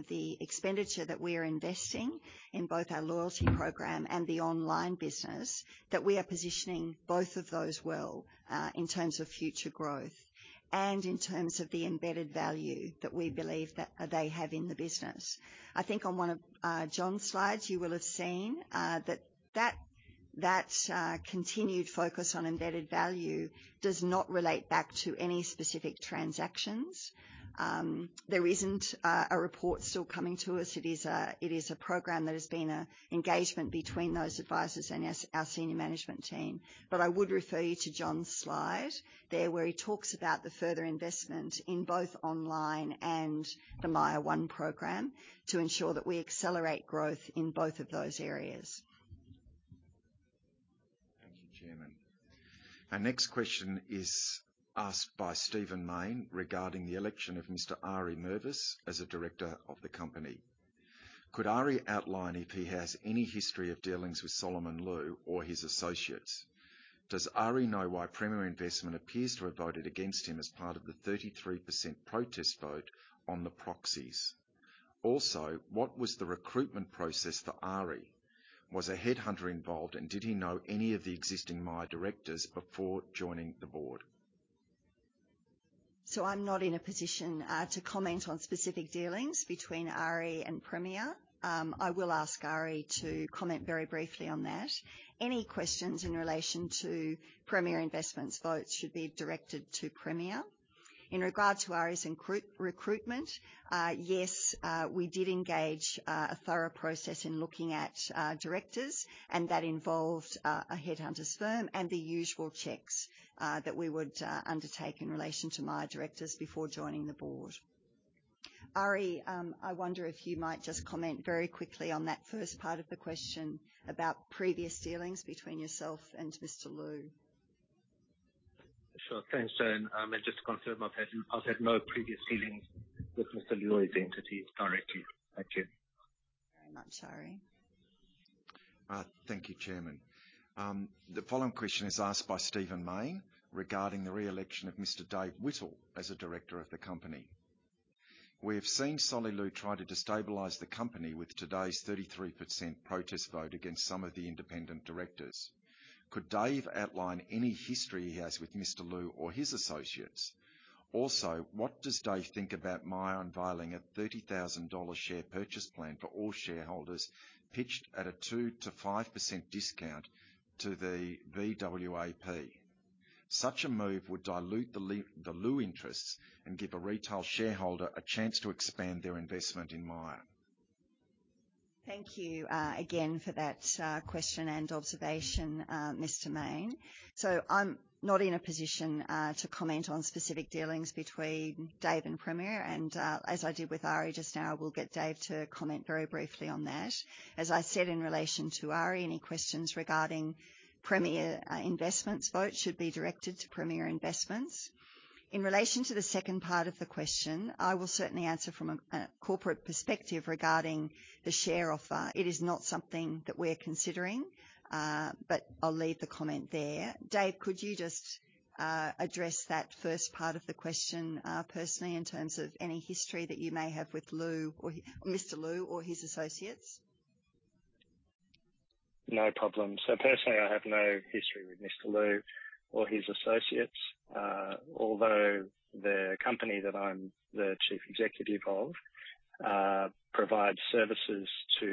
the expenditure that we are investing in both our loyalty program and the online business, that we are positioning both of those well in terms of future growth and in terms of the embedded value that we believe that they have in the business. I think on one of John's slides, you will have seen that continued focus on embedded value does not relate back to any specific transactions. There isn't a report still coming to us. It is a program that has been an engagement between those advisors and our senior management team. I would refer you to John's slide there, where he talks about the further investment in both online and the MYER one program to ensure that we accelerate growth in both of those areas. Thank you, Chairman. Our next question is asked by Stephen Mayne regarding the election of Mr. Ari Mervis as a director of the company. Could Ari outline if he has any history of dealings with Solomon Lew or his associates? Does Ari know why Premier Investments appears to have voted against him as part of the 33% protest vote on the proxies? Also, what was the recruitment process for Ari? Was a headhunter involved, and did he know any of the existing Myer directors before joining the board? I'm not in a position to comment on specific dealings between Ari and Premier. I will ask Ari to comment very briefly on that. Any questions in relation to Premier Investments' votes should be directed to Premier. In regards to Ari's recruitment, yes, we did engage a thorough process in looking at directors, and that involved a headhunter firm and the usual checks that we would undertake in relation to Myer directors before joining the board. Ari, I wonder if you might just comment very quickly on that first part of the question about previous dealings between yourself and Mr. Lew. Sure. Thanks, JoAnne. Just to confirm, I've had no previous dealings with Mr. Lew's entities directly. Thank you. Very much, Ari. Thank you, Chairman. The following question is asked by Stephen Mayne regarding the re-election of Mr. Dave Whittle as a director of the company. We have seen Solly Lew try to destabilize the company with today's 33% protest vote against some of the independent directors. Could Dave outline any history he has with Mr. Lew or his associates? Also, what does Dave think about Myer unveiling a 30,000 dollar share purchase plan for all shareholders pitched at a 2%-5% discount to the VWAP? Such a move would dilute the Lew interests and give a retail shareholder a chance to expand their investment in Myer. Thank you, again for that, question and observation, Mr. Mayne. I'm not in a position to comment on specific dealings between Dave and Premier, and, as I did with Ari just now, I will get Dave to comment very briefly on that. As I said in relation to Ari, any questions regarding Premier Investments vote should be directed to Premier Investments. In relation to the second part of the question, I will certainly answer from a corporate perspective regarding the share offer. It is not something that we're considering, but I'll leave the comment there. Dave, could you just address that first part of the question, personally in terms of any history that you may have with Lew or Mr. Lew or his associates? No problem. Personally, I have no history with Mr. Lew or his associates. Although the company that I'm the chief executive of provides services to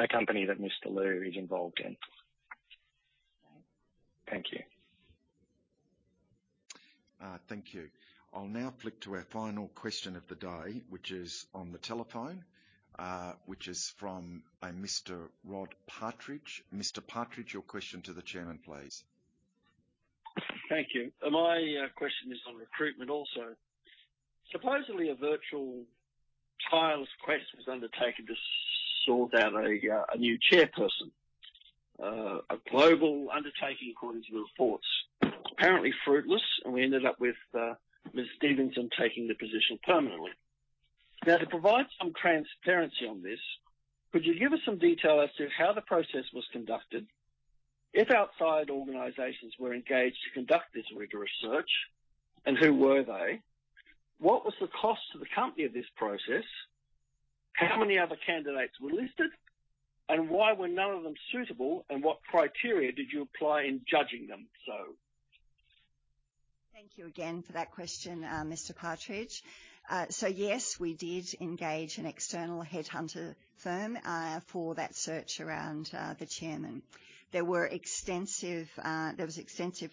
a company that Mr. Lew is involved in. Thank you. Thank you. I'll now flick to our final question of the day, which is on the telephone, which is from a Mr. Rod Partridge. Mr. Partridge, your question to the chairman, please. Thank you. My question is on recruitment also. Supposedly, a virtually tireless quest was undertaken to sort out a new chairperson. A global undertaking according to reports. Apparently fruitless, we ended up with Ms. Stephenson taking the position permanently. Now, to provide some transparency on this, could you give us some detail as to how the process was conducted? If outside organizations were engaged to conduct this rigorous research, and who were they? What was the cost to the company of this process? How many other candidates were listed? Why were none of them suitable, and what criteria did you apply in judging them so? Thank you again for that question, Mr. Partridge. So yes, we did engage an external headhunter firm for that search around the chairman. There was extensive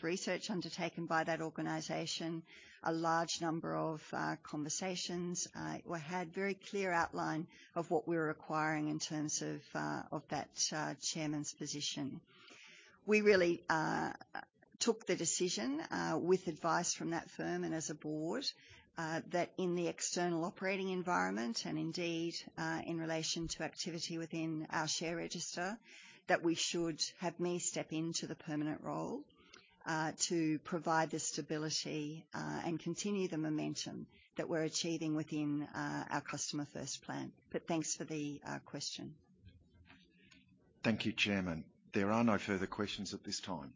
research undertaken by that organization. A large number of conversations. We had very clear outline of what we were requiring in terms of that chairman's position. We really took the decision with advice from that firm and as a board that in the external operating environment and indeed in relation to activity within our share register, that we should have me step into the permanent role to provide the stability and continue the momentum that we're achieving within our Customer First Plan. Thanks for the question. Thank you, Chairman. There are no further questions at this time.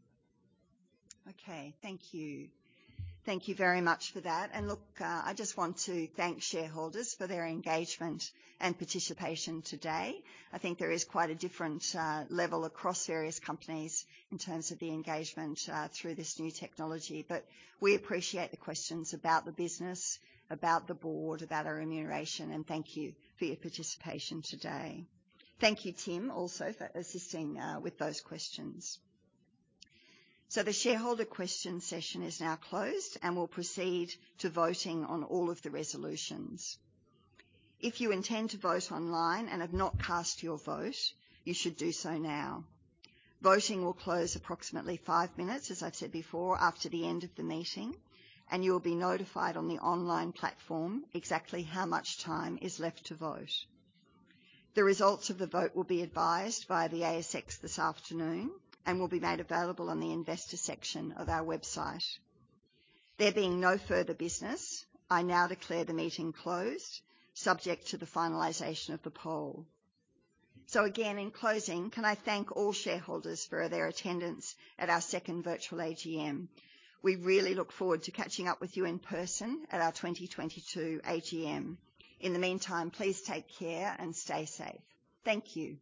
Okay. Thank you. Thank you very much for that. Look, I just want to thank shareholders for their engagement and participation today. I think there is quite a different level across various companies in terms of the engagement through this new technology. We appreciate the questions about the business, about the board, about our remuneration, and thank you for your participation today. Thank you, Tim, also for assisting with those questions. The shareholder question session is now closed, and we'll proceed to voting on all of the resolutions. If you intend to vote online and have not cast your vote, you should do so now. Voting will close approximately five minutes, as I've said before, after the end of the meeting, and you will be notified on the online platform exactly how much time is left to vote. The results of the vote will be advised via the ASX this afternoon and will be made available on the investor section of our website. There being no further business, I now declare the meeting closed, subject to the finalization of the poll. Again, in closing, can I thank all shareholders for their attendance at our second virtual AGM. We really look forward to catching up with you in person at our 2022 AGM. In the meantime, please take care and stay safe. Thank you.